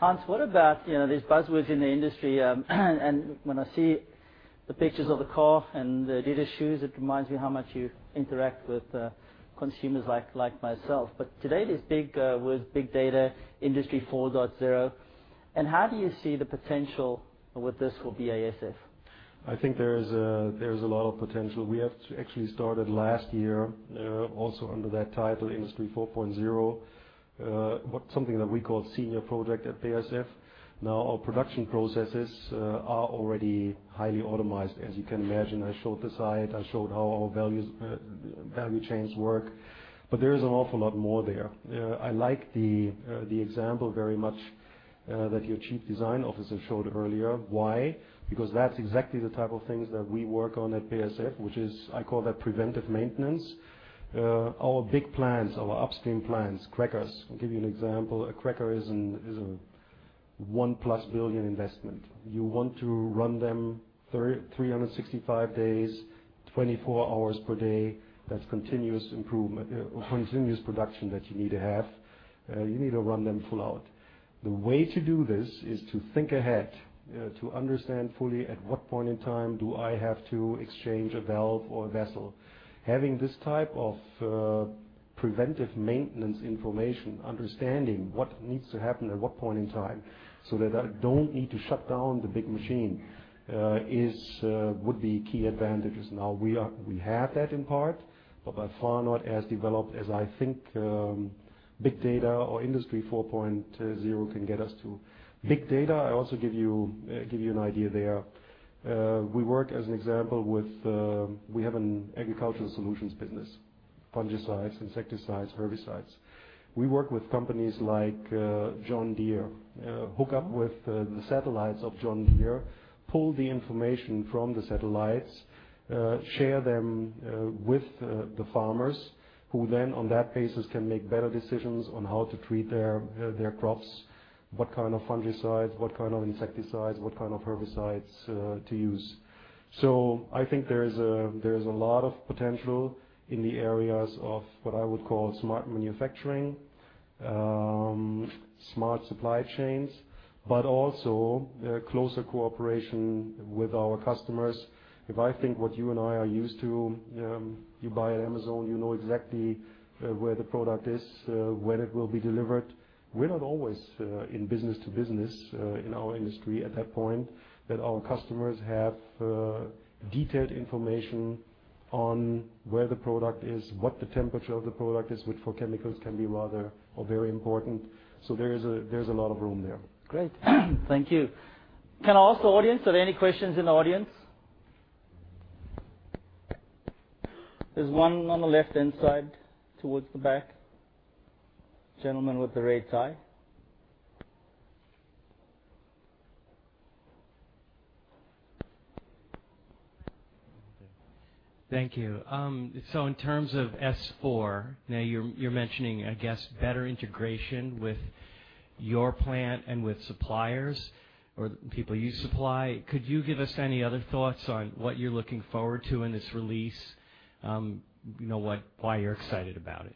Hans, what about these buzzwords in the industry? When I see the pictures of the car and the Adidas shoes, it reminds me how much you interact with consumers like myself. Today, this big word, big data, Industry 4.0, and how do you see the potential with this for BASF? I think there's a lot of potential. We have actually started last year, also under that title, Industry 4.0, something that we call senior project at BASF. Our production processes are already highly automized. As you can imagine, I showed the site, I showed how our value chains work. There is an awful lot more there. I like the example very much that your Chief Design Officer showed earlier. Why? That's exactly the type of things that we work on at BASF, which is, I call that preventive maintenance. Our big plants, our upstream plants, crackers. I'll give you an example. A cracker is a one plus billion investment. You want to run them 365 days, 24 hours per day. That's continuous improvement or continuous production that you need to have. You need to run them full out. The way to do this is to think ahead, to understand fully at what point in time do I have to exchange a valve or a vessel. Having this type of preventive maintenance information, understanding what needs to happen at what point in time, so that I don't need to shut down the big machine, would be key advantages. We have that in part, but by far not as developed as I think big data or Industry 4.0 can get us to. Big data, I also give you an idea there. We work, as an example. We have an agricultural solutions business: fungicides, insecticides, herbicides. We work with companies like John Deere, hook up with the satellites of John Deere, pull the information from the satellites, share them with the farmers, who then on that basis, can make better decisions on how to treat their crops, what kind of fungicides, what kind of insecticides, what kind of herbicides to use. I think there's a lot of potential in the areas of what I would call smart manufacturing, smart supply chains, but also closer cooperation with our customers. I think what you and I are used to, you buy at Amazon, you know exactly where the product is, when it will be delivered. We're not always in business-to-business in our industry at that point, that our customers have detailed information on where the product is, what the temperature of the product is, which for chemicals can be rather or very important. there's a lot of room there. Great. Thank you. Can I ask the audience, are there any questions in the audience? There's one on the left-hand side towards the back. Gentleman with the red tie. Thank you. In terms of S/4, now you're mentioning, I guess, better integration with your plant and with suppliers or people you supply. Could you give us any other thoughts on what you're looking forward to in this release? Why you're excited about it.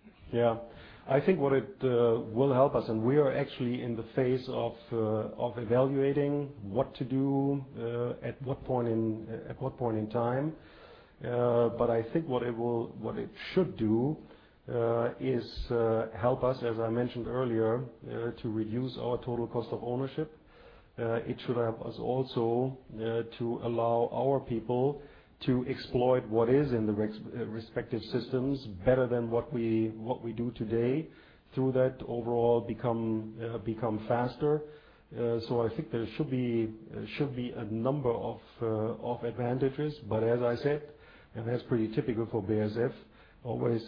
I think what it will help us, and we are actually in the phase of evaluating what to do, at what point in time. I think what it should do, is help us, as I mentioned earlier, to reduce our total cost of ownership. It should help us also to allow our people to exploit what is in the respective systems better than what we do today. Through that, overall become faster. I think there should be a number of advantages. As I said, and that's pretty typical for BASF, always,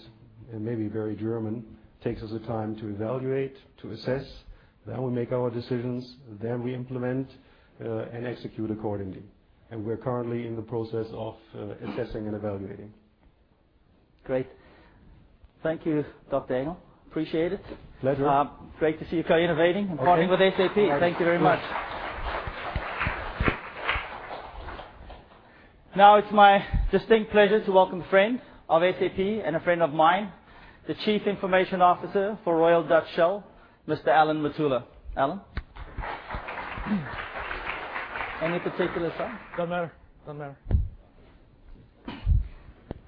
and maybe very German, takes us a time to evaluate, to assess, then we make our decisions, then we implement, and execute accordingly. We're currently in the process of assessing and evaluating. Great. Thank you, Dr. Engel. Appreciate it. Pleasure. Great to see you co-innovating- Okay Partnering with SAP. Thank you very much. Now it's my distinct pleasure to welcome friend of SAP and a friend of mine, the Chief Information Officer for Royal Dutch Shell, Mr. Alan Matula. Alan. Any particular side? Don't matter.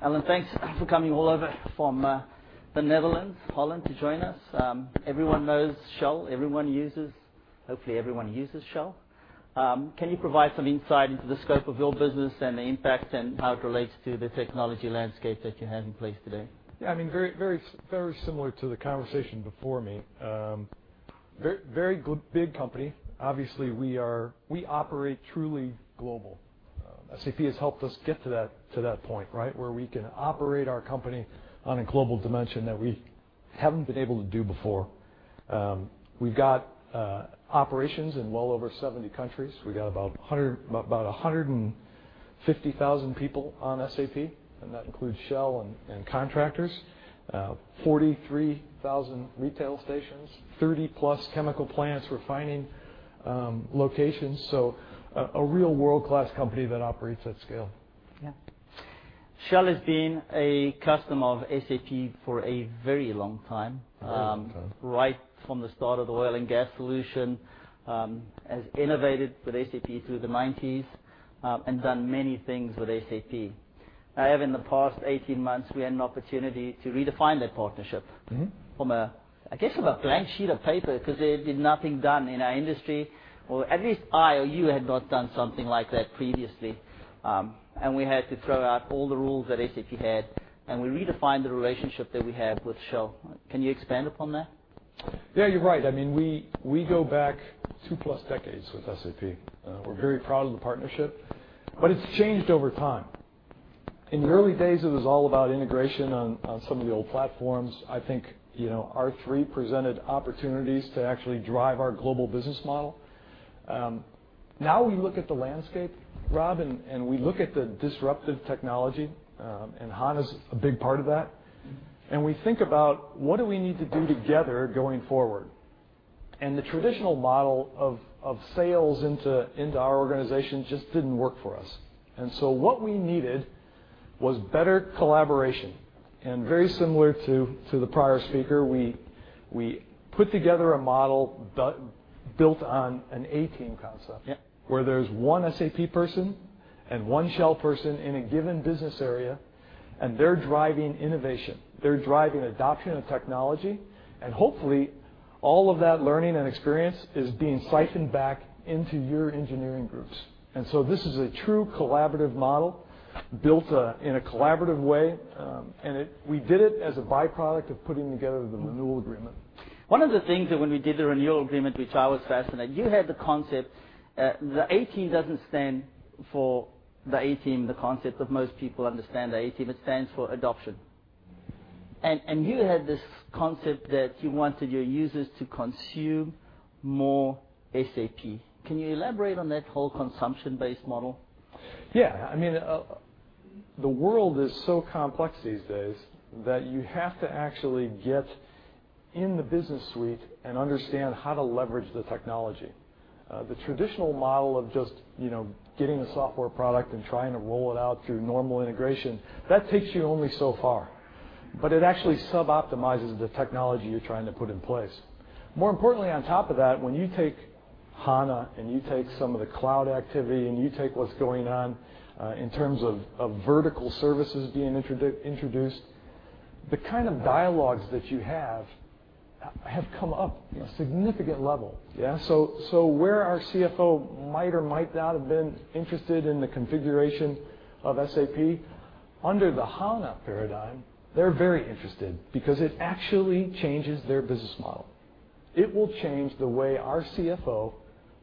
Alan, thanks for coming all over from the Netherlands, Holland, to join us. Everyone knows Shell. Everyone uses. Hopefully everyone uses Shell. Can you provide some insight into the scope of your business and the impact and how it relates to the technology landscape that you have in place today? Yeah, very similar to the conversation before me. Very big company. Obviously, we operate truly global. SAP has helped us get to that point, right? Where we can operate our company on a global dimension that we haven't been able to do before. We've got operations in well over 70 countries. We got about 150,000 people on SAP, and that includes Shell and contractors. 43,000 retail stations, 30 plus chemical plants, refining locations. A real world-class company that operates at scale. Yeah. Shell has been a customer of SAP for a very long time. A very long time. Right from the start of the oil and gas solution, has innovated with SAP through the '90s, and done many things with SAP. In the past 18 months, we had an opportunity to redefine that partnership. From a blank sheet of paper, because there had been nothing done in our industry, or at least I or you had not done something like that previously. We had to throw out all the rules that SAP had, and we redefined the relationship that we have with Shell. Can you expand upon that? Yeah, you're right. We go back two-plus decades with SAP. We're very proud of the partnership, but it's changed over time. In the early days, it was all about integration on some of the old platforms. I think R/3 presented opportunities to actually drive our global business model. Now we look at the landscape, Rob, and we look at the disruptive technology, HANA's a big part of that. We think about what do we need to do together going forward. The traditional model of sales into our organization just didn't work for us. What we needed was better collaboration. Very similar to the prior speaker, we put together a model built on an A Team concept. Yeah. Where there's one SAP person and one Shell person in a given business area, they're driving innovation. They're driving adoption of technology. Hopefully, all of that learning and experience is being siphoned back into your engineering groups. This is a true collaborative model built in a collaborative way. We did it as a byproduct of putting together the renewal agreement. One of the things that when we did the renewal agreement, which I was fascinated, you had the concept, the A Team doesn't stand for the A Team, the concept that most people understand, the A Team. It stands for adoption. You had this concept that you wanted your users to consume more SAP. Can you elaborate on that whole consumption-based model? Yeah. The world is so complex these days that you have to actually get in the SAP Business Suite and understand how to leverage the technology. The traditional model of just getting a software product and trying to roll it out through normal integration, that takes you only so far. It actually suboptimizes the technology you're trying to put in place. More importantly, on top of that, when you take SAP HANA, and you take some of the cloud activity, and you take what's going on in terms of vertical services being introduced, the kind of dialogues that you have come up a significant level. Yeah. Where our CFO might or might not have been interested in the configuration of SAP, under the SAP HANA paradigm, they're very interested because it actually changes their business model. It will change the way our CFO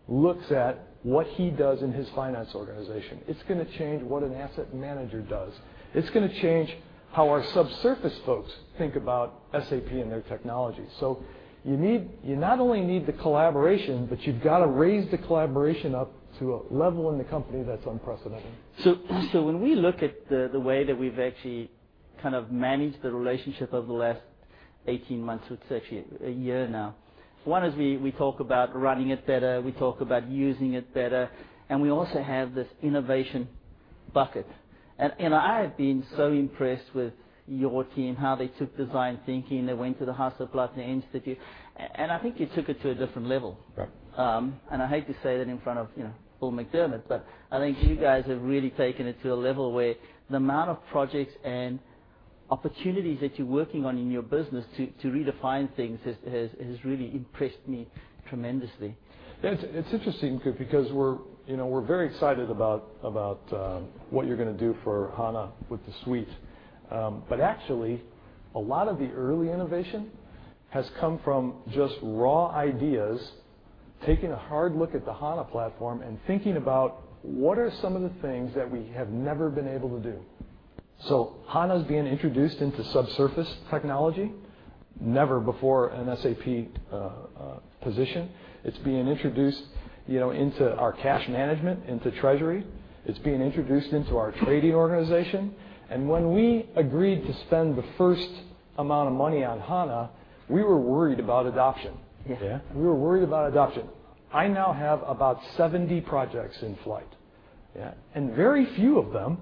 looks at what he does in his finance organization. It's going to change what an asset manager does. It's going to change how our subsurface folks think about SAP and their technology. You not only need the collaboration, but you've got to raise the collaboration up to a level in the company that's unprecedented. When we look at the way that we've actually managed the relationship over the last 18 months, it's actually a year now. One is we talk about running it better, we talk about using it better, and we also have this innovation bucket. I have been so impressed with your team, how they took Design Thinking, they went to the Hasso Plattner Institute, and I think you took it to a different level. Right. I hate to say that in front of Bill McDermott, but I think you guys have really taken it to a level where the amount of projects and opportunities that you're working on in your business to redefine things has really impressed me tremendously. Yeah. It's interesting because we're very excited about what you're going to do for HANA with the suite. Actually, a lot of the early innovation has come from just raw ideas, taking a hard look at the HANA platform, and thinking about what are some of the things that we have never been able to do. HANA's being introduced into subsurface technology. Never before an SAP position. It's being introduced into our cash management, into treasury. It's being introduced into our trading organization. When we agreed to spend the first amount of money on HANA, we were worried about adoption. Yeah. We were worried about adoption. I now have about 70 projects in flight. Yeah. Very few of them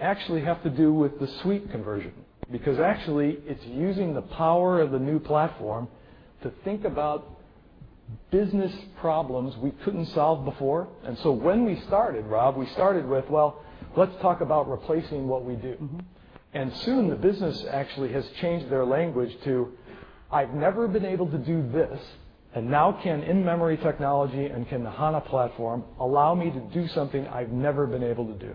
actually have to do with the suite conversion, because actually it's using the power of the new platform to think about business problems we couldn't solve before. When we started, Rob, we started with, "Well, let's talk about replacing what we do. Soon the business actually has changed their language to, "I've never been able to do this, and now can in-memory technology and can the SAP HANA platform allow me to do something I've never been able to do?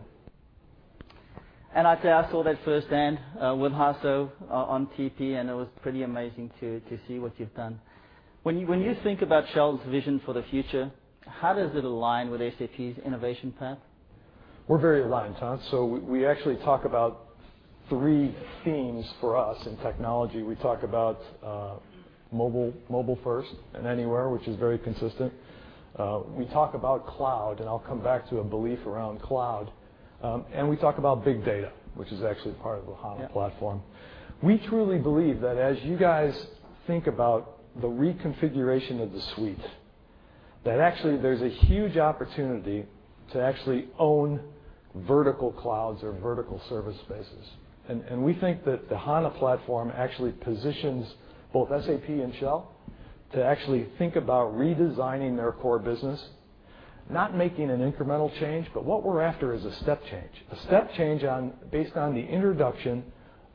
I'd say I saw that firsthand with Hasso on TP, and it was pretty amazing to see what you've done. When you think about Shell's vision for the future, how does it align with SAP's innovation path? We're very aligned, we actually talk about three themes for us in technology. We talk about mobile first and anywhere, which is very consistent. We talk about cloud, and I'll come back to a belief around cloud. We talk about big data, which is actually part of the SAP HANA platform. Yeah. We truly believe that as you guys think about the reconfiguration of the suite, that actually, there's a huge opportunity to actually own vertical clouds or vertical service spaces. We think that the SAP HANA platform actually positions both SAP and Shell to actually think about redesigning their core business, not making an incremental change. What we're after is a step change. A step change based on the introduction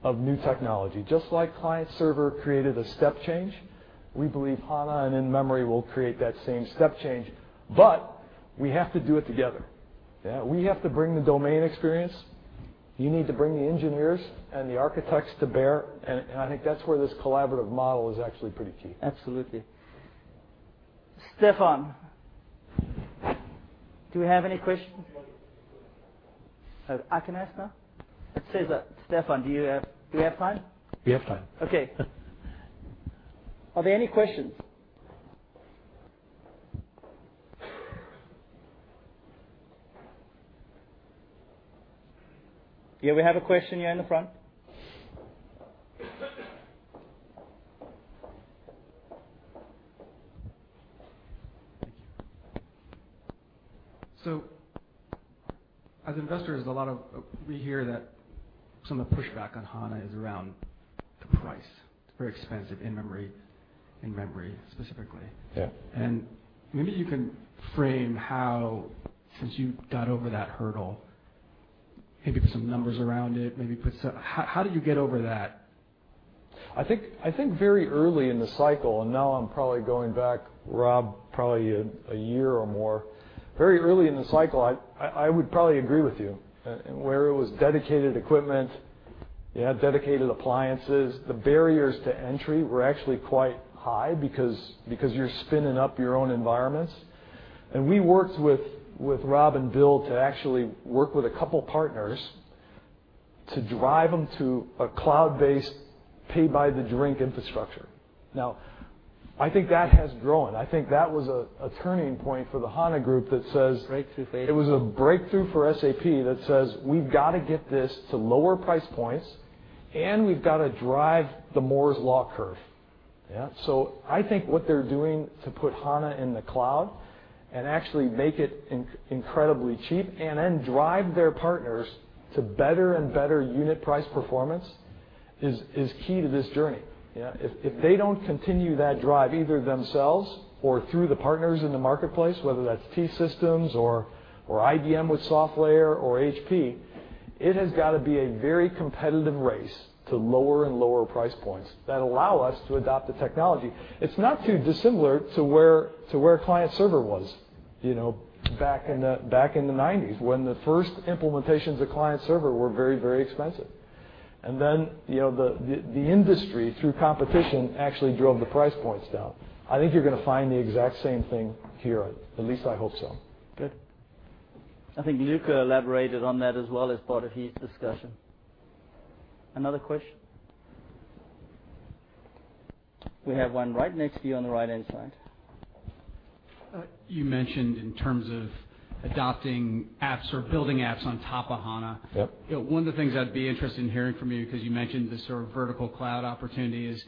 of new technology. Just like client server created a step change, we believe HANA and in-memory will create that same step change. We have to do it together. We have to bring the domain experience. You need to bring the engineers and the architects to bear, and I think that's where this collaborative model is actually pretty key. Absolutely. Stefan, do we have any questions? I can ask now? Stefan, do we have time? We have time. Okay. Are there any questions? Yeah, we have a question here in the front. Thank you. As investors, we hear that some of the pushback on HANA is around the price. It's very expensive, in-memory specifically. Yeah. Maybe you can frame how, since you got over that hurdle, maybe put some numbers around it. How did you get over that? I think very early in the cycle, and now I'm probably going back, Rob, probably a year or more. Very early in the cycle, I would probably agree with you. Where it was dedicated equipment, you had dedicated appliances. The barriers to entry were actually quite high because you're spinning up your own environments. We worked with Rob and Bill to actually work with a couple partners to drive them to a cloud-based, pay by the drink infrastructure. I think that has grown. I think that was a turning point for the HANA group that says- Breakthrough for SAP It was a breakthrough for SAP that says, we've got to get this to lower price points, and we've got to drive the Moore's Law curve. I think what they're doing to put HANA in the cloud and actually make it incredibly cheap and then drive their partners to better and better unit price performance is key to this journey. If they don't continue that drive, either themselves or through the partners in the marketplace, whether that's T-Systems or IBM with SoftLayer or HP, it has got to be a very competitive race to lower and lower price points that allow us to adopt the technology. It's not too dissimilar to where client-server was back in the 90s, when the first implementations of client-server were very expensive. Then the industry, through competition, actually drove the price points down. I think you're going to find the exact same thing here, at least I hope so. Good. I think Luka elaborated on that as well as part of his discussion. Another question? We have one right next to you on the right-hand side. You mentioned in terms of adopting apps or building apps on top of HANA. Yep. One of the things I'd be interested in hearing from you, because you mentioned this sort of vertical cloud opportunity, is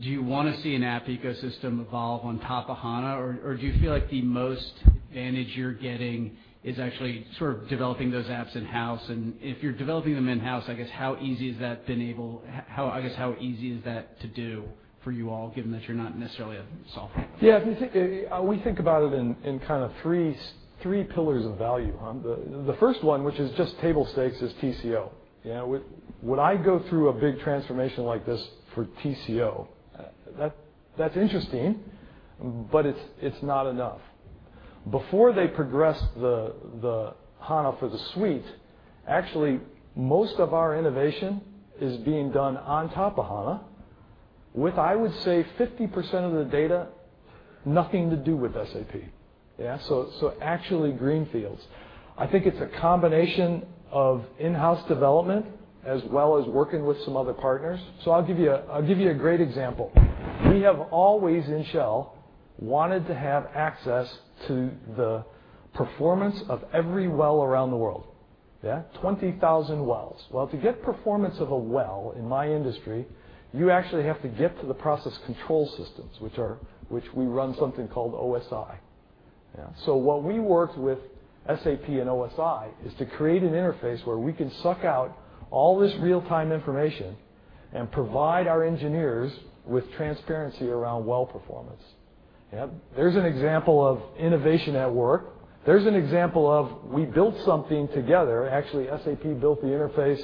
do you want to see an app ecosystem evolve on top of HANA, or do you feel like the most advantage you're getting is actually sort of developing those apps in-house? If you're developing them in-house, I guess, how easy is that to do for you all, given that you're not necessarily a software company? We think about it in 3 pillars of value. The first one, which is just table stakes, is TCO. When I go through a big transformation like this for TCO, that's interesting, but it's not enough. Before they progress the HANA for the suite, actually, most of our innovation is being done on top of HANA with, I would say, 50% of the data nothing to do with SAP. Actually green fields. I think it's a combination of in-house development as well as working with some other partners. I'll give you a great example. We have always, in Shell, wanted to have access to the performance of every well around the world. 20,000 wells. Well, to get performance of a well in my industry, you actually have to get to the process control systems, which we run something called OSI. What we worked with SAP and OSI is to create an interface where we can suck out all this real-time information and provide our engineers with transparency around well performance. There's an example of innovation at work. There's an example of we built something together. Actually, SAP built the interface,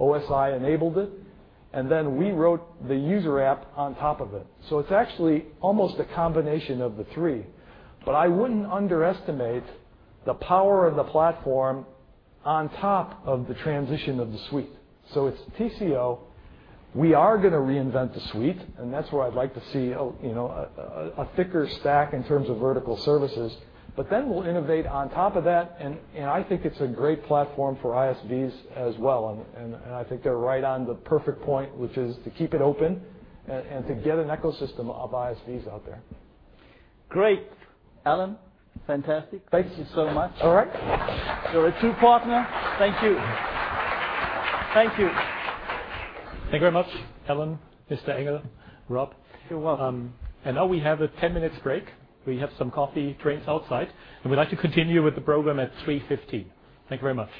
OSI enabled it, and we wrote the user app on top of it. It's actually almost a combination of the three. I wouldn't underestimate the power of the platform on top of the transition of the suite. It's TCO. We are going to reinvent the suite, and that's where I'd like to see a thicker stack in terms of vertical services. We'll innovate on top of that, and I think it's a great platform for ISVs as well, and I think they're right on the perfect point, which is to keep it open and to get an ecosystem of ISVs out there. Great. Alan, fantastic. Thank you so much. All right. You are a true partner. Thank you. Thank you. Thank you very much, Alan, Mr. Engel, Rob. You are welcome. Now we have a 10 minutes break. We have some coffee, drinks outside, and we'd like to continue with the program at 3:15 P.M. Thank you very much.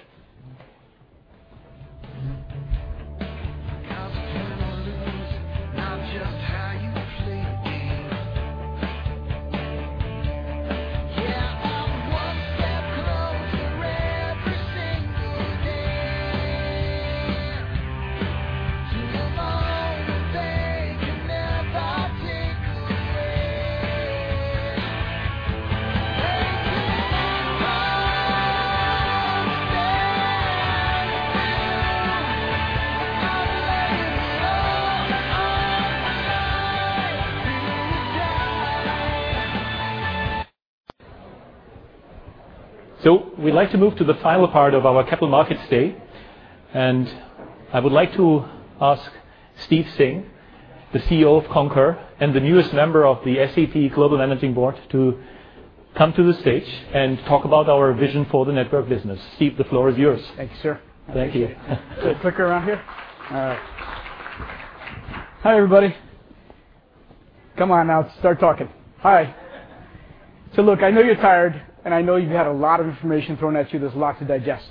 How to win or lose. Not just how you play the game. I'm one step closer every single day. To the moment they can never take away. Taking one step. I'll play it all on my own. Do or die. We'd like to move to the final part of our Capital Markets Day, and I would like to ask Steve Singh, the CEO of Concur, and the newest member of the SAP Global Managing Board, to come to the stage and talk about our vision for the network business. Steve, the floor is yours. Thank you, sir. Thank you. Is it quicker around here? All right. Hi, everybody. Come on now, start talking. Hi. Look, I know you're tired, and I know you've had a lot of information thrown at you. There's a lot to digest.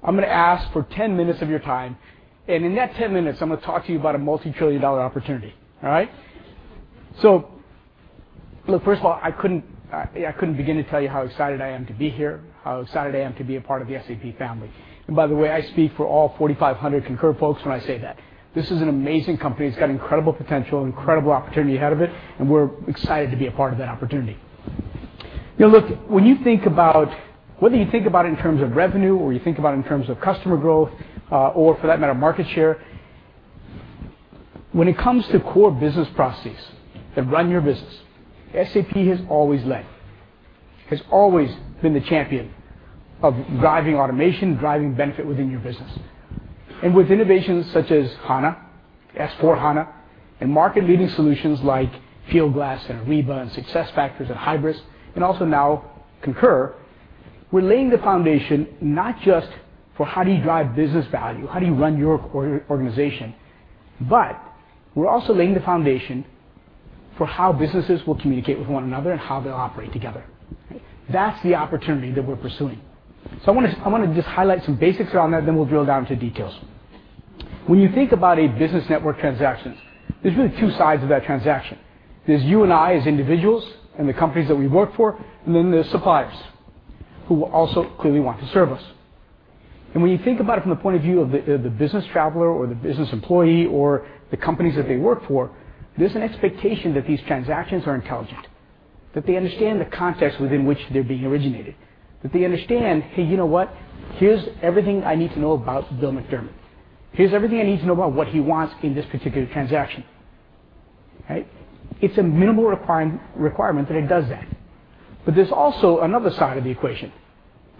I'm going to ask for 10 minutes of your time, and in that 10 minutes, I'm going to talk to you about a multi-trillion dollar opportunity. All right? Look, first of all, I couldn't begin to tell you how excited I am to be here, how excited I am to be a part of the SAP family. By the way, I speak for all 4,500 Concur folks when I say that. This is an amazing company. It's got incredible potential, incredible opportunity ahead of it, and we're excited to be a part of that opportunity. Look, whether you think about it in terms of revenue or you think about it in terms of customer growth, or for that matter, market share, when it comes to core business processes that run your business, SAP has always led. It has always been the champion of driving automation, driving benefit within your business. With innovations such as HANA, S/4HANA, and market-leading solutions like Fieldglass and Ariba and SuccessFactors and Hybris, and also now Concur, we're laying the foundation not just for how do you drive business value, how do you run your organization, but we're also laying the foundation for how businesses will communicate with one another and how they'll operate together. That's the opportunity that we're pursuing. I want to just highlight some basics around that, and then we'll drill down into details. When you think about a business network transaction, there's really two sides of that transaction. There's you and I as individuals and the companies that we work for, and then there's suppliers who also clearly want to serve us. When you think about it from the point of view of the business traveler or the business employee or the companies that they work for, there's an expectation that these transactions are intelligent, that they understand the context within which they're being originated. That they understand, "Hey, you know what? Here's everything I need to know about Bill McDermott. Here's everything I need to know about what he wants in this particular transaction." Right? It's a minimal requirement that it does that. There's also another side of the equation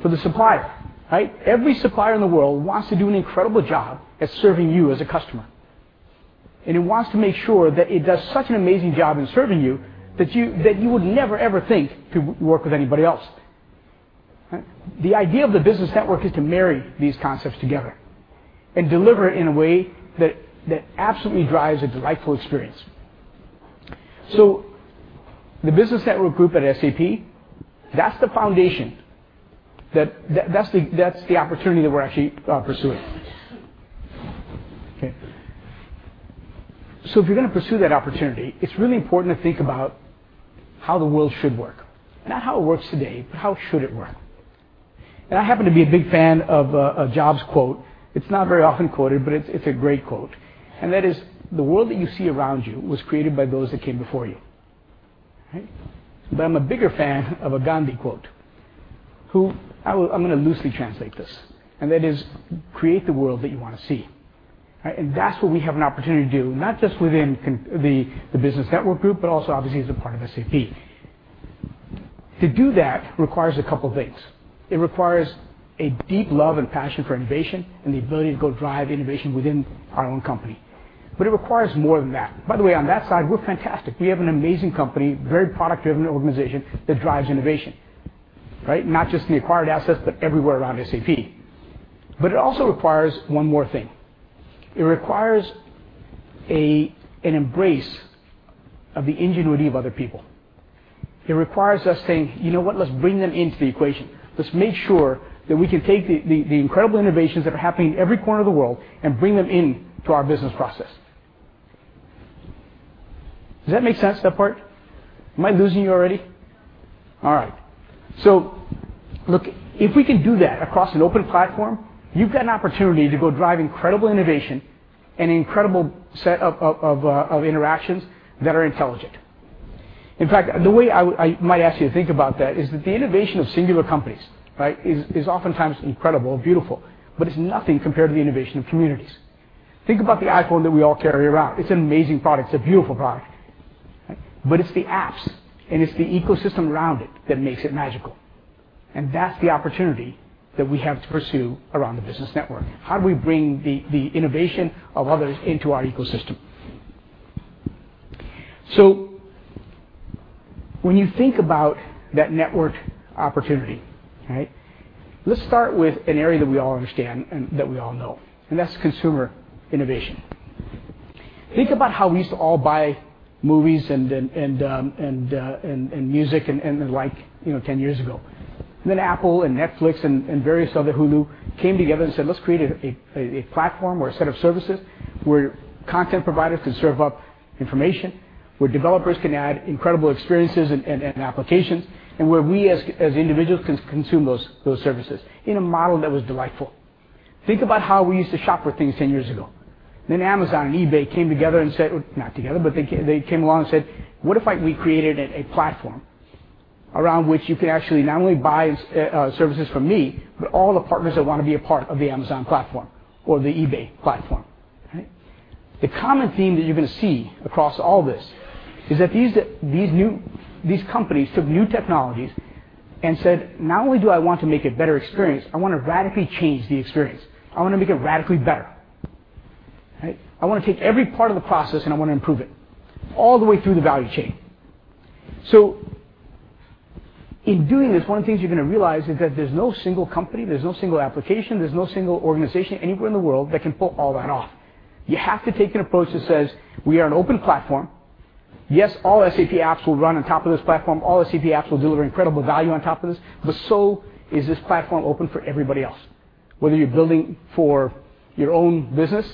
for the supplier, right? Every supplier in the world wants to do an incredible job at serving you as a customer. It wants to make sure that it does such an amazing job in serving you that you would never, ever think to work with anybody else. Right? The idea of the business network is to marry these concepts together and deliver it in a way that absolutely drives a delightful experience. The Business Network Group at SAP, that's the foundation. That's the opportunity that we're actually pursuing. Okay. If you're going to pursue that opportunity, it's really important to think about how the world should work. Not how it works today, but how should it work. I happen to be a big fan of a Jobs quote. It's not very often quoted, but it's a great quote. That is, "The world that you see around you was created by those that came before you." Right? I'm a bigger fan of a Gandhi quote. I'm going to loosely translate this, that is, "Create the world that you want to see." Right? That's what we have an opportunity to do, not just within the Business Network Group, but also obviously as a part of SAP. To do that requires a couple things. It requires a deep love and passion for innovation and the ability to go drive innovation within our own company. It requires more than that. By the way, on that side, we're fantastic. We have an amazing company, very product-driven organization that drives innovation. Right? Not just in the acquired assets, but everywhere around SAP. It also requires one more thing. It requires an embrace of the ingenuity of other people. It requires us saying, "You know what? Let's bring them into the equation. Let's make sure that we can take the incredible innovations that are happening in every corner of the world and bring them into our business process." Does that make sense, that part? Am I losing you already? All right. Look, if we can do that across an open platform, you've got an opportunity to go drive incredible innovation and incredible set of interactions that are intelligent. In fact, the way I might ask you to think about that is that the innovation of singular companies, right, is oftentimes incredible and beautiful, but it's nothing compared to the innovation of communities. Think about the iPhone that we all carry around. It's an amazing product. It's a beautiful product. Right? It's the apps and it's the ecosystem around it that makes it magical, that's the opportunity that we have to pursue around the business network. How do we bring the innovation of others into our ecosystem? When you think about that network opportunity, let's start with an area that we all understand and that we all know, that's consumer innovation. Think about how we used to all buy movies and music and the like 10 years ago. Apple and Netflix and various other, Hulu, came together and said, "Let's create a platform or a set of services where content providers can serve up information, where developers can add incredible experiences and applications, and where we as individuals can consume those services in a model that was delightful." Think about how we used to shop for things 10 years ago. Amazon and eBay came along and said, "What if we created a platform around which you could actually not only buy services from me, but all the partners that want to be a part of the Amazon platform or the eBay platform?" The common theme that you're going to see across all this is that these companies took new technologies and said, "Not only do I want to make a better experience, I want to radically change the experience. I want to make it radically better. I want to take every part of the process and I want to improve it, all the way through the value chain." In doing this, one of the things you're going to realize is that there's no single company, there's no single application, there's no single organization anywhere in the world that can pull all that off. You have to take an approach that says, we are an open platform. Yes, all SAP apps will run on top of this platform. All SAP apps will deliver incredible value on top of this, but so is this platform open for everybody else. Whether you're building for your own business,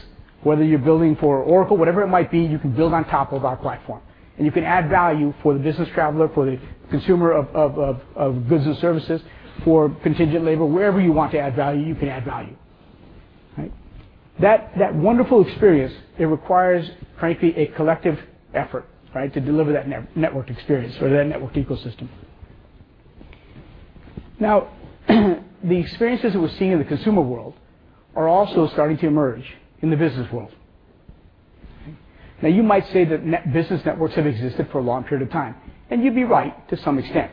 whether you're building for Oracle, whatever it might be, you can build on top of our platform, and you can add value for the business traveler, for the consumer of business services, for contingent labor. Wherever you want to add value, you can add value. That wonderful experience, it requires, frankly, a collective effort to deliver that network experience or that networked ecosystem. The experiences that we're seeing in the consumer world are also starting to emerge in the business world. You might say that business networks have existed for a long period of time, and you'd be right to some extent.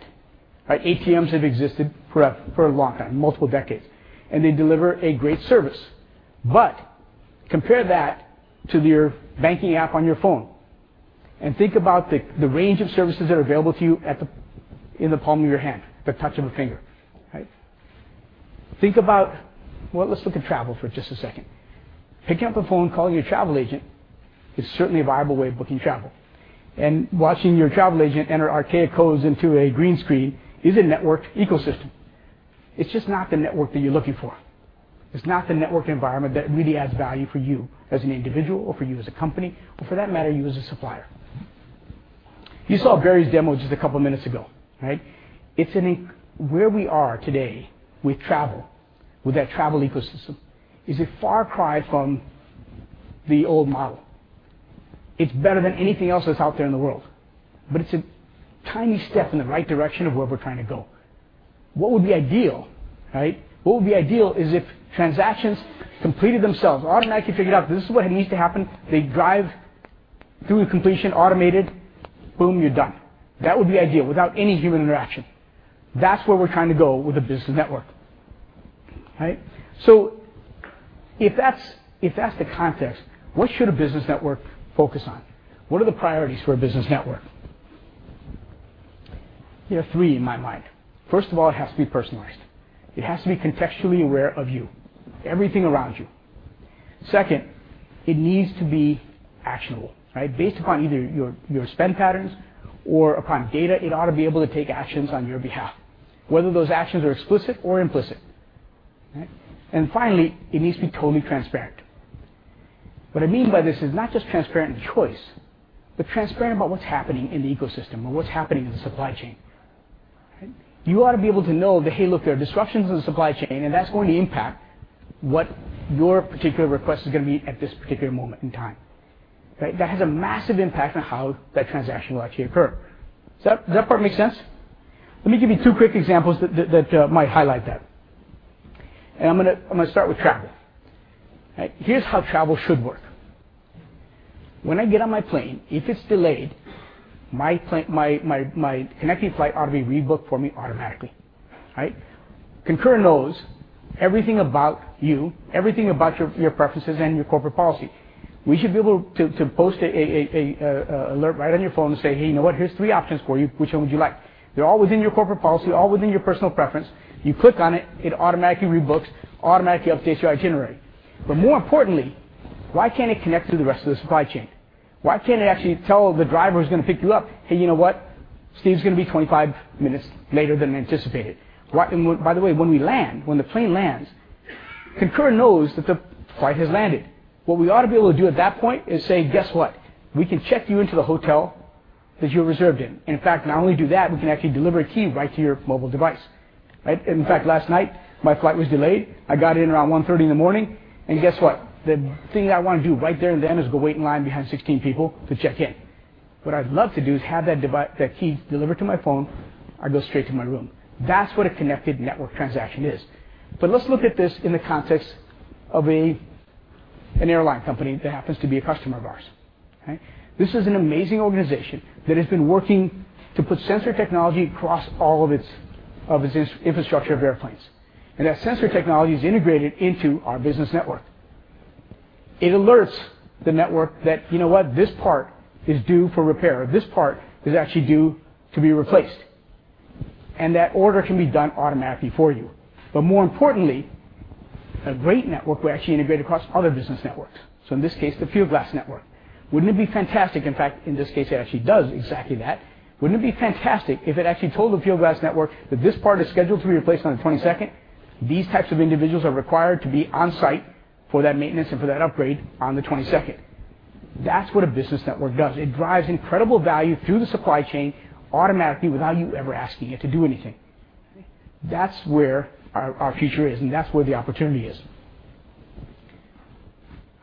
ATMs have existed for a long time, multiple decades, and they deliver a great service. Compare that to your banking app on your phone, and think about the range of services that are available to you in the palm of your hand, the touch of a finger. Let's look at travel for just a second. Picking up a phone, calling your travel agent is certainly a viable way of booking travel. Watching your travel agent enter archaic codes into a green screen is a networked ecosystem. It's just not the network that you're looking for. It's not the networked environment that really adds value for you as an individual or for you as a company, or for that matter, you as a supplier. You saw Barry's demo just a couple of minutes ago. Where we are today with travel, with that travel ecosystem, is a far cry from the old model. It's better than anything else that's out there in the world, but it's a tiny step in the right direction of where we're trying to go. What would be ideal? What would be ideal is if transactions completed themselves, automatically figured out this is what needs to happen. They drive through completion automated, boom, you're done. That would be ideal without any human interaction. That's where we're trying to go with a business network. If that's the context, what should a business network focus on? What are the priorities for a business network? There are three in my mind. First of all, it has to be personalized. It has to be contextually aware of you, everything around you. Second, it needs to be actionable. Based upon either your spend patterns or upon data, it ought to be able to take actions on your behalf, whether those actions are explicit or implicit. Finally, it needs to be totally transparent. What I mean by this is not just transparent in choice, but transparent about what's happening in the ecosystem or what's happening in the supply chain. You ought to be able to know that, hey, look, there are disruptions in the supply chain, and that's going to impact what your particular request is going to be at this particular moment in time. That has a massive impact on how that transaction will actually occur. Does that part make sense? Let me give you two quick examples that might highlight that. I'm going to start with travel. Here's how travel should work. When I get on my plane, if it's delayed, my connecting flight ought to be rebooked for me automatically. Concur knows everything about you, everything about your preferences and your corporate policy. We should be able to post a alert right on your phone to say, "Hey, you know what? Here's three options for you. Which one would you like?" They're all within your corporate policy, all within your personal preference. You click on it automatically rebooks, automatically updates your itinerary. More importantly, why can't it connect to the rest of the supply chain? Why can't it actually tell the driver who's going to pick you up, "Hey, you know what? Steve's going to be 25 minutes later than anticipated." By the way, when we land, when the plane lands, Concur knows that the flight has landed. What we ought to be able to do at that point is say, "Guess what? We can check you into the hotel that you're reserved in. In fact, not only do that, we can actually deliver a key right to your mobile device." In fact, last night, my flight was delayed. I got in around 1:30 A.M., guess what? The thing that I want to do right there and then is go wait in line behind 16 people to check in. What I'd love to do is have that key delivered to my phone. I go straight to my room. That's what a connected network transaction is. Let's look at this in the context of an airline company that happens to be a customer of ours. This is an amazing organization that has been working to put sensor technology across all of its infrastructure of airplanes. That sensor technology is integrated into our business network. It alerts the network that, you know what? This part is due for repair. This part is actually due to be replaced. That order can be done automatically for you. More importantly, a great network will actually integrate across other business networks. In this case, the Fieldglass network. Wouldn't it be fantastic, in fact, in this case, it actually does exactly that. Wouldn't it be fantastic if it actually told the Fieldglass network that this part is scheduled to be replaced on the 22nd? These types of individuals are required to be on-site for that maintenance and for that upgrade on the 22nd. That's what a business network does. It drives incredible value through the supply chain automatically without you ever asking it to do anything. That's where our future is, and that's where the opportunity is.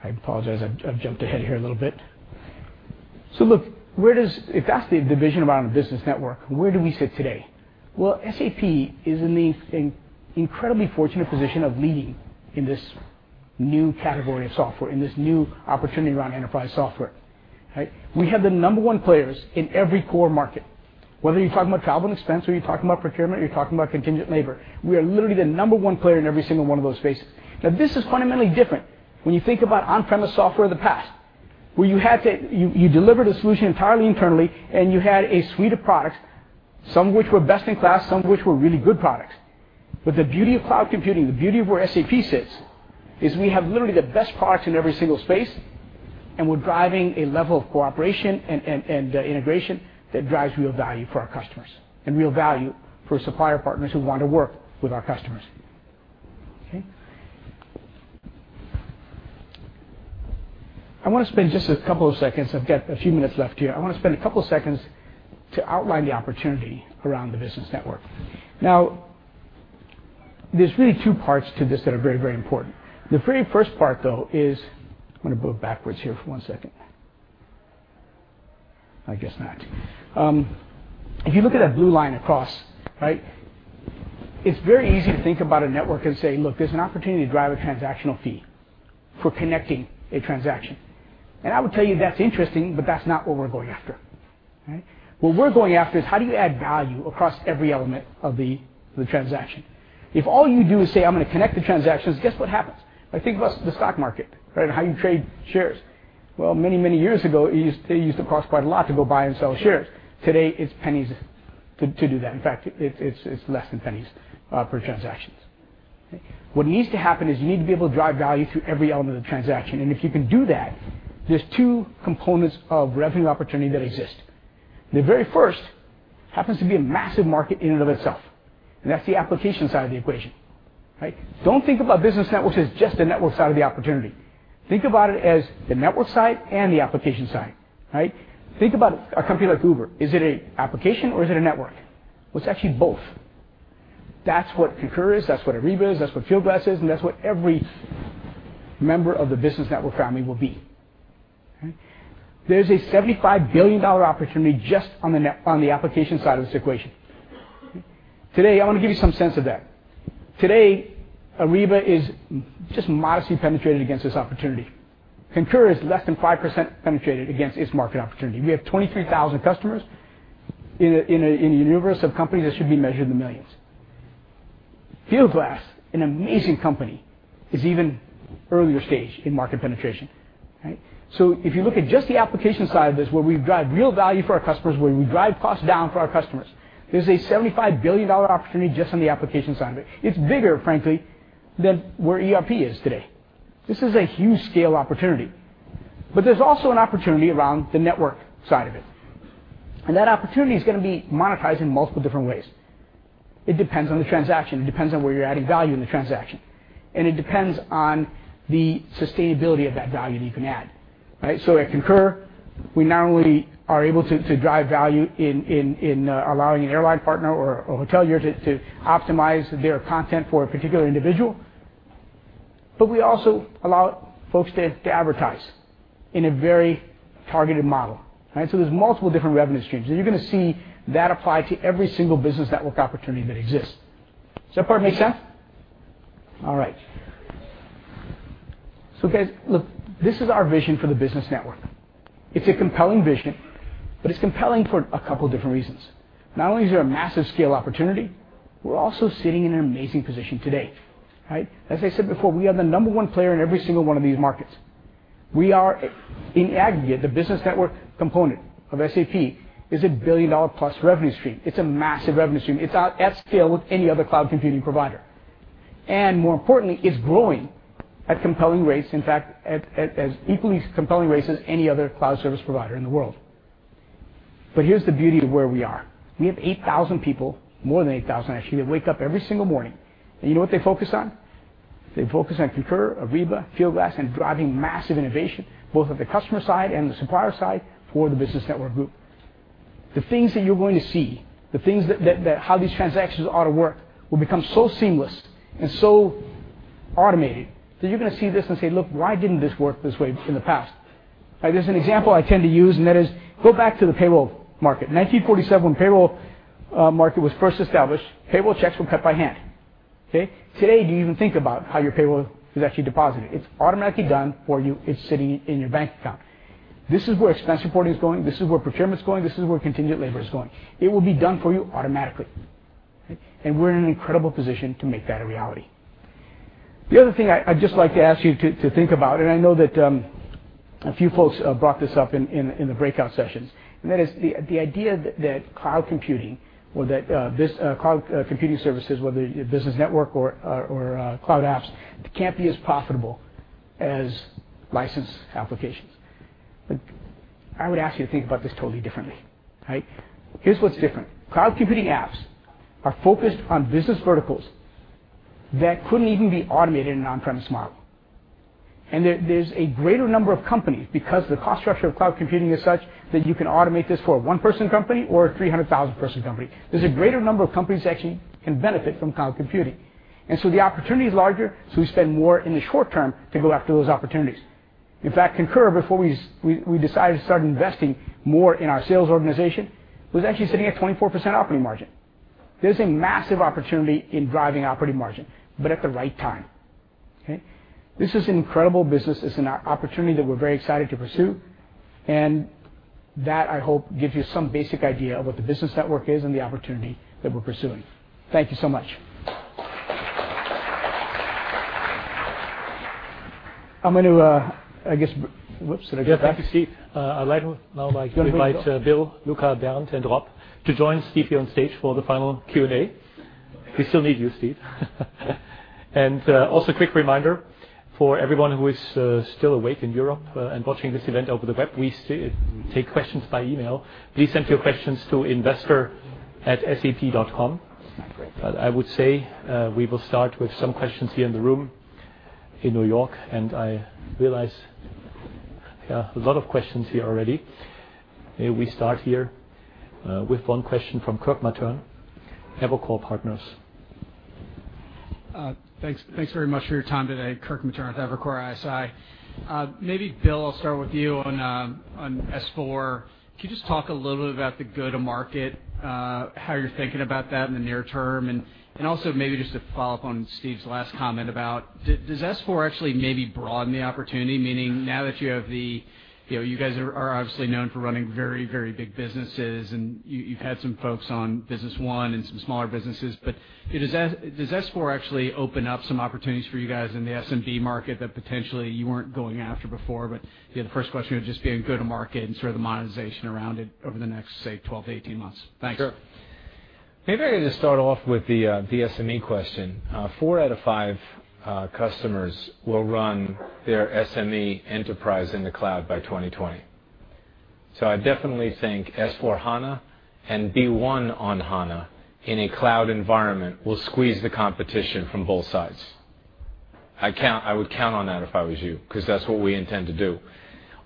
I apologize, I've jumped ahead here a little bit. Look, if that's the vision around the business network, where do we sit today? Well, SAP is in the incredibly fortunate position of leading in this new category of software, in this new opportunity around enterprise software. Right. We have the number one players in every core market. Whether you're talking about travel and expense, or you're talking about procurement, you're talking about contingent labor. We are literally the number one player in every single one of those spaces. Now, this is fundamentally different when you think about on-premise software of the past, where you delivered a solution entirely internally, and you had a suite of products, some of which were best in class, some of which were really good products. The beauty of cloud computing, the beauty of where SAP sits, is we have literally the best products in every single space, and we're driving a level of cooperation and integration that drives real value for our customers and real value for supplier partners who want to work with our customers. Okay. I want to spend just a couple of seconds. I've got a few minutes left here. I want to spend a couple of seconds to outline the opportunity around the business network. Now, there's really two parts to this that are very, very important. The very first part, though, is I'm going to go backwards here for one second. I guess not. If you look at that blue line across, right. It's very easy to think about a network and say, "Look, there's an opportunity to drive a transactional fee for connecting a transaction." I would tell you that's interesting, but that's not what we're going after. Right. What we're going after is how do you add value across every element of the transaction? If all you do is say, "I'm going to connect the transactions," guess what happens? Now think about the stock market, right, and how you trade shares. Well, many, many years ago, it used to cost quite a lot to go buy and sell shares. Today, it's pennies to do that. In fact, it's less than pennies per transactions. Okay. What needs to happen is you need to be able to drive value through every element of transaction, and if you can do that, there's two components of revenue opportunity that exist. The very first happens to be a massive market in and of itself, and that's the application side of the equation. Right. Don't think about business networks as just the network side of the opportunity. Think about it as the network side and the application side. Right. Think about a company like Uber. Is it an application, or is it a network? Well, it's actually both. That's what Concur is, that's what Ariba is, that's what Fieldglass is, and that's what every member of the business network family will be. Okay. There's a EUR 75 billion opportunity just on the application side of this equation. Today, I want to give you some sense of that. Today, Ariba is just modestly penetrated against this opportunity. Concur is less than 5% penetrated against its market opportunity. We have 23,000 customers in a universe of companies that should be measured in the millions. Fieldglass, an amazing company, is even earlier stage in market penetration. Right. If you look at just the application side of this, where we drive real value for our customers, where we drive costs down for our customers, there's a EUR 75 billion opportunity just on the application side of it. It's bigger, frankly, than where ERP is today. This is a huge scale opportunity. There's also an opportunity around the network side of it. That opportunity is going to be monetized in multiple different ways. It depends on the transaction, it depends on where you're adding value in the transaction, and it depends on the sustainability of that value that you can add. Right. At Concur, we not only are able to drive value in allowing an airline partner or a hotelier to optimize their content for a particular individual, but we also allow folks to advertise in a very targeted model. Right. There's multiple different revenue streams, and you're going to see that apply to every single business network opportunity that exists. Does that part make sense? All right. Guys, look, this is our vision for the business network. It's a compelling vision, but it's compelling for a couple different reasons. Not only is there a massive scale opportunity, we're also sitting in an amazing position today. Right. As I said before, we are the number one player in every single one of these markets. In aggregate, the business network component of SAP is a billion-EUR-plus revenue stream. It's a massive revenue stream. It's at scale with any other cloud computing provider. More importantly, it's growing at compelling rates. In fact, at as equally compelling rates as any other cloud service provider in the world. Here's the beauty of where we are. We have 8,000 people, more than 8,000 actually, that wake up every single morning, and you know what they focus on? They focus on Concur, Ariba, Fieldglass, and driving massive innovation, both at the customer side and the supplier side for the business network group. The things that you're going to see, how these transactions ought to work, will become so seamless and so automated that you're going to see this and say, "Look, why didn't this work this way in the past?" Right. There's an example I tend to use, and that is go back to the payroll market. In 1947, when the payroll market was first established, payroll checks were cut by hand. Okay. Today, do you even think about how your payroll is actually deposited? It's automatically done for you. It's sitting in your bank account. This is where expense reporting is going. This is where procurement's going. This is where contingent labor is going. It will be done for you automatically. We're in an incredible position to make that a reality. The other thing I'd just like to ask you to think about. I know that a few folks brought this up in the breakout sessions, that is the idea that cloud computing or that cloud computing services, whether your business network or cloud apps, can't be as profitable as licensed applications. I would ask you to think about this totally differently. Here's what's different. Cloud computing apps are focused on business verticals that couldn't even be automated in an on-premise model. There's a greater number of companies, because the cost structure of cloud computing is such, that you can automate this for a one-person company or a 300,000-person company. There's a greater number of companies that actually can benefit from cloud computing. The opportunity is larger, we spend more in the short term to go after those opportunities. In fact, Concur, before we decided to start investing more in our sales organization, was actually sitting at 24% operating margin. There's a massive opportunity in driving operating margin, but at the right time. Okay? This is incredible business. It's an opportunity that we're very excited to pursue, that I hope gives you some basic idea of what the business network is and the opportunity that we're pursuing. Thank you so much. Whoops, did I do that? Yes, thank you, Steve. I'd now like to invite Bill, Luka, Bernd, and Rob to join Steve here on stage for the final Q&A. We still need you, Steve. Also a quick reminder for everyone who is still awake in Europe and watching this event over the web, we take questions by email. Please send your questions to investor@sap.com. I would say, we will start with some questions here in the room in New York. I realize there are a lot of questions here already. May we start here with one question from Kirk Materne, Evercore Partners. Thanks very much for your time today. Kirk Materne with Evercore ISI. Maybe Bill, I'll start with you on S/4. Can you just talk a little bit about the go to market, how you're thinking about that in the near term? Also maybe just to follow up on Steve's last comment about does S/4 actually maybe broaden the opportunity? Meaning now that you have the-- You guys are obviously known for running very, very big businesses, and you've had some folks on Business One and some smaller businesses. Does S/4 actually open up some opportunities for you guys in the SMB market that potentially you weren't going after before? The first question would just be on go to market and sort of the monetization around it over the next, say, 12 to 18 months. Thanks. Sure. Maybe I could just start off with the SME question. Four out of five customers will run their SME enterprise in the cloud by 2020. I definitely think S/4HANA and B/1 on HANA in a cloud environment will squeeze the competition from both sides. I would count on that if I was you, because that's what we intend to do.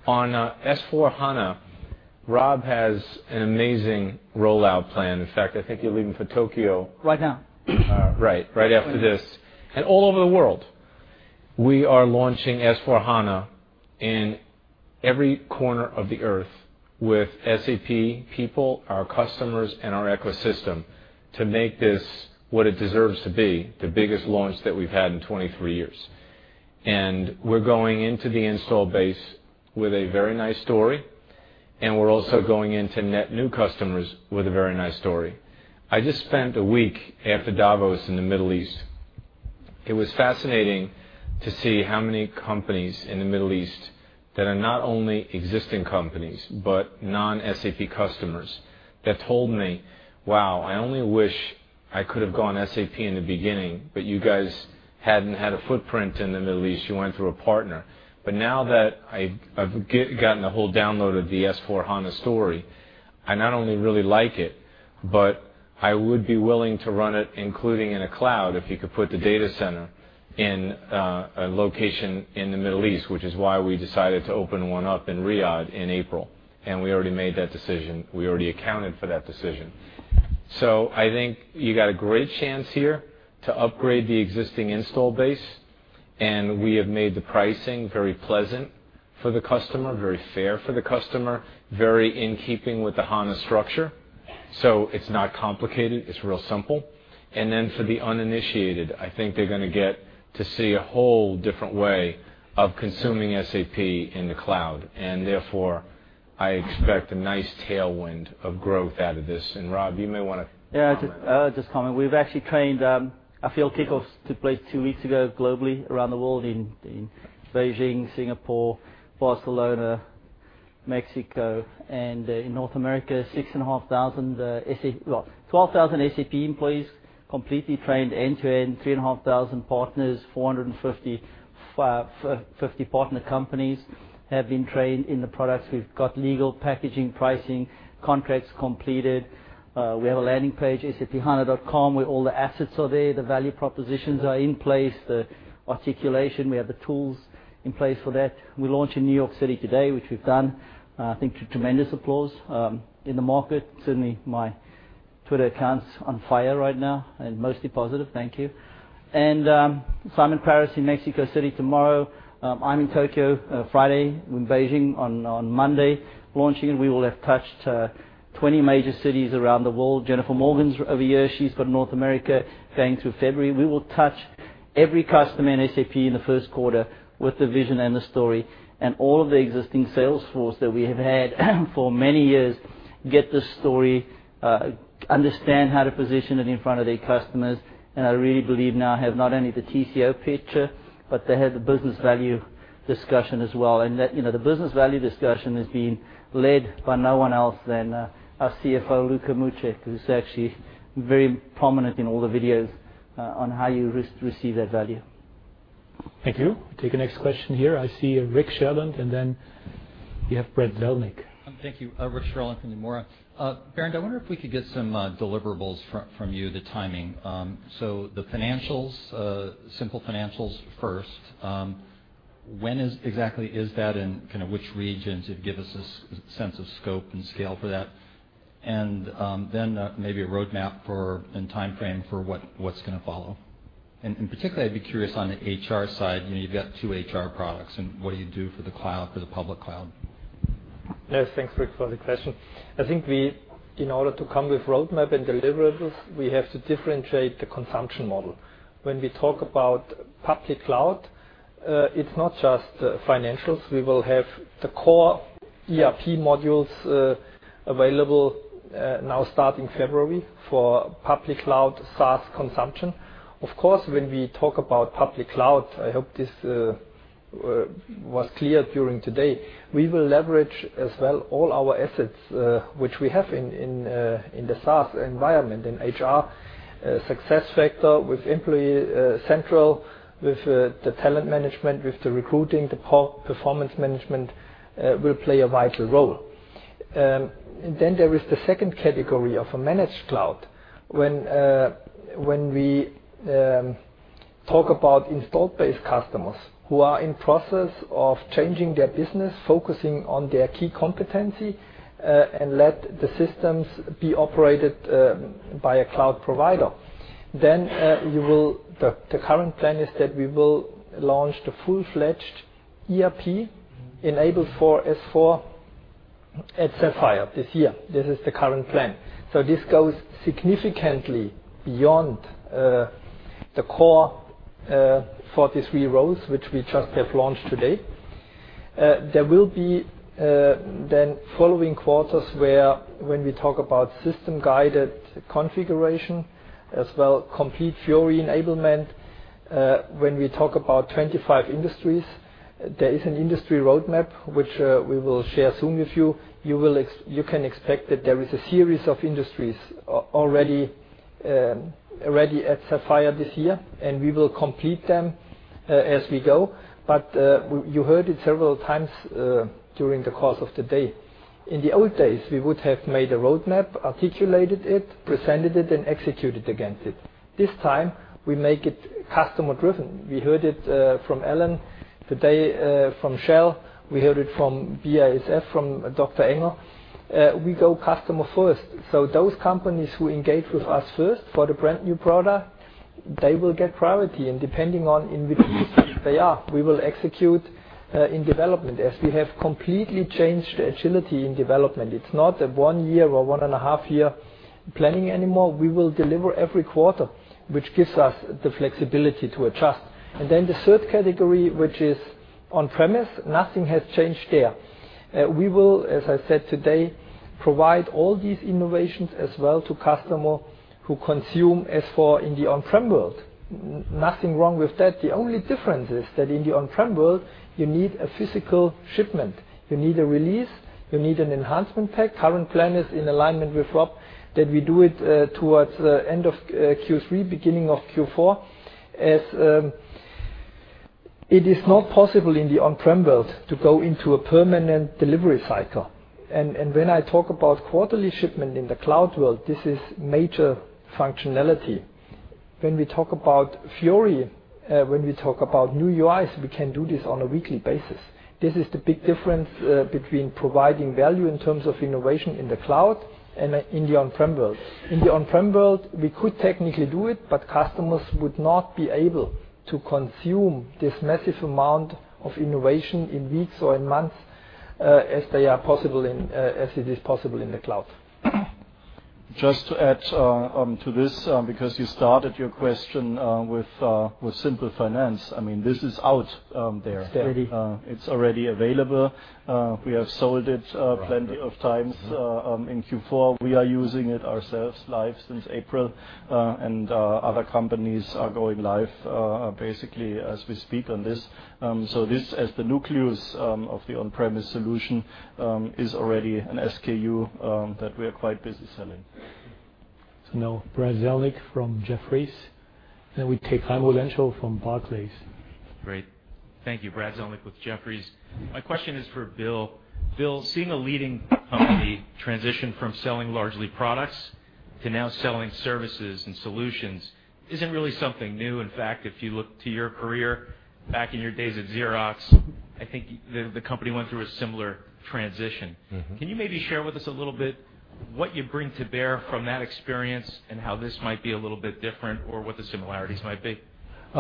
On S/4HANA, Rob has an amazing rollout plan. In fact, I think you're leaving for Tokyo- Right now Right. Right after this. All over the world, we are launching S/4HANA in every corner of the earth with SAP people, our customers, and our ecosystem to make this what it deserves to be, the biggest launch that we've had in 23 years. We're going into the install base with a very nice story, and we're also going in to net new customers with a very nice story. I just spent a week after Davos in the Middle East. It was fascinating to see how many companies in the Middle East, that are not only existing companies, but non-SAP customers, that told me, "Wow, I only wish I could have gone SAP in the beginning, but you guys hadn't had a footprint in the Middle East. You went through a partner. Now that I've gotten the whole download of the S/4HANA story, I not only really like it, but I would be willing to run it, including in a cloud, if you could put the data center in a location in the Middle East," which is why we decided to open one up in Riyadh in April. We already made that decision. We already accounted for that decision. I think you got a great chance here to upgrade the existing install base. We have made the pricing very pleasant for the customer, very fair for the customer, very in keeping with the HANA structure. It's not complicated. It's real simple. Then for the uninitiated, I think they're going to get to see a whole different way of consuming SAP in the cloud. Therefore, I expect a nice tailwind of growth out of this. Rob, you may want to comment. Yeah, I'll just comment. We've actually trained. Our field kickoffs took place two weeks ago globally around the world in Beijing, Singapore, Barcelona, Mexico, and in North America. 12,000 SAP employees completely trained end-to-end, 3,500 partners, 450 partner companies have been trained in the products. We've got legal, packaging, pricing, contracts completed. We have a landing page, saphana.com, where all the assets are there. The value propositions are in place. The articulation, we have the tools in place for that. We launch in New York City today, which we've done, I think, to tremendous applause in the market. Certainly, my Twitter account's on fire right now, mostly positive. Thank you. Simon Paris in Mexico City tomorrow. I'm in Tokyo Friday. In Beijing on Monday, launching, and we will have touched 20 major cities around the world. Jennifer Morgan's over here. She's got North America going through February. We will touch. We will touch every customer in SAP in the first quarter with the vision and the story, and all of the existing sales force that we have had for many years get this story, understand how to position it in front of their customers. I really believe now I have not only the TCO picture, but they have the business value discussion as well. That the business value discussion is being led by no one else than our CFO, Luka Mucic, who's actually very prominent in all the videos on how you receive that value. Thank you. Take the next question here. I see Rick Sherlund, then you have Brad Zelnick. Thank you. Rick Sherlund from Nomura. Bernd, I wonder if we could get some deliverables from you, the timing. The SAP Simple Finance first. When exactly is that in kind of which regions? If you give us a sense of scope and scale for that. Maybe a roadmap for, and timeframe for what's going to follow. In particular, I'd be curious on the HR side, you've got two HR products, what do you do for the public cloud? Yes, thanks, Rick, for the question. I think in order to come with a roadmap and deliverables, we have to differentiate the consumption model. When we talk about public cloud, it's not just financials. We will have the core ERP modules available now starting February for public cloud SaaS consumption. Of course, when we talk about public cloud, I hope this was clear during today, we will leverage as well all our assets, which we have in the SaaS environment, in HR, SuccessFactors, with Employee Central, with the talent management, with the recruiting, the performance management will play a vital role. There is the second category of a managed cloud. When we talk about install base customers who are in process of changing their business, focusing on their key competency, and let the systems be operated by a cloud provider. The current plan is that we will launch the full-fledged ERP enabled for S/4 at Sapphire this year. This is the current plan. This goes significantly beyond the core 43 roles which we just have launched today. There will be following quarters where when we talk about system-guided configuration as well, complete Fiori enablement. When we talk about 25 industries, there is an industry roadmap which we will share soon with you. You can expect that there is a series of industries already at Sapphire this year, and we will complete them as we go. You heard it several times, during the course of the day. In the old days, we would have made a roadmap, articulated it, presented it, and executed against it. This time, we make it customer-driven. We heard it from Alan today, from Shell. We heard it from BASF, from Dr. Engel. We go customer first. Those companies who engage with us first for the brand new product, they will get priority. Depending on in which stage they are, we will execute in development, as we have completely changed the agility in development. It's not a one-year or one-and-a-half-year planning anymore. We will deliver every quarter, which gives us the flexibility to adjust. The third category, which is on-premise, nothing has changed there. We will, as I said today, provide all these innovations as well to customers who consume S/4 in the on-prem world. Nothing wrong with that. The only difference is that in the on-prem world, you need a physical shipment. You need a release, you need an enhancement pack. Current plan is in alignment with Rob, that we do it towards the end of Q3, beginning of Q4. It is not possible in the on-prem world to go into a permanent delivery cycle. When I talk about quarterly shipment in the cloud world, this is major functionality. When we talk about Fiori, when we talk about new UIs, we can do this on a weekly basis. This is the big difference between providing value in terms of innovation in the cloud and in the on-prem world. In the on-prem world, we could technically do it, but customers would not be able to consume this massive amount of innovation in weeks or in months, as it is possible in the cloud. Just to add to this, because you started your question with SAP Simple Finance. This is out there. It's already. It's already available. We have sold it plenty of times in Q4. We are using it ourselves live since April, other companies are going live, basically as we speak on this. This, as the nucleus of the on-premise solution, is already an SKU that we are quite busy selling. Now Brad Zelnick from Jefferies. We take Raimo Lenschow from Barclays. Great. Thank you. Brad Zelnick with Jefferies. My question is for Bill. Bill, seeing a leading company transition from selling largely products to now selling services and solutions isn't really something new. In fact, if you look to your career back in your days at Xerox, I think the company went through a similar transition. Can you maybe share with us a little bit what you bring to bear from that experience and how this might be a little bit different or what the similarities might be?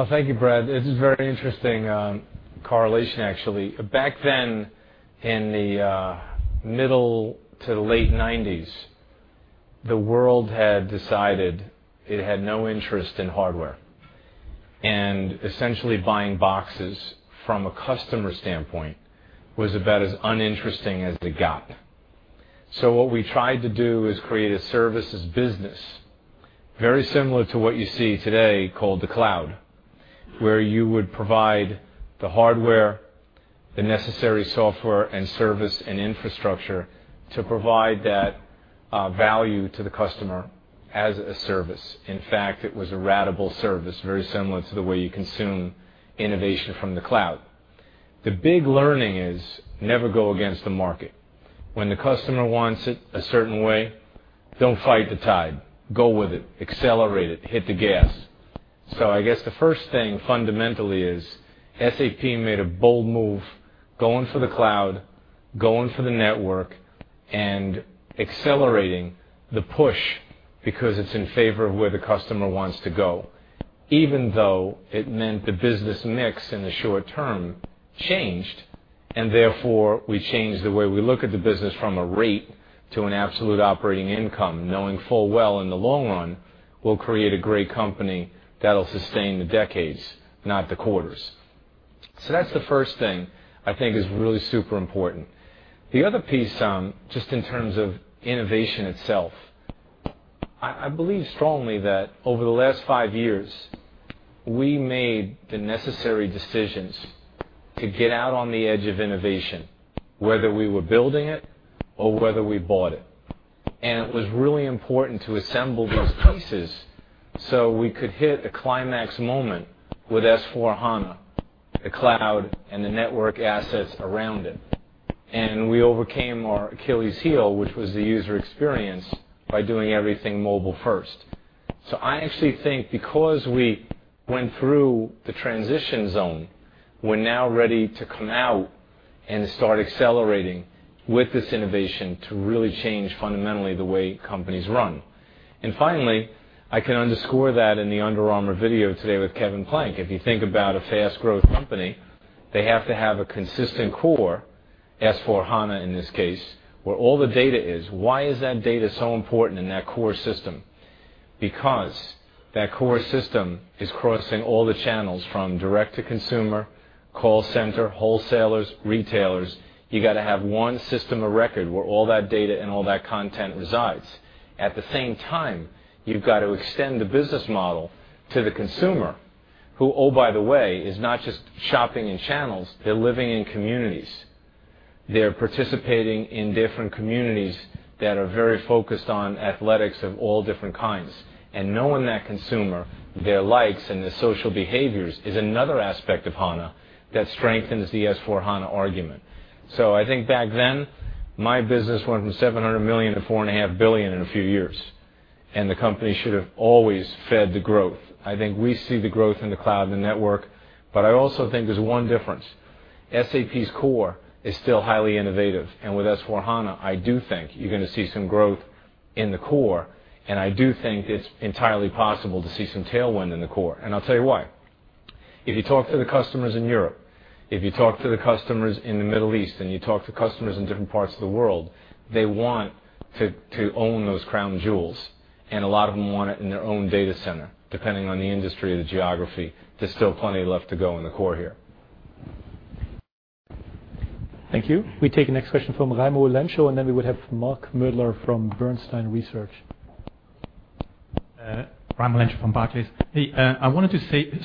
Thank you, Brad. This is a very interesting correlation, actually. Back then, in the middle to the late '90s. The world had decided it had no interest in hardware. Essentially buying boxes from a customer standpoint was about as uninteresting as it got. What we tried to do is create a services business, very similar to what you see today, called the cloud, where you would provide the hardware, the necessary software and service and infrastructure to provide that value to the customer as a service. In fact, it was a ratable service, very similar to the way you consume innovation from the cloud. The big learning is never go against the market. When the customer wants it a certain way, don't fight the tide, go with it, accelerate it, hit the gas. I guess the first thing fundamentally is SAP made a bold move going for the cloud, going for the network, and accelerating the push because it's in favor of where the customer wants to go, even though it meant the business mix in the short term changed. Therefore, we changed the way we look at the business from a rate to an absolute operating income, knowing full well in the long run, we'll create a great company that'll sustain the decades, not the quarters. That's the first thing I think is really super important. The other piece, just in terms of innovation itself, I believe strongly that over the last five years, we made the necessary decisions to get out on the edge of innovation, whether we were building it or whether we bought it. It was really important to assemble those pieces so we could hit a climax moment with S/4HANA, the cloud, and the network assets around it. We overcame our Achilles heel, which was the user experience, by doing everything mobile first. I actually think because we went through the transition zone, we're now ready to come out and start accelerating with this innovation to really change fundamentally the way companies run. Finally, I can underscore that in the Under Armour video today with Kevin Plank. If you think about a fast growth company, they have to have a consistent core, S/4HANA in this case, where all the data is. Why is that data so important in that core system? Because that core system is crossing all the channels from direct to consumer, call center, wholesalers, retailers. You got to have one system of record where all that data and all that content resides. At the same time, you've got to extend the business model to the consumer, who, oh, by the way, is not just shopping in channels, they're living in communities. They're participating in different communities that are very focused on athletics of all different kinds. Knowing that consumer, their likes, and their social behaviors is another aspect of HANA that strengthens the S/4HANA argument. I think back then, my business went from 700 million to 4.5 billion in a few years, and the company should have always fed the growth. I think we see the growth in the cloud and network, but I also think there's one difference. SAP's core is still highly innovative. With S/4HANA, I do think you're going to see some growth in the core. I do think it's entirely possible to see some tailwind in the core. I'll tell you why. If you talk to the customers in Europe, if you talk to the customers in the Middle East, you talk to customers in different parts of the world, they want to own those crown jewels. A lot of them want it in their own data center. Depending on the industry or the geography, there's still plenty left to go in the core here. Thank you. We take the next question from Raimo Lenschow. Then we would have Mark Moerdler from Bernstein Research. Raimo Lenschow from Barclays. Hey, I wanted to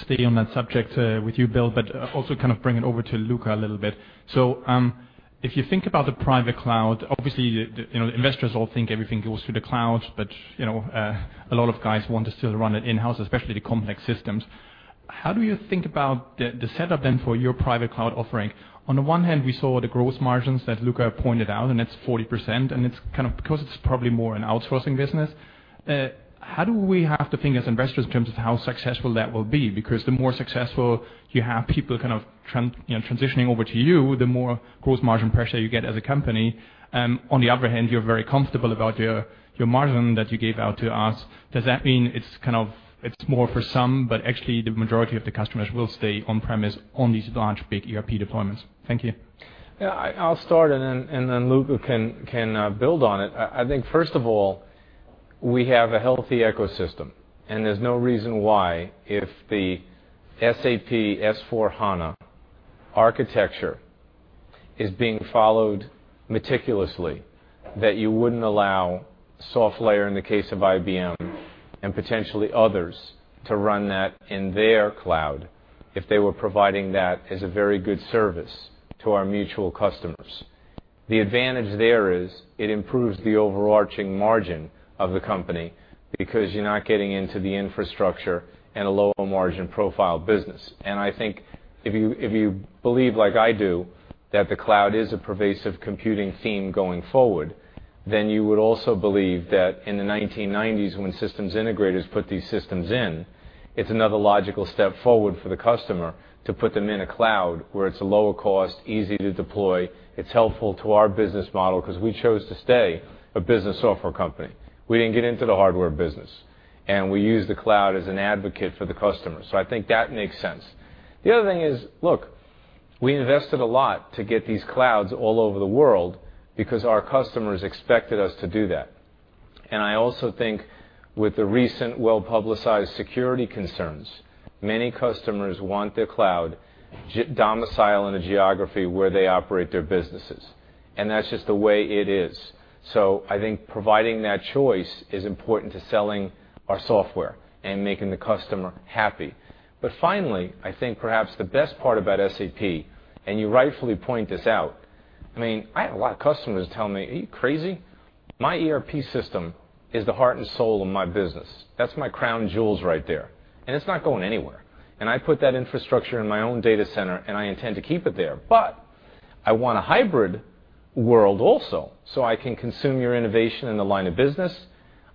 stay on that subject with you, Bill. Also kind of bring it over to Luka a little bit. If you think about the private cloud, obviously, the investors all think everything goes through the cloud. A lot of guys want to still run it in-house, especially the complex systems. How do you think about the setup for your private cloud offering? On the one hand, we saw the growth margins that Luka pointed out. It's 40%. It's kind of because it's probably more an outsourcing business. How do we have to think as investors in terms of how successful that will be? The more successful you have people kind of transitioning over to you, the more growth margin pressure you get as a company. On the other hand, you're very comfortable about your margin that you gave out to us. Does that mean it's more for some, actually the majority of the customers will stay on premise on these large, big ERP deployments? Thank you. I'll start and Luka can build on it. I think first of all, we have a healthy ecosystem, and there's no reason why if the SAP S/4HANA architecture is being followed meticulously, that you wouldn't allow SoftLayer in the case of IBM and potentially others to run that in their cloud if they were providing that as a very good service to our mutual customers. The advantage there is it improves the overarching margin of the company because you're not getting into the infrastructure and a lower margin profile business. I think if you believe like I do that the cloud is a pervasive computing theme going forward, you would also believe that in the 1990s when systems integrators put these systems in, it's another logical step forward for the customer to put them in a cloud where it's a lower cost, easy to deploy. It's helpful to our business model because we chose to stay a business software company. We didn't get into the hardware business, and we use the cloud as an advocate for the customer. I think that makes sense. The other thing is, look, we invested a lot to get these clouds all over the world because our customers expected us to do that. I also think with the recent well-publicized security concerns, many customers want their cloud domicile in a geography where they operate their businesses, and that's just the way it is. I think providing that choice is important to selling our software and making the customer happy. Finally, I think perhaps the best part about SAP, and you rightfully point this out. I have a lot of customers telling me, "Are you crazy? My ERP system is the heart and soul of my business. That's my crown jewels right there, and it's not going anywhere. I put that infrastructure in my own data center, and I intend to keep it there. I want a hybrid world also, so I can consume your innovation in the line of business.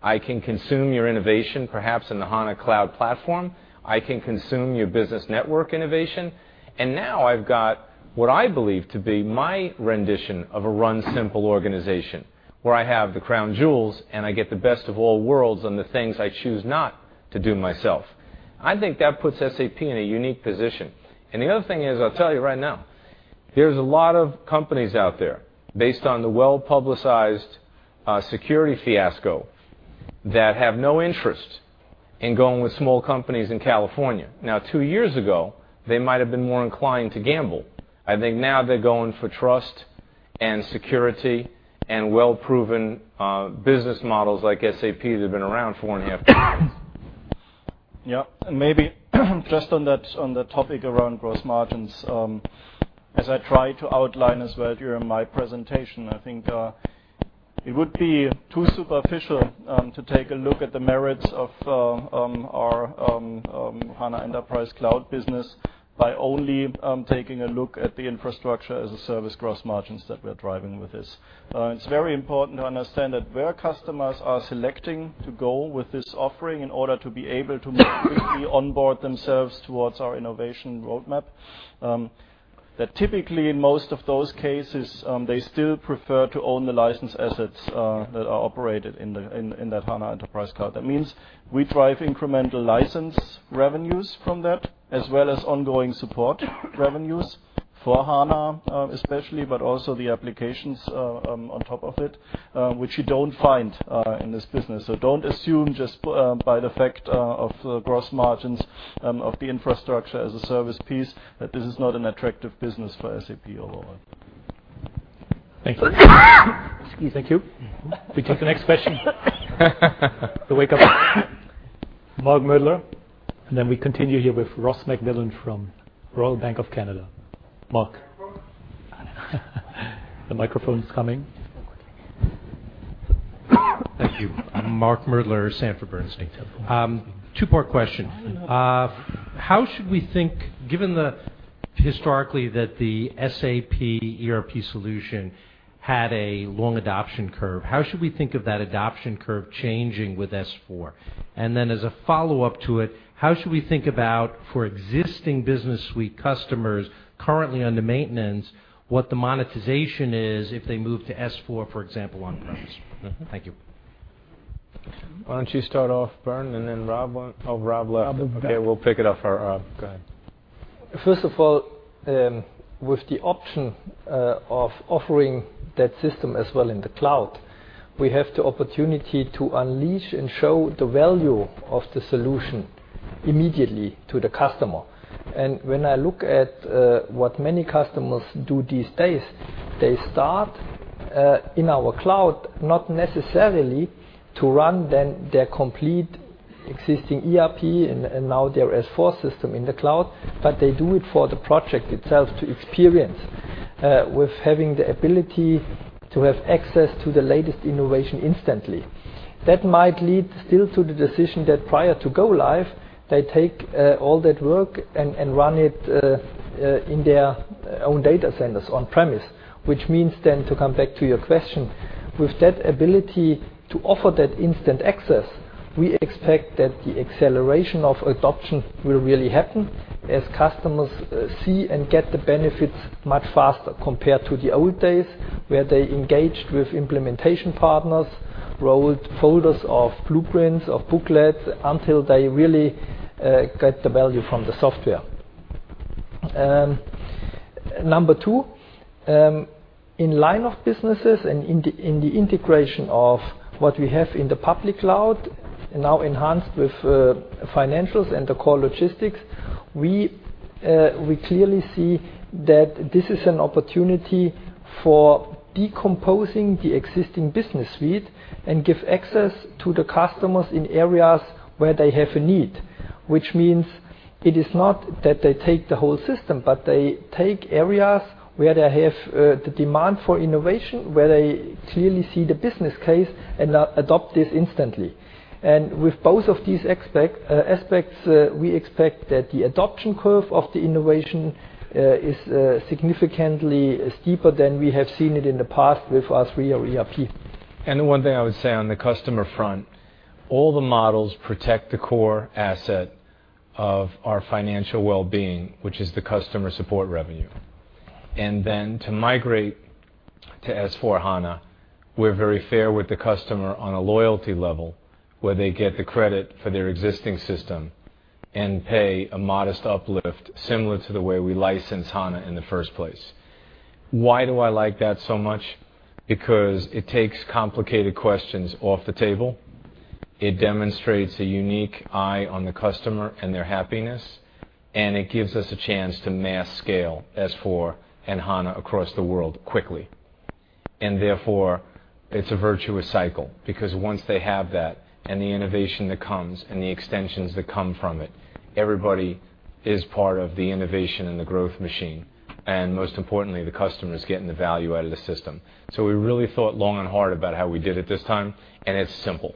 I can consume your innovation, perhaps, in the SAP HANA Cloud Platform. I can consume your business network innovation. Now I've got what I believe to be my rendition of a Run Simple organization, where I have the crown jewels, and I get the best of all worlds on the things I choose not to do myself." I think that puts SAP in a unique position. The other thing is, I'll tell you right now, there's a lot of companies out there, based on the well-publicized security fiasco, that have no interest in going with small companies in California. Now, two years ago, they might have been more inclined to gamble. I think now they're going for trust and security and well-proven business models like SAP that have been around four and a half decades. Yeah. Maybe just on the topic around gross margins, as I tried to outline as well during my presentation, I think it would be too superficial to take a look at the merits of our HANA Enterprise Cloud business by only taking a look at the infrastructure as a service gross margins that we're driving with this. It's very important to understand that where customers are selecting to go with this offering in order to be able to more quickly onboard themselves towards our innovation roadmap. That typically, in most of those cases, they still prefer to own the license assets that are operated in that HANA Enterprise Cloud. That means we drive incremental license revenues from that, as well as ongoing support revenues for HANA especially, but also the applications on top of it, which you don't find in this business. Don't assume just by the fact of the gross margins of the infrastructure as a service piece that this is not an attractive business for SAP overall. Thank you. Excuse me. Thank you. We take the next question. The wake-up call. Mark Moerdler, then we continue here with Ross MacMillan from Royal Bank of Canada. Mark. Microphone? The microphone's coming. Just one second. Thank you. Mark Moerdler, Sanford C. Bernstein. Two-part question. How should we think, given historically that the SAP ERP solution had a long adoption curve, how should we think of that adoption curve changing with S/4? Then as a follow-up to it, how should we think about, for existing Business Suite customers currently under maintenance, what the monetization is if they move to S/4, for example, on-premise? Thank you. Why don't you start off, Bernd, and then Rob? Oh, Rob left. Rob will be back. Okay, we'll pick it up for Rob. Go ahead. First of all, with the option of offering that system as well in the cloud, we have the opportunity to unleash and show the value of the solution immediately to the customer. When I look at what many customers do these days, they start in our cloud, not necessarily to run their complete existing ERP and now their S/4 system in the cloud, but they do it for the project itself to experience with having the ability to have access to the latest innovation instantly. That might lead still to the decision that prior to go live, they take all that work and run it in their own data centers on-premise. Which means, to come back to your question, with that ability to offer that instant access, we expect that the acceleration of adoption will really happen as customers see and get the benefits much faster compared to the old days, where they engaged with implementation partners, rolled folders of blueprints, of booklets, until they really get the value from the software. Number two, in line of businesses and in the integration of what we have in the public cloud, now enhanced with financials and the core logistics, we clearly see that this is an opportunity for decomposing the existing Business Suite and give access to the customers in areas where they have a need. Which means it is not that they take the whole system, but they take areas where they have the demand for innovation, where they clearly see the business case, and adopt this instantly. With both of these aspects, we expect that the adoption curve of the innovation is significantly steeper than we have seen it in the past with our three-year ERP. The one thing I would say on the customer front, all the models protect the core asset of our financial well-being, which is the customer support revenue. To migrate to S/4HANA, we're very fair with the customer on a loyalty level, where they get the credit for their existing system and pay a modest uplift, similar to the way we license HANA in the first place. Why do I like that so much? It takes complicated questions off the table, it demonstrates a unique eye on the customer and their happiness, and it gives us a chance to mass scale S/4 and HANA across the world quickly. Therefore, it's a virtuous cycle. Once they have that, and the innovation that comes, and the extensions that come from it, everybody is part of the innovation and the growth machine. Most importantly, the customer is getting the value out of the system. We really thought long and hard about how we did it this time, and it's simple.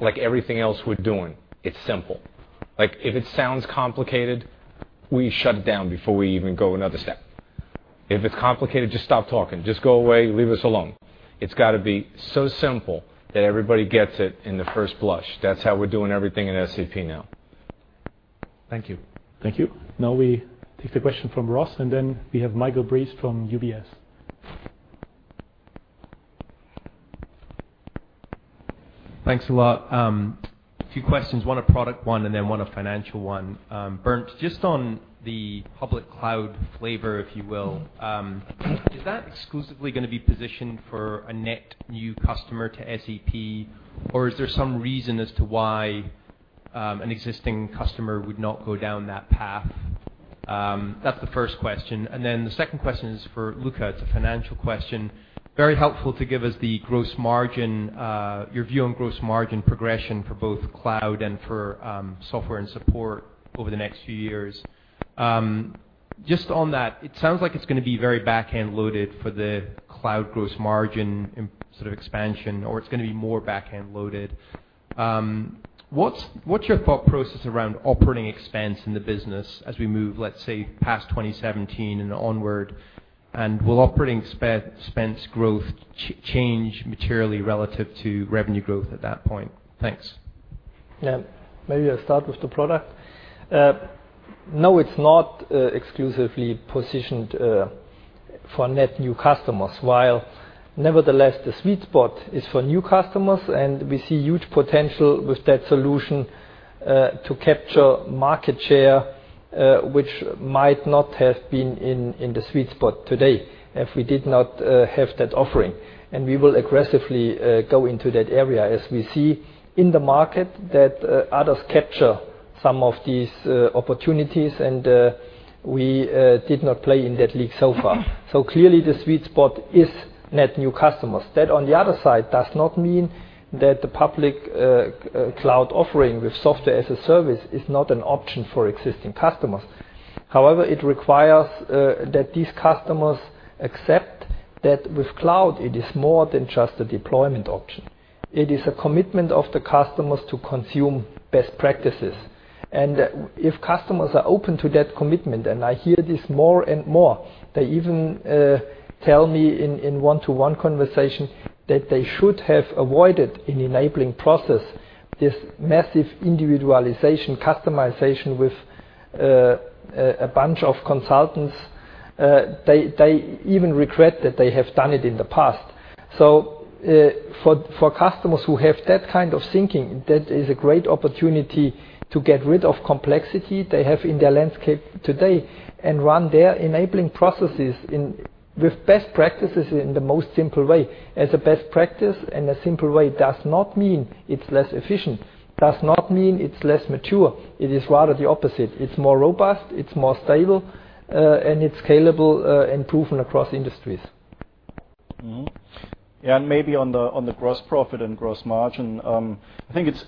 Like everything else we're doing, it's simple. If it sounds complicated, we shut it down before we even go another step. If it's complicated, just stop talking. Just go away, leave us alone. It's got to be so simple that everybody gets it in the first blush. That's how we're doing everything at SAP now. Thank you. Thank you. We take the question from Ross, then we have Michael Briest from UBS. Thanks a lot. A few questions, one a product one, then one a financial one. Bernd, just on the public cloud flavor, if you will. Is that exclusively going to be positioned for a net new customer to SAP, or is there some reason as to why an existing customer would not go down that path? That's the first question. The second question is for Luka. It's a financial question. Very helpful to give us the gross margin, your view on gross margin progression for both cloud and for software and support over the next few years. Just on that, it sounds like it's going to be very back-end loaded for the cloud gross margin sort of expansion, or it's going to be more back-end loaded. What's your thought process around operating expense in the business as we move, let's say, past 2017 and onward? Will operating expense growth change materially relative to revenue growth at that point? Thanks. Yeah. Maybe I'll start with the product. No, it's not exclusively positioned for net new customers, while nevertheless, the sweet spot is for new customers, we see huge potential with that solution to capture market share, which might not have been in the sweet spot today if we did not have that offering. We will aggressively go into that area as we see in the market that others capture some of these opportunities, we did not play in that league so far. Clearly the sweet spot is net new customers. That on the other side does not mean that the public cloud offering with software-as-a-service is not an option for existing customers. However, it requires that these customers accept that with cloud, it is more than just a deployment option. It is a commitment of the customers to consume best practices. If customers are open to that commitment, and I hear this more and more, they even tell me in one-to-one conversation that they should have avoided, in enabling process, this massive individualization, customization with a bunch of consultants. They even regret that they have done it in the past. For customers who have that kind of thinking, that is a great opportunity to get rid of complexity they have in their landscape today and run their enabling processes with best practices in the most simple way. As a best practice and a simple way does not mean it's less efficient, does not mean it's less mature. It is rather the opposite. It's more robust, it's more stable, and it's scalable and proven across industries. Maybe on the gross profit and gross margin. I think it's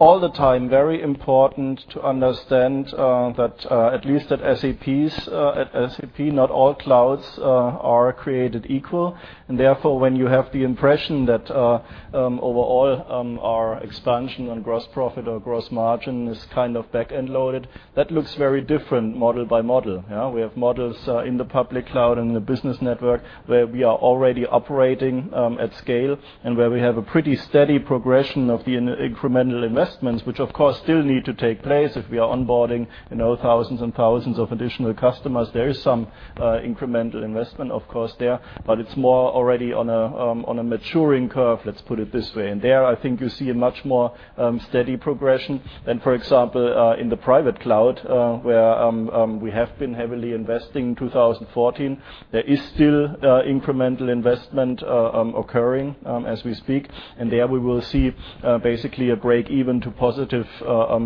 all the time very important to understand that at least at SAP, not all clouds are created equal. Therefore, when you have the impression that overall, our expansion on gross profit or gross margin is kind of back-end loaded, that looks very different model by model. We have models in the public cloud and the business network where we are already operating at scale and where we have a pretty steady progression of the incremental investments, which of course still need to take place if we are onboarding thousands and thousands of additional customers. There is some incremental investment, of course, there, but it's more already on a maturing curve, let's put it this way. There, I think you see a much more steady progression than, for example, in the private cloud, where we have been heavily investing in 2014. There is still incremental investment occurring as we speak, and there we will see basically a break even to positive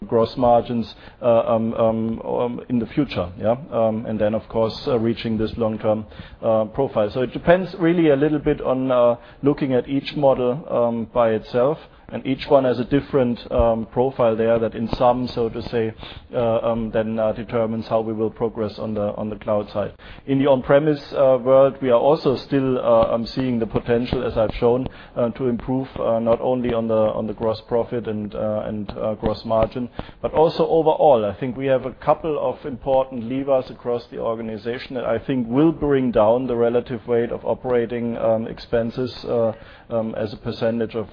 gross margins in the future. Then, of course, reaching this long-term profile. It depends really a little bit on looking at each model by itself, and each one has a different profile there that in sum, so to say, then determines how we will progress on the cloud side. In the on-premise world, we are also still seeing the potential, as I've shown, to improve not only on the gross profit and gross margin, but also overall, I think we have a couple of important levers across the organization that I think will bring down the relative weight of operating expenses as a percentage of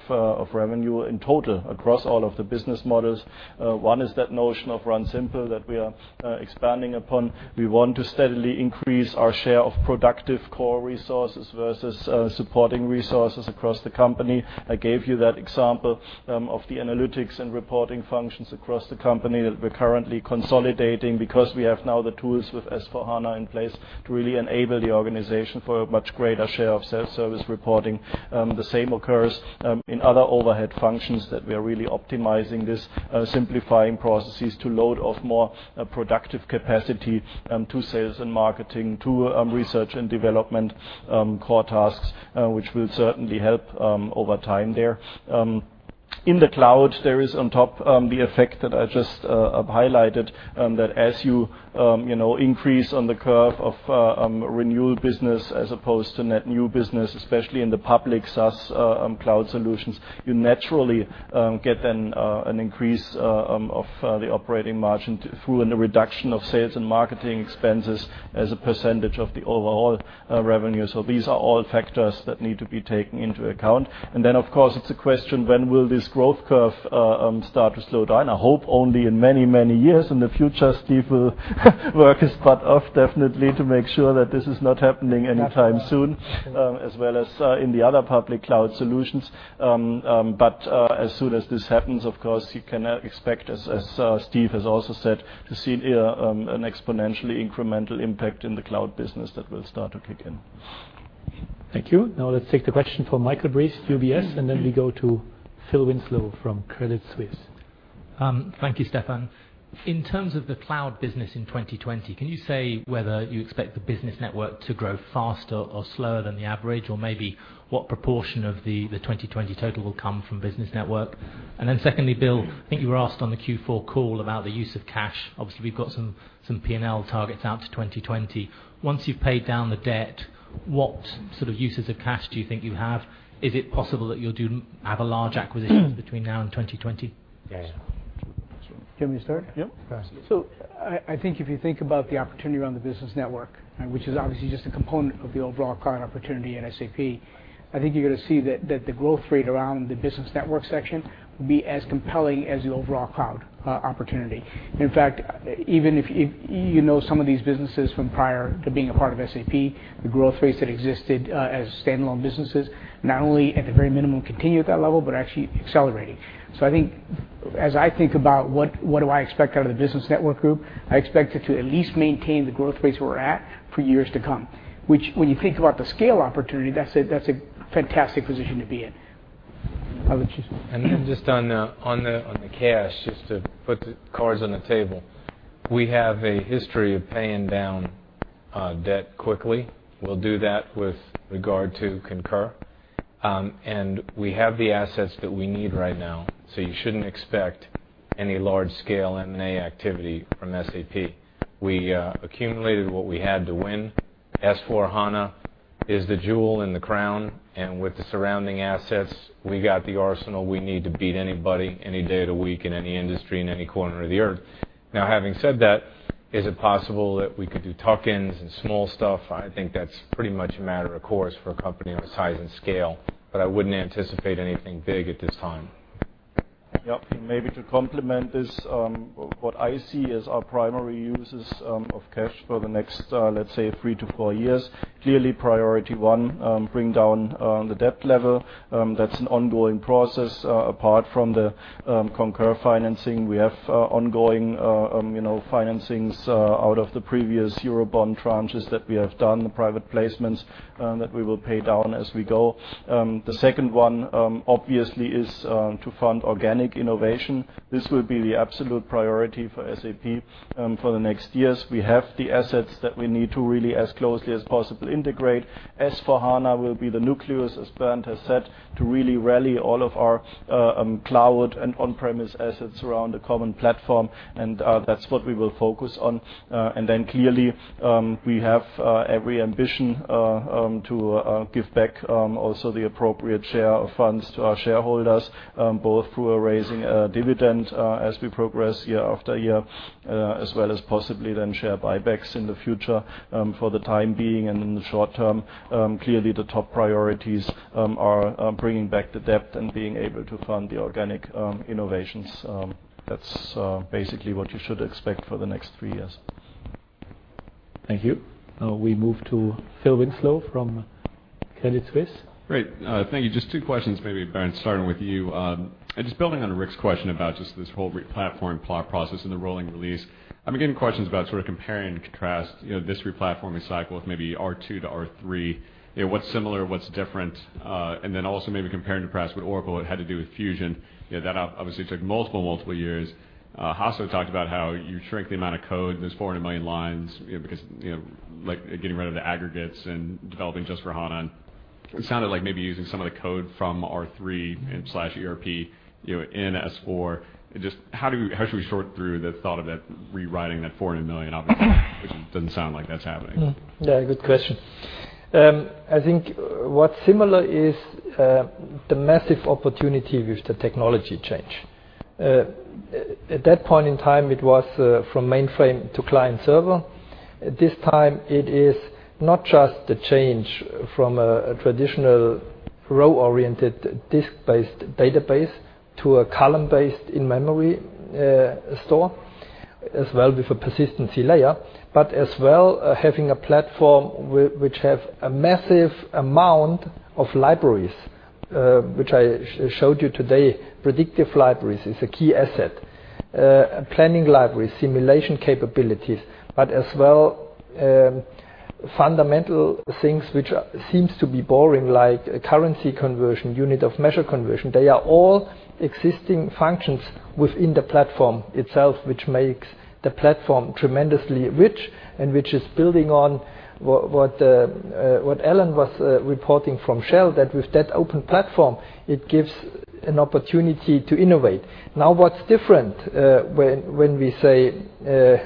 revenue in total across all of the business models. One is that notion of Run Simple that we are expanding upon. We want to steadily increase our share of productive core resources versus supporting resources across the company. I gave you that example of the analytics and reporting functions across the company that we're currently consolidating because we have now the tools with S/4HANA in place to really enable the organization for a much greater share of self-service reporting. The same occurs in other overhead functions that we are really optimizing this, simplifying processes to load off more productive capacity to sales and marketing, to research and development core tasks, which will certainly help over time there. In the cloud, there is on top the effect that I just highlighted, that as you increase on the curve of renewal business as opposed to net new business, especially in the public SaaS cloud solutions, you naturally get an increase of the operating margin through the reduction of sales and marketing expenses as a percentage of the overall revenue. These are all factors that need to be taken into account. Of course, it's a question, when will this growth curve start to slow down? I hope only in many years in the future. Steve will work his butt off, definitely, to make sure that this is not happening anytime soon. As well as in the other public cloud solutions. As soon as this happens, of course, you can expect, as Steve has also said, to see an exponentially incremental impact in the cloud business that will start to kick in. Thank you. Now let's take the question from Michael Briest, UBS, and then we go to Philip Winslow from Credit Suisse. Thank you, Stefan. In terms of the cloud business in 2020, can you say whether you expect the business network to grow faster or slower than the average? Or maybe what proportion of the 2020 total will come from business network? Secondly, Bill, I think you were asked on the Q4 call about the use of cash. Obviously, we've got some P&L targets out to 2020. Once you've paid down the debt, what sort of uses of cash do you think you have? Is it possible that you'll have a large acquisition between now and 2020? Yeah. Do you want me to start? Yep. I think if you think about the opportunity around the business network, which is obviously just a component of the overall current opportunity at SAP, I think you're going to see that the growth rate around the business network section will be as compelling as the overall cloud opportunity. In fact, even if you know some of these businesses from prior to being a part of SAP, the growth rates that existed as standalone businesses, not only at the very minimum continue at that level, but actually accelerating. I think, as I think about what do I expect out of the business network group, I expect it to at least maintain the growth rates we're at for years to come. Which, when you think about the scale opportunity, that's a fantastic position to be in. Just on the cash, just to put the cards on the table. We have a history of paying down debt quickly. We'll do that with regard to Concur. We have the assets that we need right now, so you shouldn't expect any large-scale M&A activity from SAP. We accumulated what we had to win. S/4HANA is the jewel in the crown, and with the surrounding assets, we got the arsenal we need to beat anybody any day of the week in any industry in any corner of the earth. Having said that, is it possible that we could do tuck-ins and small stuff? I think that's pretty much a matter of course for a company of this size and scale, but I wouldn't anticipate anything big at this time. Yep. Maybe to complement this, what I see as our primary uses of cash for the next, let's say, 3 to 4 years, clearly priority 1, bring down the debt level. That's an ongoing process. Apart from the Concur financing, we have ongoing financings out of the previous Eurobond tranches that we have done, the private placements, that we will pay down as we go. The second 1, obviously, is to fund organic innovation. This will be the absolute priority for SAP for the next years. We have the assets that we need to really, as closely as possible, integrate. S/4HANA will be the nucleus, as Bernd has said, to really rally all of our cloud and on-premise assets around a common platform. That's what we will focus on. Clearly, we have every ambition to give back also the appropriate share of funds to our shareholders, both through raising dividend as we progress year after year, as well as possibly then share buybacks in the future. For the time being and in the short term, clearly the top priorities are bringing back the debt and being able to fund the organic innovations. That's basically what you should expect for the next three years. Thank you. We move to Philip Winslow from Credit Suisse. Great. Thank you. Just two questions, maybe, Bernd, starting with you. Just building on Rick's question about just this whole replatform process and the rolling release. I've been getting questions about sort of comparing, contrast this replatforming cycle with maybe R/2 to R/3. What's similar, what's different? Also maybe compare and contrast what Oracle had to do with Fusion. That obviously took multiple years. Hasso talked about how you shrink the amount of code, those 400 million lines, because like getting rid of the aggregates and developing just for HANA. It sounded like maybe using some of the code from R/3/ERP in S/4. Just how should we sort through the thought of that rewriting that 400 million, obviously, which it doesn't sound like that's happening. Yeah. Good question. I think what's similar is the massive opportunity with the technology change. At that point in time, it was from mainframe to client-server. This time, it is not just the change from a traditional row-oriented, disk-based database to a column-based in-memory store, as well with a persistency layer. As well, having a platform which have a massive amount of libraries, which I showed you today. Predictive libraries is a key asset. Planning libraries, simulation capabilities, Fundamental things which seems to be boring, like currency conversion, unit of measure conversion, they are all existing functions within the platform itself, which makes the platform tremendously rich, and which is building on what Alan was reporting from Shell, that with that open platform, it gives an opportunity to innovate. What's different when we say,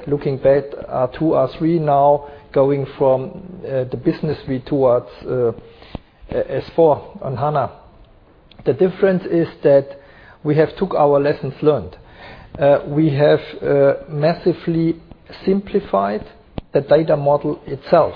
looking back, SAP R/2, SAP R/3 now going from the SAP Business Suite towards SAP S/4HANA. The difference is that we have took our lessons learned. We have massively simplified the data model itself.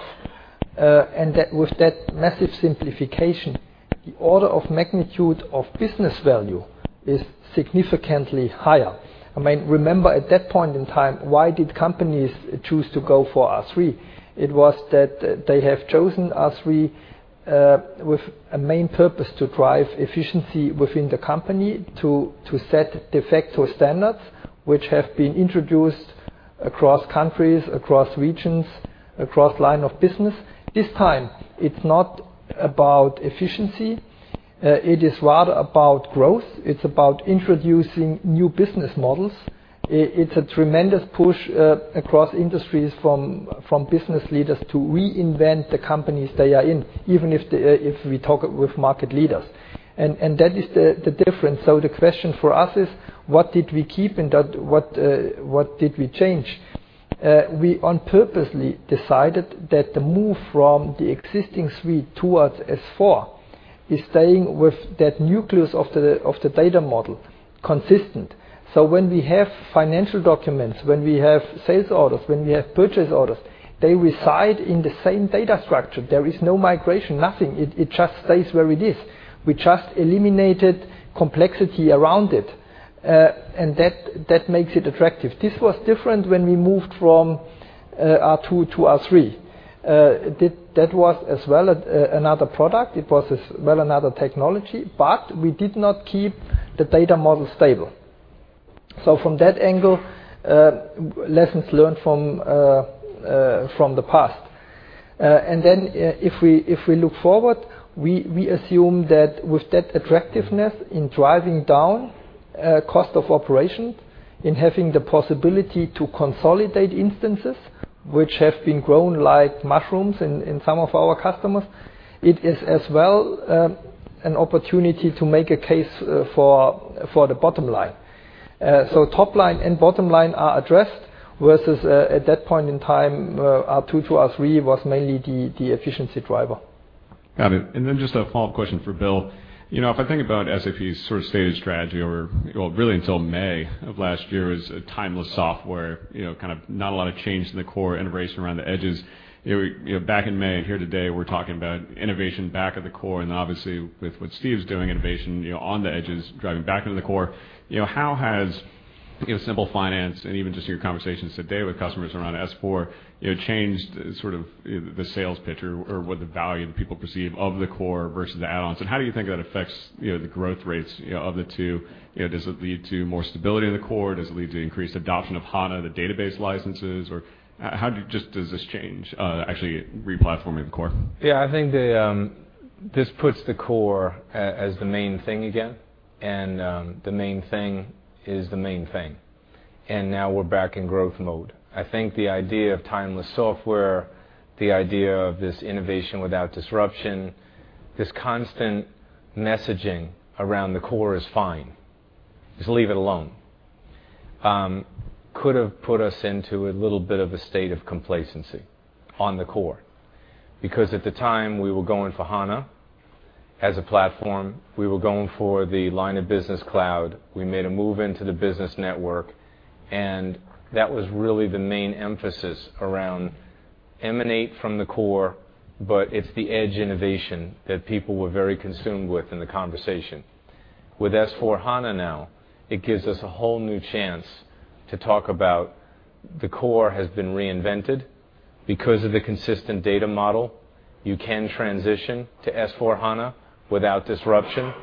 With that massive simplification, the order of magnitude of business value is significantly higher. Remember at that point in time, why did companies choose to go for SAP R/3? It was that they have chosen SAP R/3 with a main purpose to drive efficiency within the company to set de facto standards, which have been introduced across countries, across regions, across line of business. This time, it's not about efficiency. It is rather about growth. It's about introducing new business models. It's a tremendous push across industries from business leaders to reinvent the companies they are in, even if we talk with market leaders. That is the difference. The question for us is: What did we keep and what did we change? We on purposely decided that the move from the existing suite towards SAP S/4HANA is staying with that nucleus of the data model consistent. When we have financial documents, when we have sales orders, when we have purchase orders, they reside in the same data structure. There is no migration, nothing. It just stays where it is. We just eliminated complexity around it. That makes it attractive. This was different when we moved from SAP R/2 to SAP R/3. That was as well another product. It was as well another technology. We did not keep the data model stable. From that angle, lessons learned from the past. If we look forward, we assume that with that attractiveness in driving down cost of operations, in having the possibility to consolidate instances, which have been grown like mushrooms in some of our customers, it is as well an opportunity to make a case for the bottom line. Top line and bottom line are addressed, versus at that point in time, SAP R/2 to SAP R/3 was mainly the efficiency driver. Got it. Then just a follow-up question for Bill. If I think about SAP's sort of stated strategy over, well, really until May of last year was a timeless software, kind of not a lot of change in the core, innovation around the edges. Back in May, here today, we're talking about innovation back at the core, and obviously with what Steve's doing, innovation on the edges, driving back into the core. How has SAP Simple Finance and even just your conversations today with customers around S/4 changed sort of the sales pitch or what the value that people perceive of the core versus the add-ons? How do you think that affects the growth rates of the two? Does it lead to more stability in the core? Does it lead to increased adoption of HANA, the database licenses? Or how just does this change, actually replatforming the core? Yeah, I think this puts the core as the main thing again, the main thing is the main thing. Now we're back in growth mode. I think the idea of timeless software, the idea of this innovation without disruption, this constant messaging around the core is fine. Just leave it alone. Could have put us into a little bit of a state of complacency on the core. Because at the time, we were going for HANA as a platform. We were going for the line of business cloud. We made a move into the business network, and that was really the main emphasis around emanate from the core, but it's the edge innovation that people were very consumed with in the conversation. With SAP S/4HANA now, it gives us a whole new chance to talk about the core has been reinvented because of the consistent data model. You can transition to SAP S/4HANA without disruption.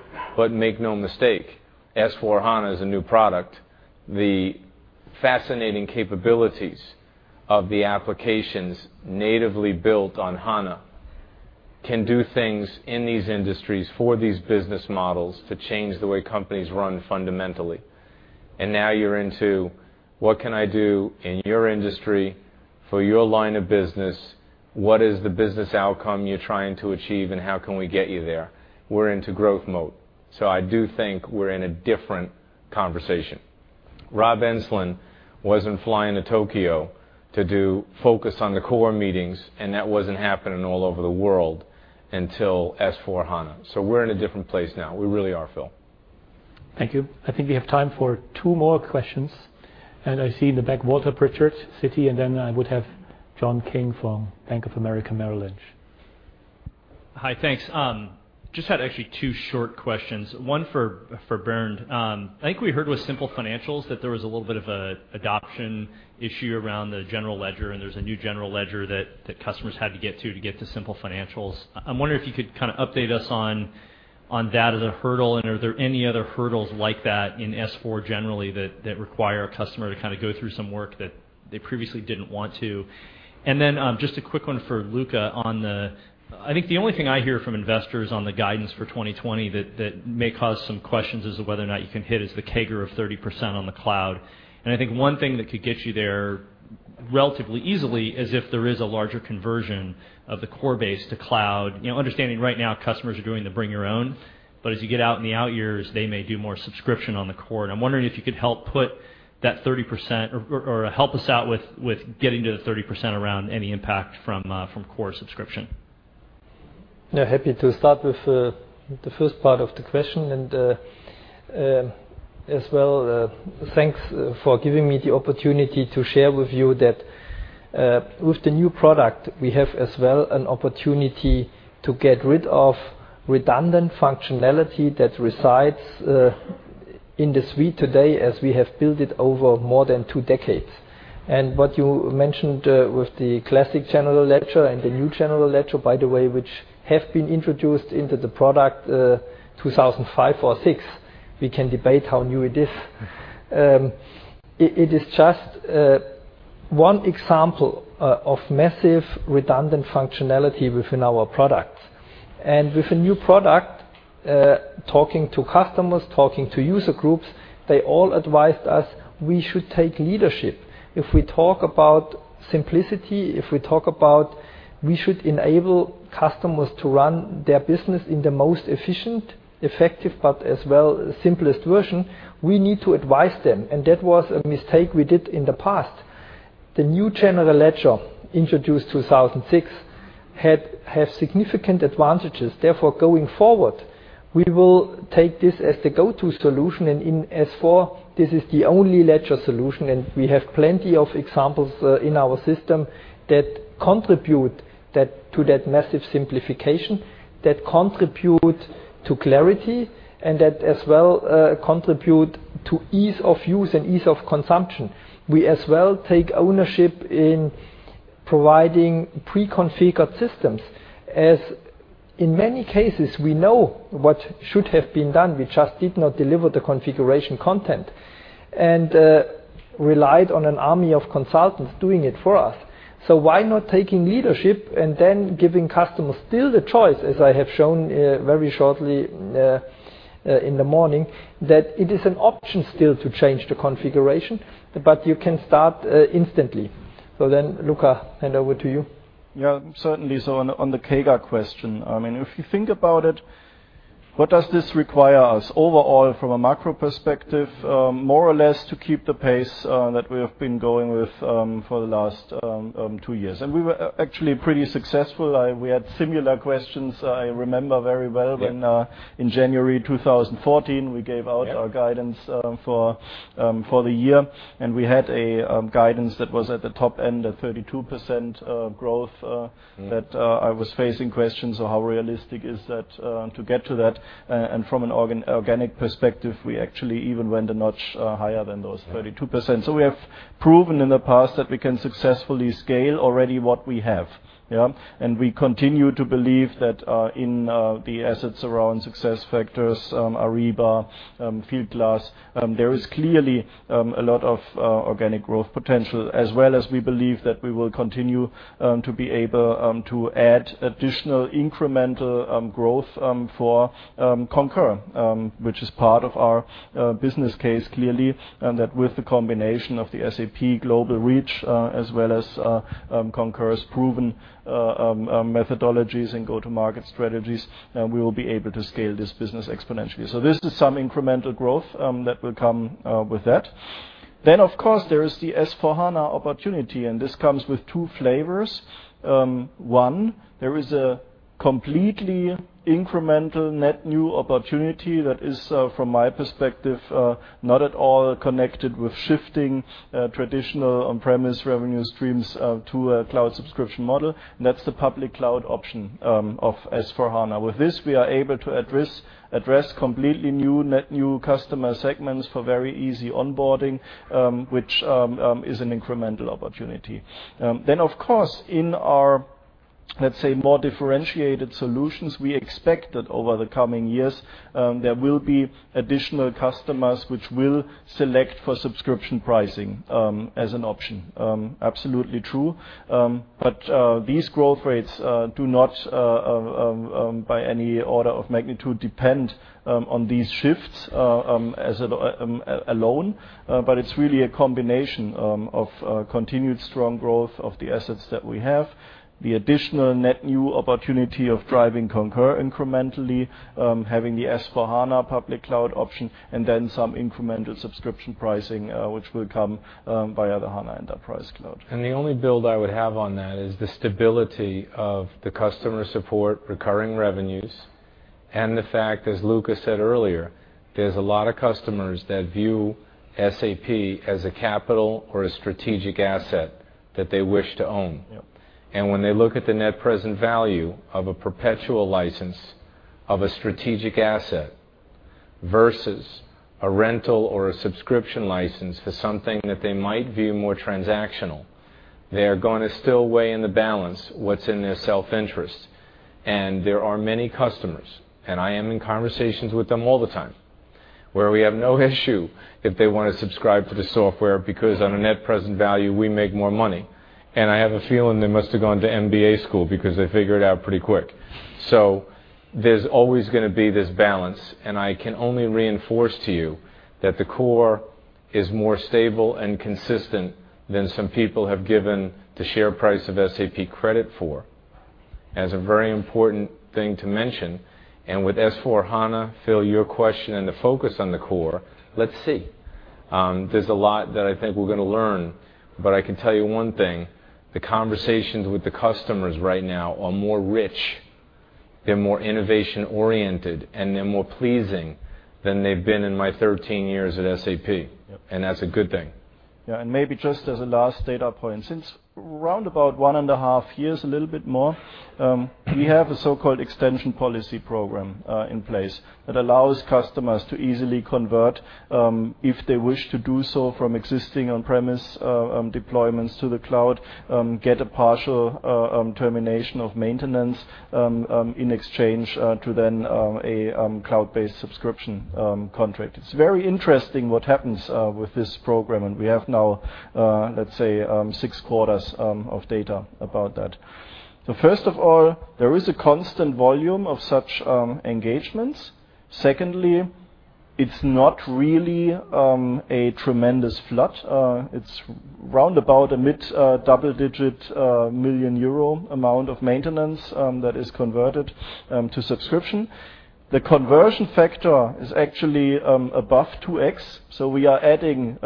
Make no mistake, SAP S/4HANA is a new product. The fascinating capabilities of the applications natively built on HANA can do things in these industries for these business models to change the way companies run fundamentally. Now you're into what can I do in your industry for your line of business? What is the business outcome you're trying to achieve, and how can we get you there? We're into growth mode. I do think we're in a different conversation. Rob Enslin wasn't flying to Tokyo to do focus on the core meetings, and that wasn't happening all over the world until SAP S/4HANA. We're in a different place now. We really are, Phil. Thank you. I think we have time for two more questions. I see in the back Walter Pritchard, Citi, then I would have John King from Bank of America Merrill Lynch. Hi, thanks. Just had actually 2 short questions, one for Bernd. I think we heard with SAP Simple Finance that there was a little bit of a adoption issue around the general ledger, and there's a new general ledger that customers had to get to to get to SAP Simple Finance. I'm wondering if you could kind of update us on that as a hurdle, and are there any other hurdles like that in S/4 generally that require a customer to kind of go through some work that they previously didn't want to? Then just a quick one for Luka on the, I think the only thing I hear from investors on the guidance for 2020 that may cause some questions as to whether or not you can hit is the CAGR of 30% on the cloud. I think one thing that could get you relatively easily is if there is a larger conversion of the core base to cloud. Understanding right now, customers are doing the bring your own, but as you get out in the out years, they may do more subscription on the core. I'm wondering if you could help put that 30%, or help us out with getting to the 30% around any impact from core subscription. Yeah, happy to start with the first part of the question. As well, thanks for giving me the opportunity to share with you that with the new product, we have as well an opportunity to get rid of redundant functionality that resides in the suite today as we have built it over more than 2 decades. What you mentioned with the classic general ledger and the new general ledger, by the way, which have been introduced into the product, 2005 or 2006, we can debate how new it is. It is just 1 example of massive redundant functionality within our products. With a new product, talking to customers, talking to user groups, they all advised us we should take leadership. If we talk about simplicity, if we talk about we should enable customers to run their business in the most efficient, effective, but as well, simplest version, we need to advise them. That was a mistake we did in the past. The new general ledger introduced 2006 have significant advantages. Therefore, going forward, we will take this as the go-to solution, and in S/4, this is the only ledger solution. We have plenty of examples in our system that contribute to that massive simplification, that contribute to clarity, and that, as well, contribute to ease of use and ease of consumption. We as well take ownership in providing pre-configured systems, as in many cases, we know what should have been done. We just did not deliver the configuration content and relied on an army of consultants doing it for us. Why not taking leadership and then giving customers still the choice, as I have shown very shortly in the morning, that it is an option still to change the configuration, you can start instantly. Luka, hand over to you. Yeah, certainly. On the CAGR question, if you think about it, what does this require us? Overall, from a macro perspective, more or less to keep the pace that we have been going with for the last two years. We were actually pretty successful. We had similar questions. I remember very well when in January 2014, we gave out our guidance for the year. We had a guidance that was at the top end of 32% growth, that I was facing questions of how realistic is that to get to that. From an organic perspective, we actually even went a notch higher than those 32%. We have proven in the past that we can successfully scale already what we have. We continue to believe that in the assets around SuccessFactors, Ariba, Fieldglass, there is clearly a lot of organic growth potential. As well as we believe that we will continue to be able to add additional incremental growth for Concur, which is part of our business case, clearly. That with the combination of the SAP global reach, as well as Concur's proven methodologies and go-to-market strategies, we will be able to scale this business exponentially. This is some incremental growth that will come with that. Of course, there is the S/4HANA opportunity, this comes with two flavors. One, there is a completely incremental net new opportunity that is, from my perspective, not at all connected with shifting traditional on-premise revenue streams to a cloud subscription model. That's the public cloud option of S/4HANA. With this, we are able to address completely new net, new customer segments for very easy onboarding, which is an incremental opportunity. Of course, in our, let's say, more differentiated solutions, we expect that over the coming years, there will be additional customers which will select for subscription pricing as an option. Absolutely true. These growth rates do not, by any order of magnitude, depend on these shifts alone. It's really a combination of continued strong growth of the assets that we have, the additional net new opportunity of driving Concur incrementally, having the S/4HANA public cloud option, some incremental subscription pricing, which will come via the HANA Enterprise Cloud. The only build I would have on that is the stability of the customer support recurring revenues, and the fact, as Luka said earlier, there's a lot of customers that view SAP as a capital or a strategic asset that they wish to own. Yep. When they look at the net present value of a perpetual license of a strategic asset versus a rental or a subscription license for something that they might view more transactional, they are going to still weigh in the balance what's in their self-interest. There are many customers, and I am in conversations with them all the time, where we have no issue if they want to subscribe to the software, because on a net present value, we make more money. I have a feeling they must have gone to MBA school because they figured it out pretty quick. There's always going to be this balance, and I can only reinforce to you that the core is more stable and consistent than some people have given the share price of SAP credit for. As a very important thing to mention, with S/4HANA, Phil, your question and the focus on the core, let's see. There's a lot that I think we're going to learn, but I can tell you one thing, the conversations with the customers right now are more rich, they're more innovation-oriented, and they're more pleasing than they've been in my 13 years at SAP. Yep. That's a good thing. Maybe just as a last data point, since round about one and a half years, a little bit more, we have a so-called extension policy program in place that allows customers to easily convert, if they wish to do so, from existing on-premise deployments to the cloud, get a partial termination of maintenance in exchange to then a cloud-based subscription contract. It's very interesting what happens with this program, we have now, let's say, six quarters of data about that. First of all, there is a constant volume of such engagements. Secondly, it's not really a tremendous flood. It's round about a mid-double digit million EUR amount of maintenance that is converted to subscription. The conversion factor is actually above 2x, we are adding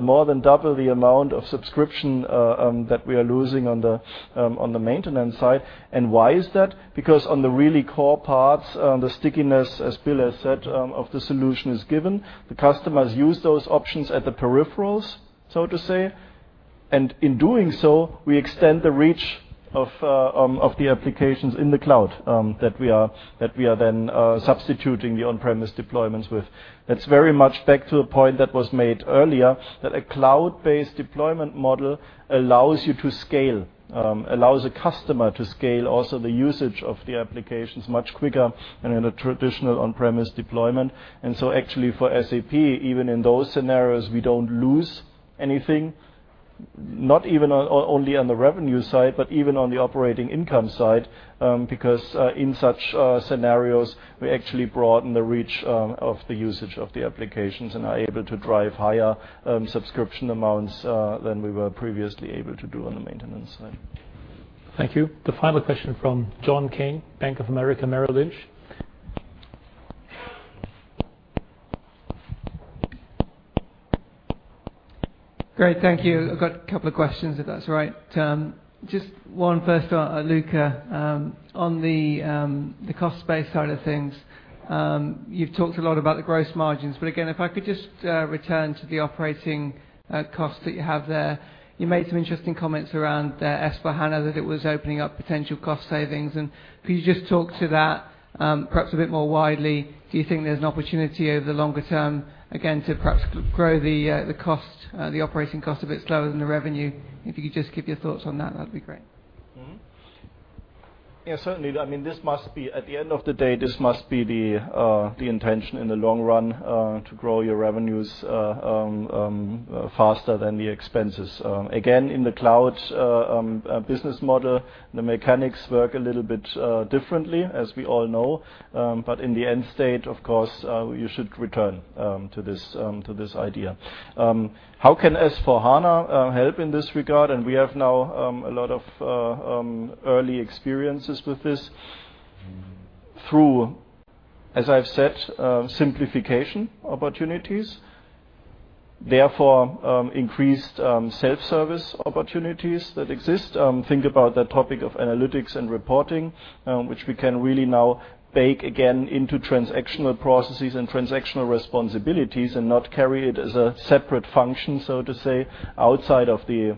more than double the amount of subscription that we are losing on the maintenance side. Why is that? Because on the really core parts, the stickiness, as Bill has said, of the solution is given. The customers use those options at the peripherals, so to say. In doing so, we extend the reach of the applications in the cloud that we are then substituting the on-premise deployments with. That's very much back to a point that was made earlier, that a cloud-based deployment model allows you to scale, allows a customer to scale also the usage of the applications much quicker than in a traditional on-premise deployment. Actually for SAP, even in those scenarios, we don't lose anything, not even only on the revenue side, but even on the operating income side because in such scenarios, we actually broaden the reach of the usage of the applications and are able to drive higher subscription amounts than we were previously able to do on the maintenance side. Thank you. The final question from John King, Bank of America Merrill Lynch. Great. Thank you. I've got a couple of questions, if that's all right. Just one first to Luka. On the cost base side of things, you've talked a lot about the gross margins. If I could just return to the operating costs that you have there. You made some interesting comments around S/4HANA, that it was opening up potential cost savings. Could you just talk to that perhaps a bit more widely? Do you think there's an opportunity over the longer term, again, to perhaps grow the operating cost a bit slower than the revenue? If you could just give your thoughts on that'd be great. Yeah, certainly. At the end of the day, this must be the intention in the long run, to grow your revenues faster than the expenses. Again, in the cloud business model, the mechanics work a little bit differently, as we all know. In the end state, of course, you should return to this idea. How can S/4HANA help in this regard? We have now a lot of early experiences with this. Through, as I've said, simplification opportunities, therefore increased self-service opportunities that exist. Think about the topic of analytics and reporting, which we can really now bake again into transactional processes and transactional responsibilities and not carry it as a separate function, so to say, outside of the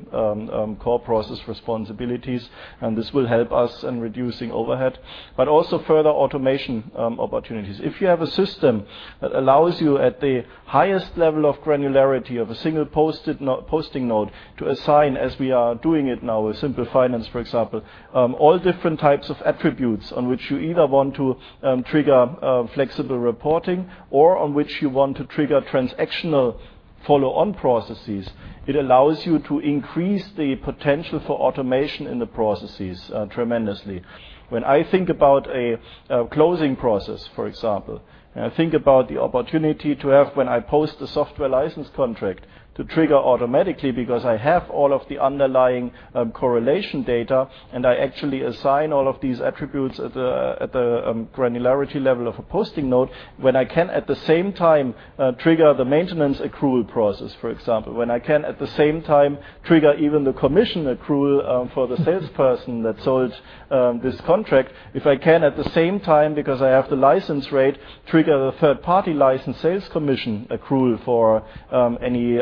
core process responsibilities. This will help us in reducing overhead. Also further automation opportunities. If you have a system that allows you at the highest level of granularity of a single posting node to assign, as we are doing it now with Simple Finance, for example, all different types of attributes on which you either want to trigger flexible reporting or on which you want to trigger transactional follow-on processes. It allows you to increase the potential for automation in the processes tremendously. When I think about a closing process, for example, when I think about the opportunity to have when I post a software license contract to trigger automatically because I have all of the underlying correlation data, and I actually assign all of these attributes at the granularity level of a posting node. When I can, at the same time, trigger the maintenance accrual process, for example. When I can, at the same time, trigger even the commission accrual for the salesperson that sold this contract. If I can, at the same time, because I have the license rate, trigger the third-party license sales commission accrual for any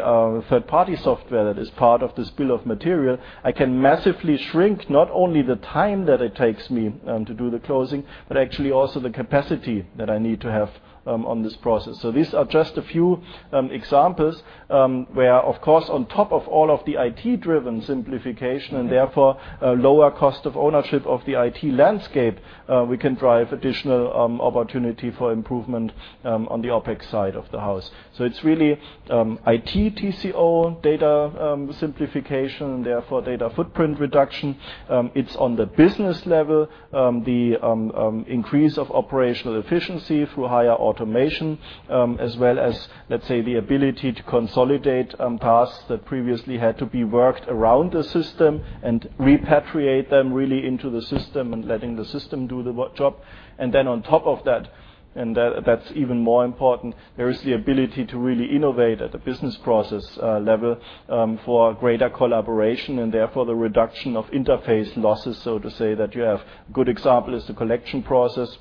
third-party software that is part of this bill of material. I can massively shrink not only the time that it takes me to do the closing, but actually also the capacity that I need to have on this process. These are just a few examples where of course, on top of all of the IT-driven simplification and therefore lower cost of ownership of the IT landscape, we can drive additional opportunity for improvement on the OpEx side of the house. It's really IT TCO data simplification, therefore data footprint reduction. It's on the business level, the increase of operational efficiency through higher automation as well as, let's say, the ability to consolidate tasks that previously had to be worked around the system and repatriate them really into the system and letting the system do the job. Then on top of that, and that's even more important, there is the ability to really innovate at the business process level for greater collaboration and therefore the reduction of interface losses, so to say, that you have. Good example is the collection process.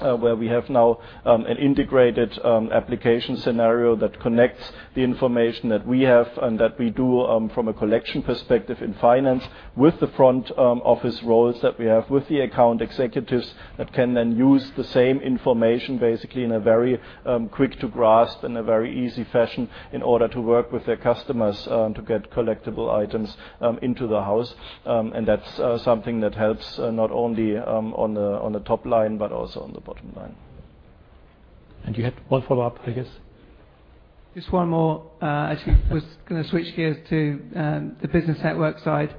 Where we have now an integrated application scenario that connects the information that we have and that we do from a collection perspective in finance with the front-office roles that we have with the account executives that can then use the same information basically in a very quick to grasp and a very easy fashion in order to work with their customers to get collectible items into the house. That's something that helps not only on the top line but also on the bottom line. You had one follow-up, I guess. Just one more. Actually, was going to switch gears to the business network side.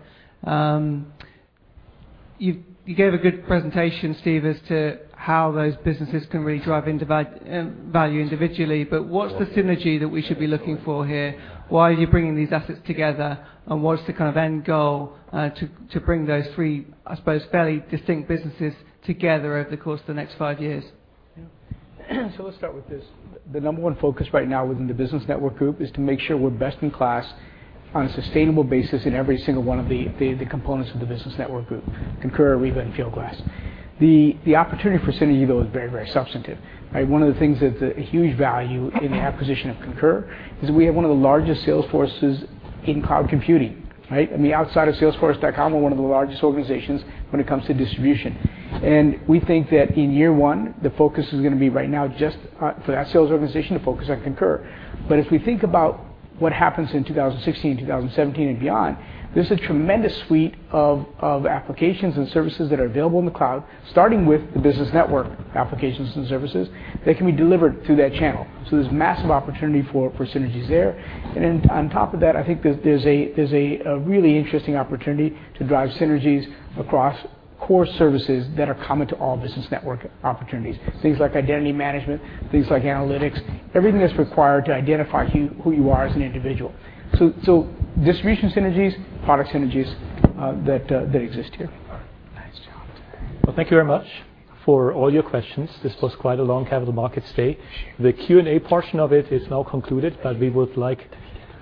You gave a good presentation, Steve, as to how those businesses can really drive value individually. What's the synergy that we should be looking for here? Why are you bringing these assets together, and what is the kind of end goal to bring those three, I suppose, fairly distinct businesses together over the course of the next five years? Yeah. Let's start with this. The number one focus right now within the Business Network Group is to make sure we're best in class on a sustainable basis in every single one of the components of the Business Network Group, Concur, Ariba, and Fieldglass. The opportunity for synergy, though, is very, very substantive, right? One of the things that's a huge value in the acquisition of Concur is we have one of the largest sales forces in cloud computing, right? I mean, outside of Salesforce.com, we're one of the largest organizations when it comes to distribution. We think that in year one, the focus is going to be right now just for that sales organization to focus on Concur. If we think about what happens in 2016, 2017, and beyond, there's a tremendous suite of applications and services that are available in the cloud, starting with the Business Network applications and services that can be delivered through that channel. There's massive opportunity for synergies there. On top of that, I think there's a really interesting opportunity to drive synergies across core services that are common to all business network opportunities. Things like identity management, things like analytics. Everything that's required to identify who you are as an individual. Distribution synergies, product synergies that exist here. Nice job. Well, thank you very much for all your questions. This was quite a long capital markets day. Sure. The Q&A portion of it is now concluded. We would like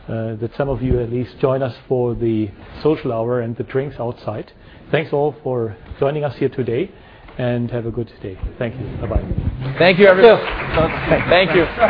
that some of you at least join us for the social hour and the drinks outside. Thanks all for joining us here today, and have a good day. Thank you. Bye-bye. Thank you, everyone. Bill. Thank you.